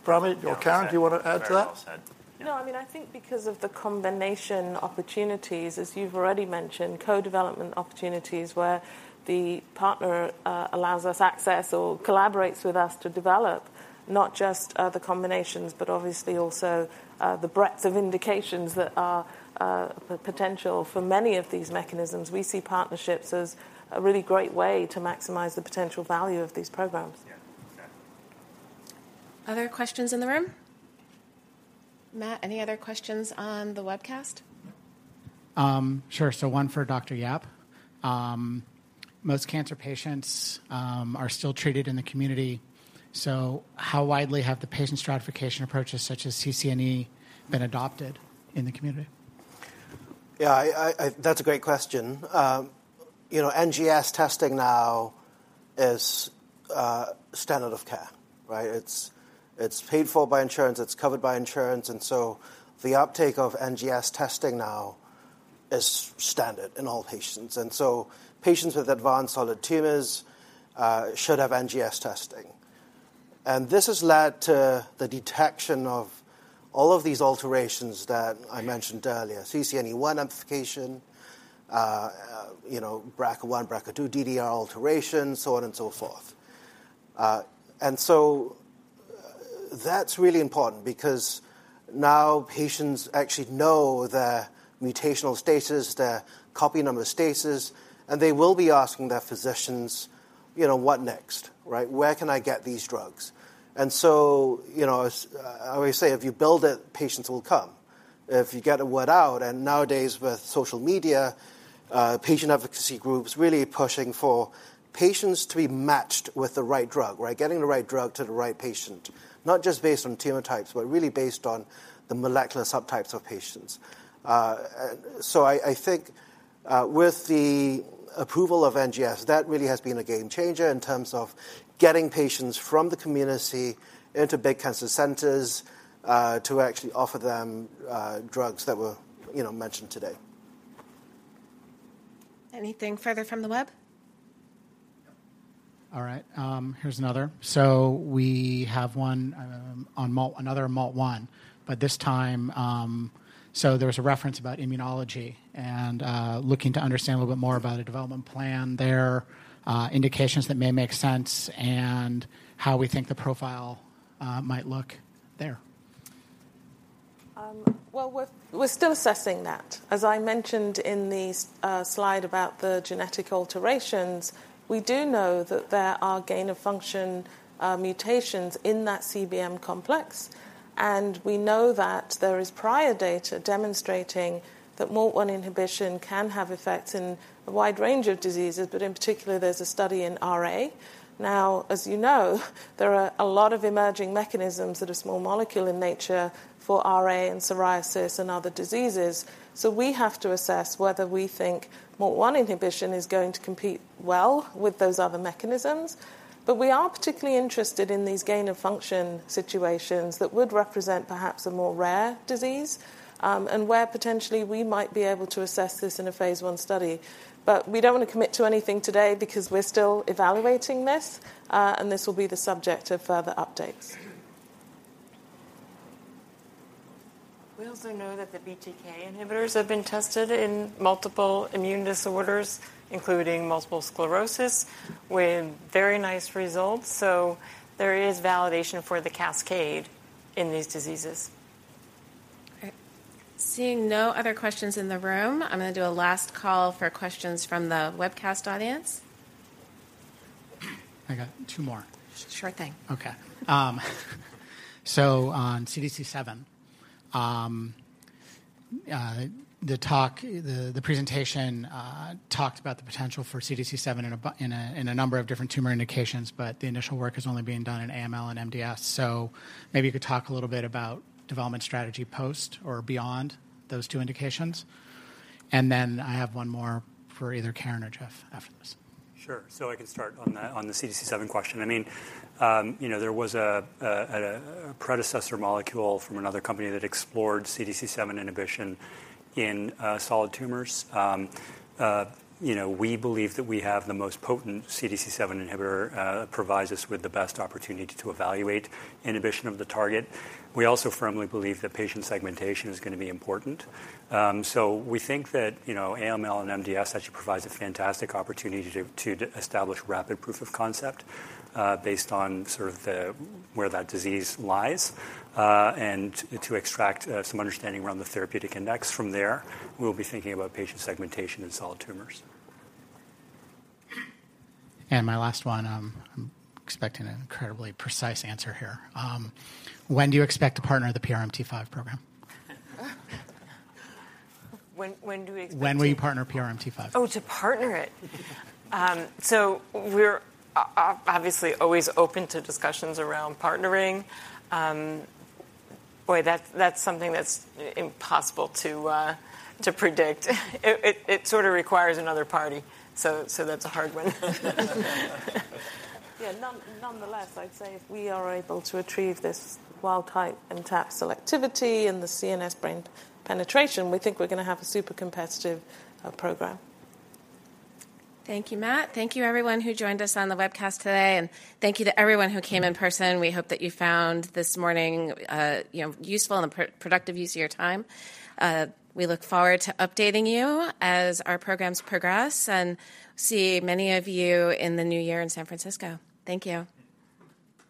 S9: Ramy, your comment, do you want to add to that?
S6: Very well said.
S3: No, I mean, I think because of the combination opportunities, as you've already mentioned, co-development opportunities where the partner allows us access or collaborates with us to develop not just the combinations, but obviously also the breadth of indications that are the potential for many of these mechanisms, we see partnerships as a really great way to maximize the potential value of these programs.
S6: Yeah, exactly.
S1: Other questions in the room? Matt, any other questions on the webcast?
S6: Sure. So one for Dr. Yap. Most cancer patients are still treated in the community, so how widely have the patient stratification approaches such as CCNE been adopted in the community?
S5: Yeah, that's a great question. You know, NGS testing now is standard of care, right? It's paid for by insurance, it's covered by insurance, and so the uptake of NGS testing now is standard in all patients. And so patients with advanced solid tumors should have NGS testing. And this has led to the detection of all of these alterations that I mentioned earlier, CCNE1 amplification, you know, BRCA1, BRCA2, DDR alterations, so on and so forth. And so that's really important because now patients actually know their mutational status, their copy number status, and they will be asking their physicians, you know, "What next?" Right? "Where can I get these drugs?" And so, you know, as I always say, if you build it, patients will come. If you get the word out, and nowadays with social media, patient advocacy groups really pushing for patients to be matched with the right drug, right? Getting the right drug to the right patient, not just based on tumor types, but really based on the molecular subtypes of patients. So I, I think, with the approval of NGS, that really has been a game changer in terms of getting patients from the community into big cancer centers, to actually offer them, drugs that were, you know, mentioned today.
S1: Anything further from the web?
S6: All right, here's another. So we have one on MALT, another MALT one, but this time, so there was a reference about immunology and looking to understand a little bit more about a development plan there, indications that may make sense and how we think the profile might look there.
S3: Well, we're still assessing that. As I mentioned in the slide about the genetic alterations, we do know that there are gain-of-function mutations in that CBM complex, and we know that there is prior data demonstrating that MALT1 inhibition can have effects in a wide range of diseases, but in particular, there's a study in RA. Now, as you know, there are a lot of emerging mechanisms that are small molecule in nature for RA and psoriasis and other diseases. So we have to assess whether we think MALT1 inhibition is going to compete well with those other mechanisms. But we are particularly interested in these gain-of-function situations that would represent perhaps a more rare disease, and where potentially we might be able to assess this in a Phase I study. But we don't want to commit to anything today because we're still evaluating this, and this will be the subject of further updates. We also know that the BTK inhibitors have been tested in multiple immune disorders, including multiple sclerosis, with very nice results, so there is validation for the cascade in these diseases.
S1: Okay. Seeing no other questions in the room, I'm going to do a last call for questions from the webcast audience.
S6: I got two more.
S1: Sure thing.
S6: Okay. So on CDC7, the presentation talked about the potential for CDC7 in a number of different tumor indications, but the initial work is only being done in AML and MDS. So maybe you could talk a little bit about development strategy post or beyond those two indications. And then I have one more for either Karen or Geoff after this. Sure. So I can start on the, on the CDC7 question. I mean, you know, there was a predecessor molecule from another company that explored CDC7 inhibition in solid tumors. You know, we believe that we have the most potent CDC7 inhibitor, provides us with the best opportunity to evaluate inhibition of the target. We also firmly believe that patient segmentation is going to be important. So we think that, you know, AML and MDS actually provides a fantastic opportunity to establish rapid proof of concept, based on sort of the, where that disease lies, and to extract some understanding around the therapeutic index from there. We'll be thinking about patient segmentation in solid tumors. My last one, I'm expecting an incredibly precise answer here. When do you expect to partner the PRMT5 program?
S3: When do we expect-
S6: When will you partner PRMT5?
S4: Oh, to partner it? So we're obviously always open to discussions around partnering. Boy, that's something that's impossible to predict. It sort of requires another party, so that's a hard one.
S3: Yeah. Nonetheless, I'd say if we are able to achieve this wild-type and MTAP selectivity in the CNS brain penetration, we think we're going to have a super competitive program.
S1: Thank you, Matt. Thank you everyone who joined us on the webcast today, and thank you to everyone who came in person. We hope that you found this morning, you know, useful and a productive use of your time. We look forward to updating you as our programs progress, and see many of you in the new year in San Francisco. Thank you.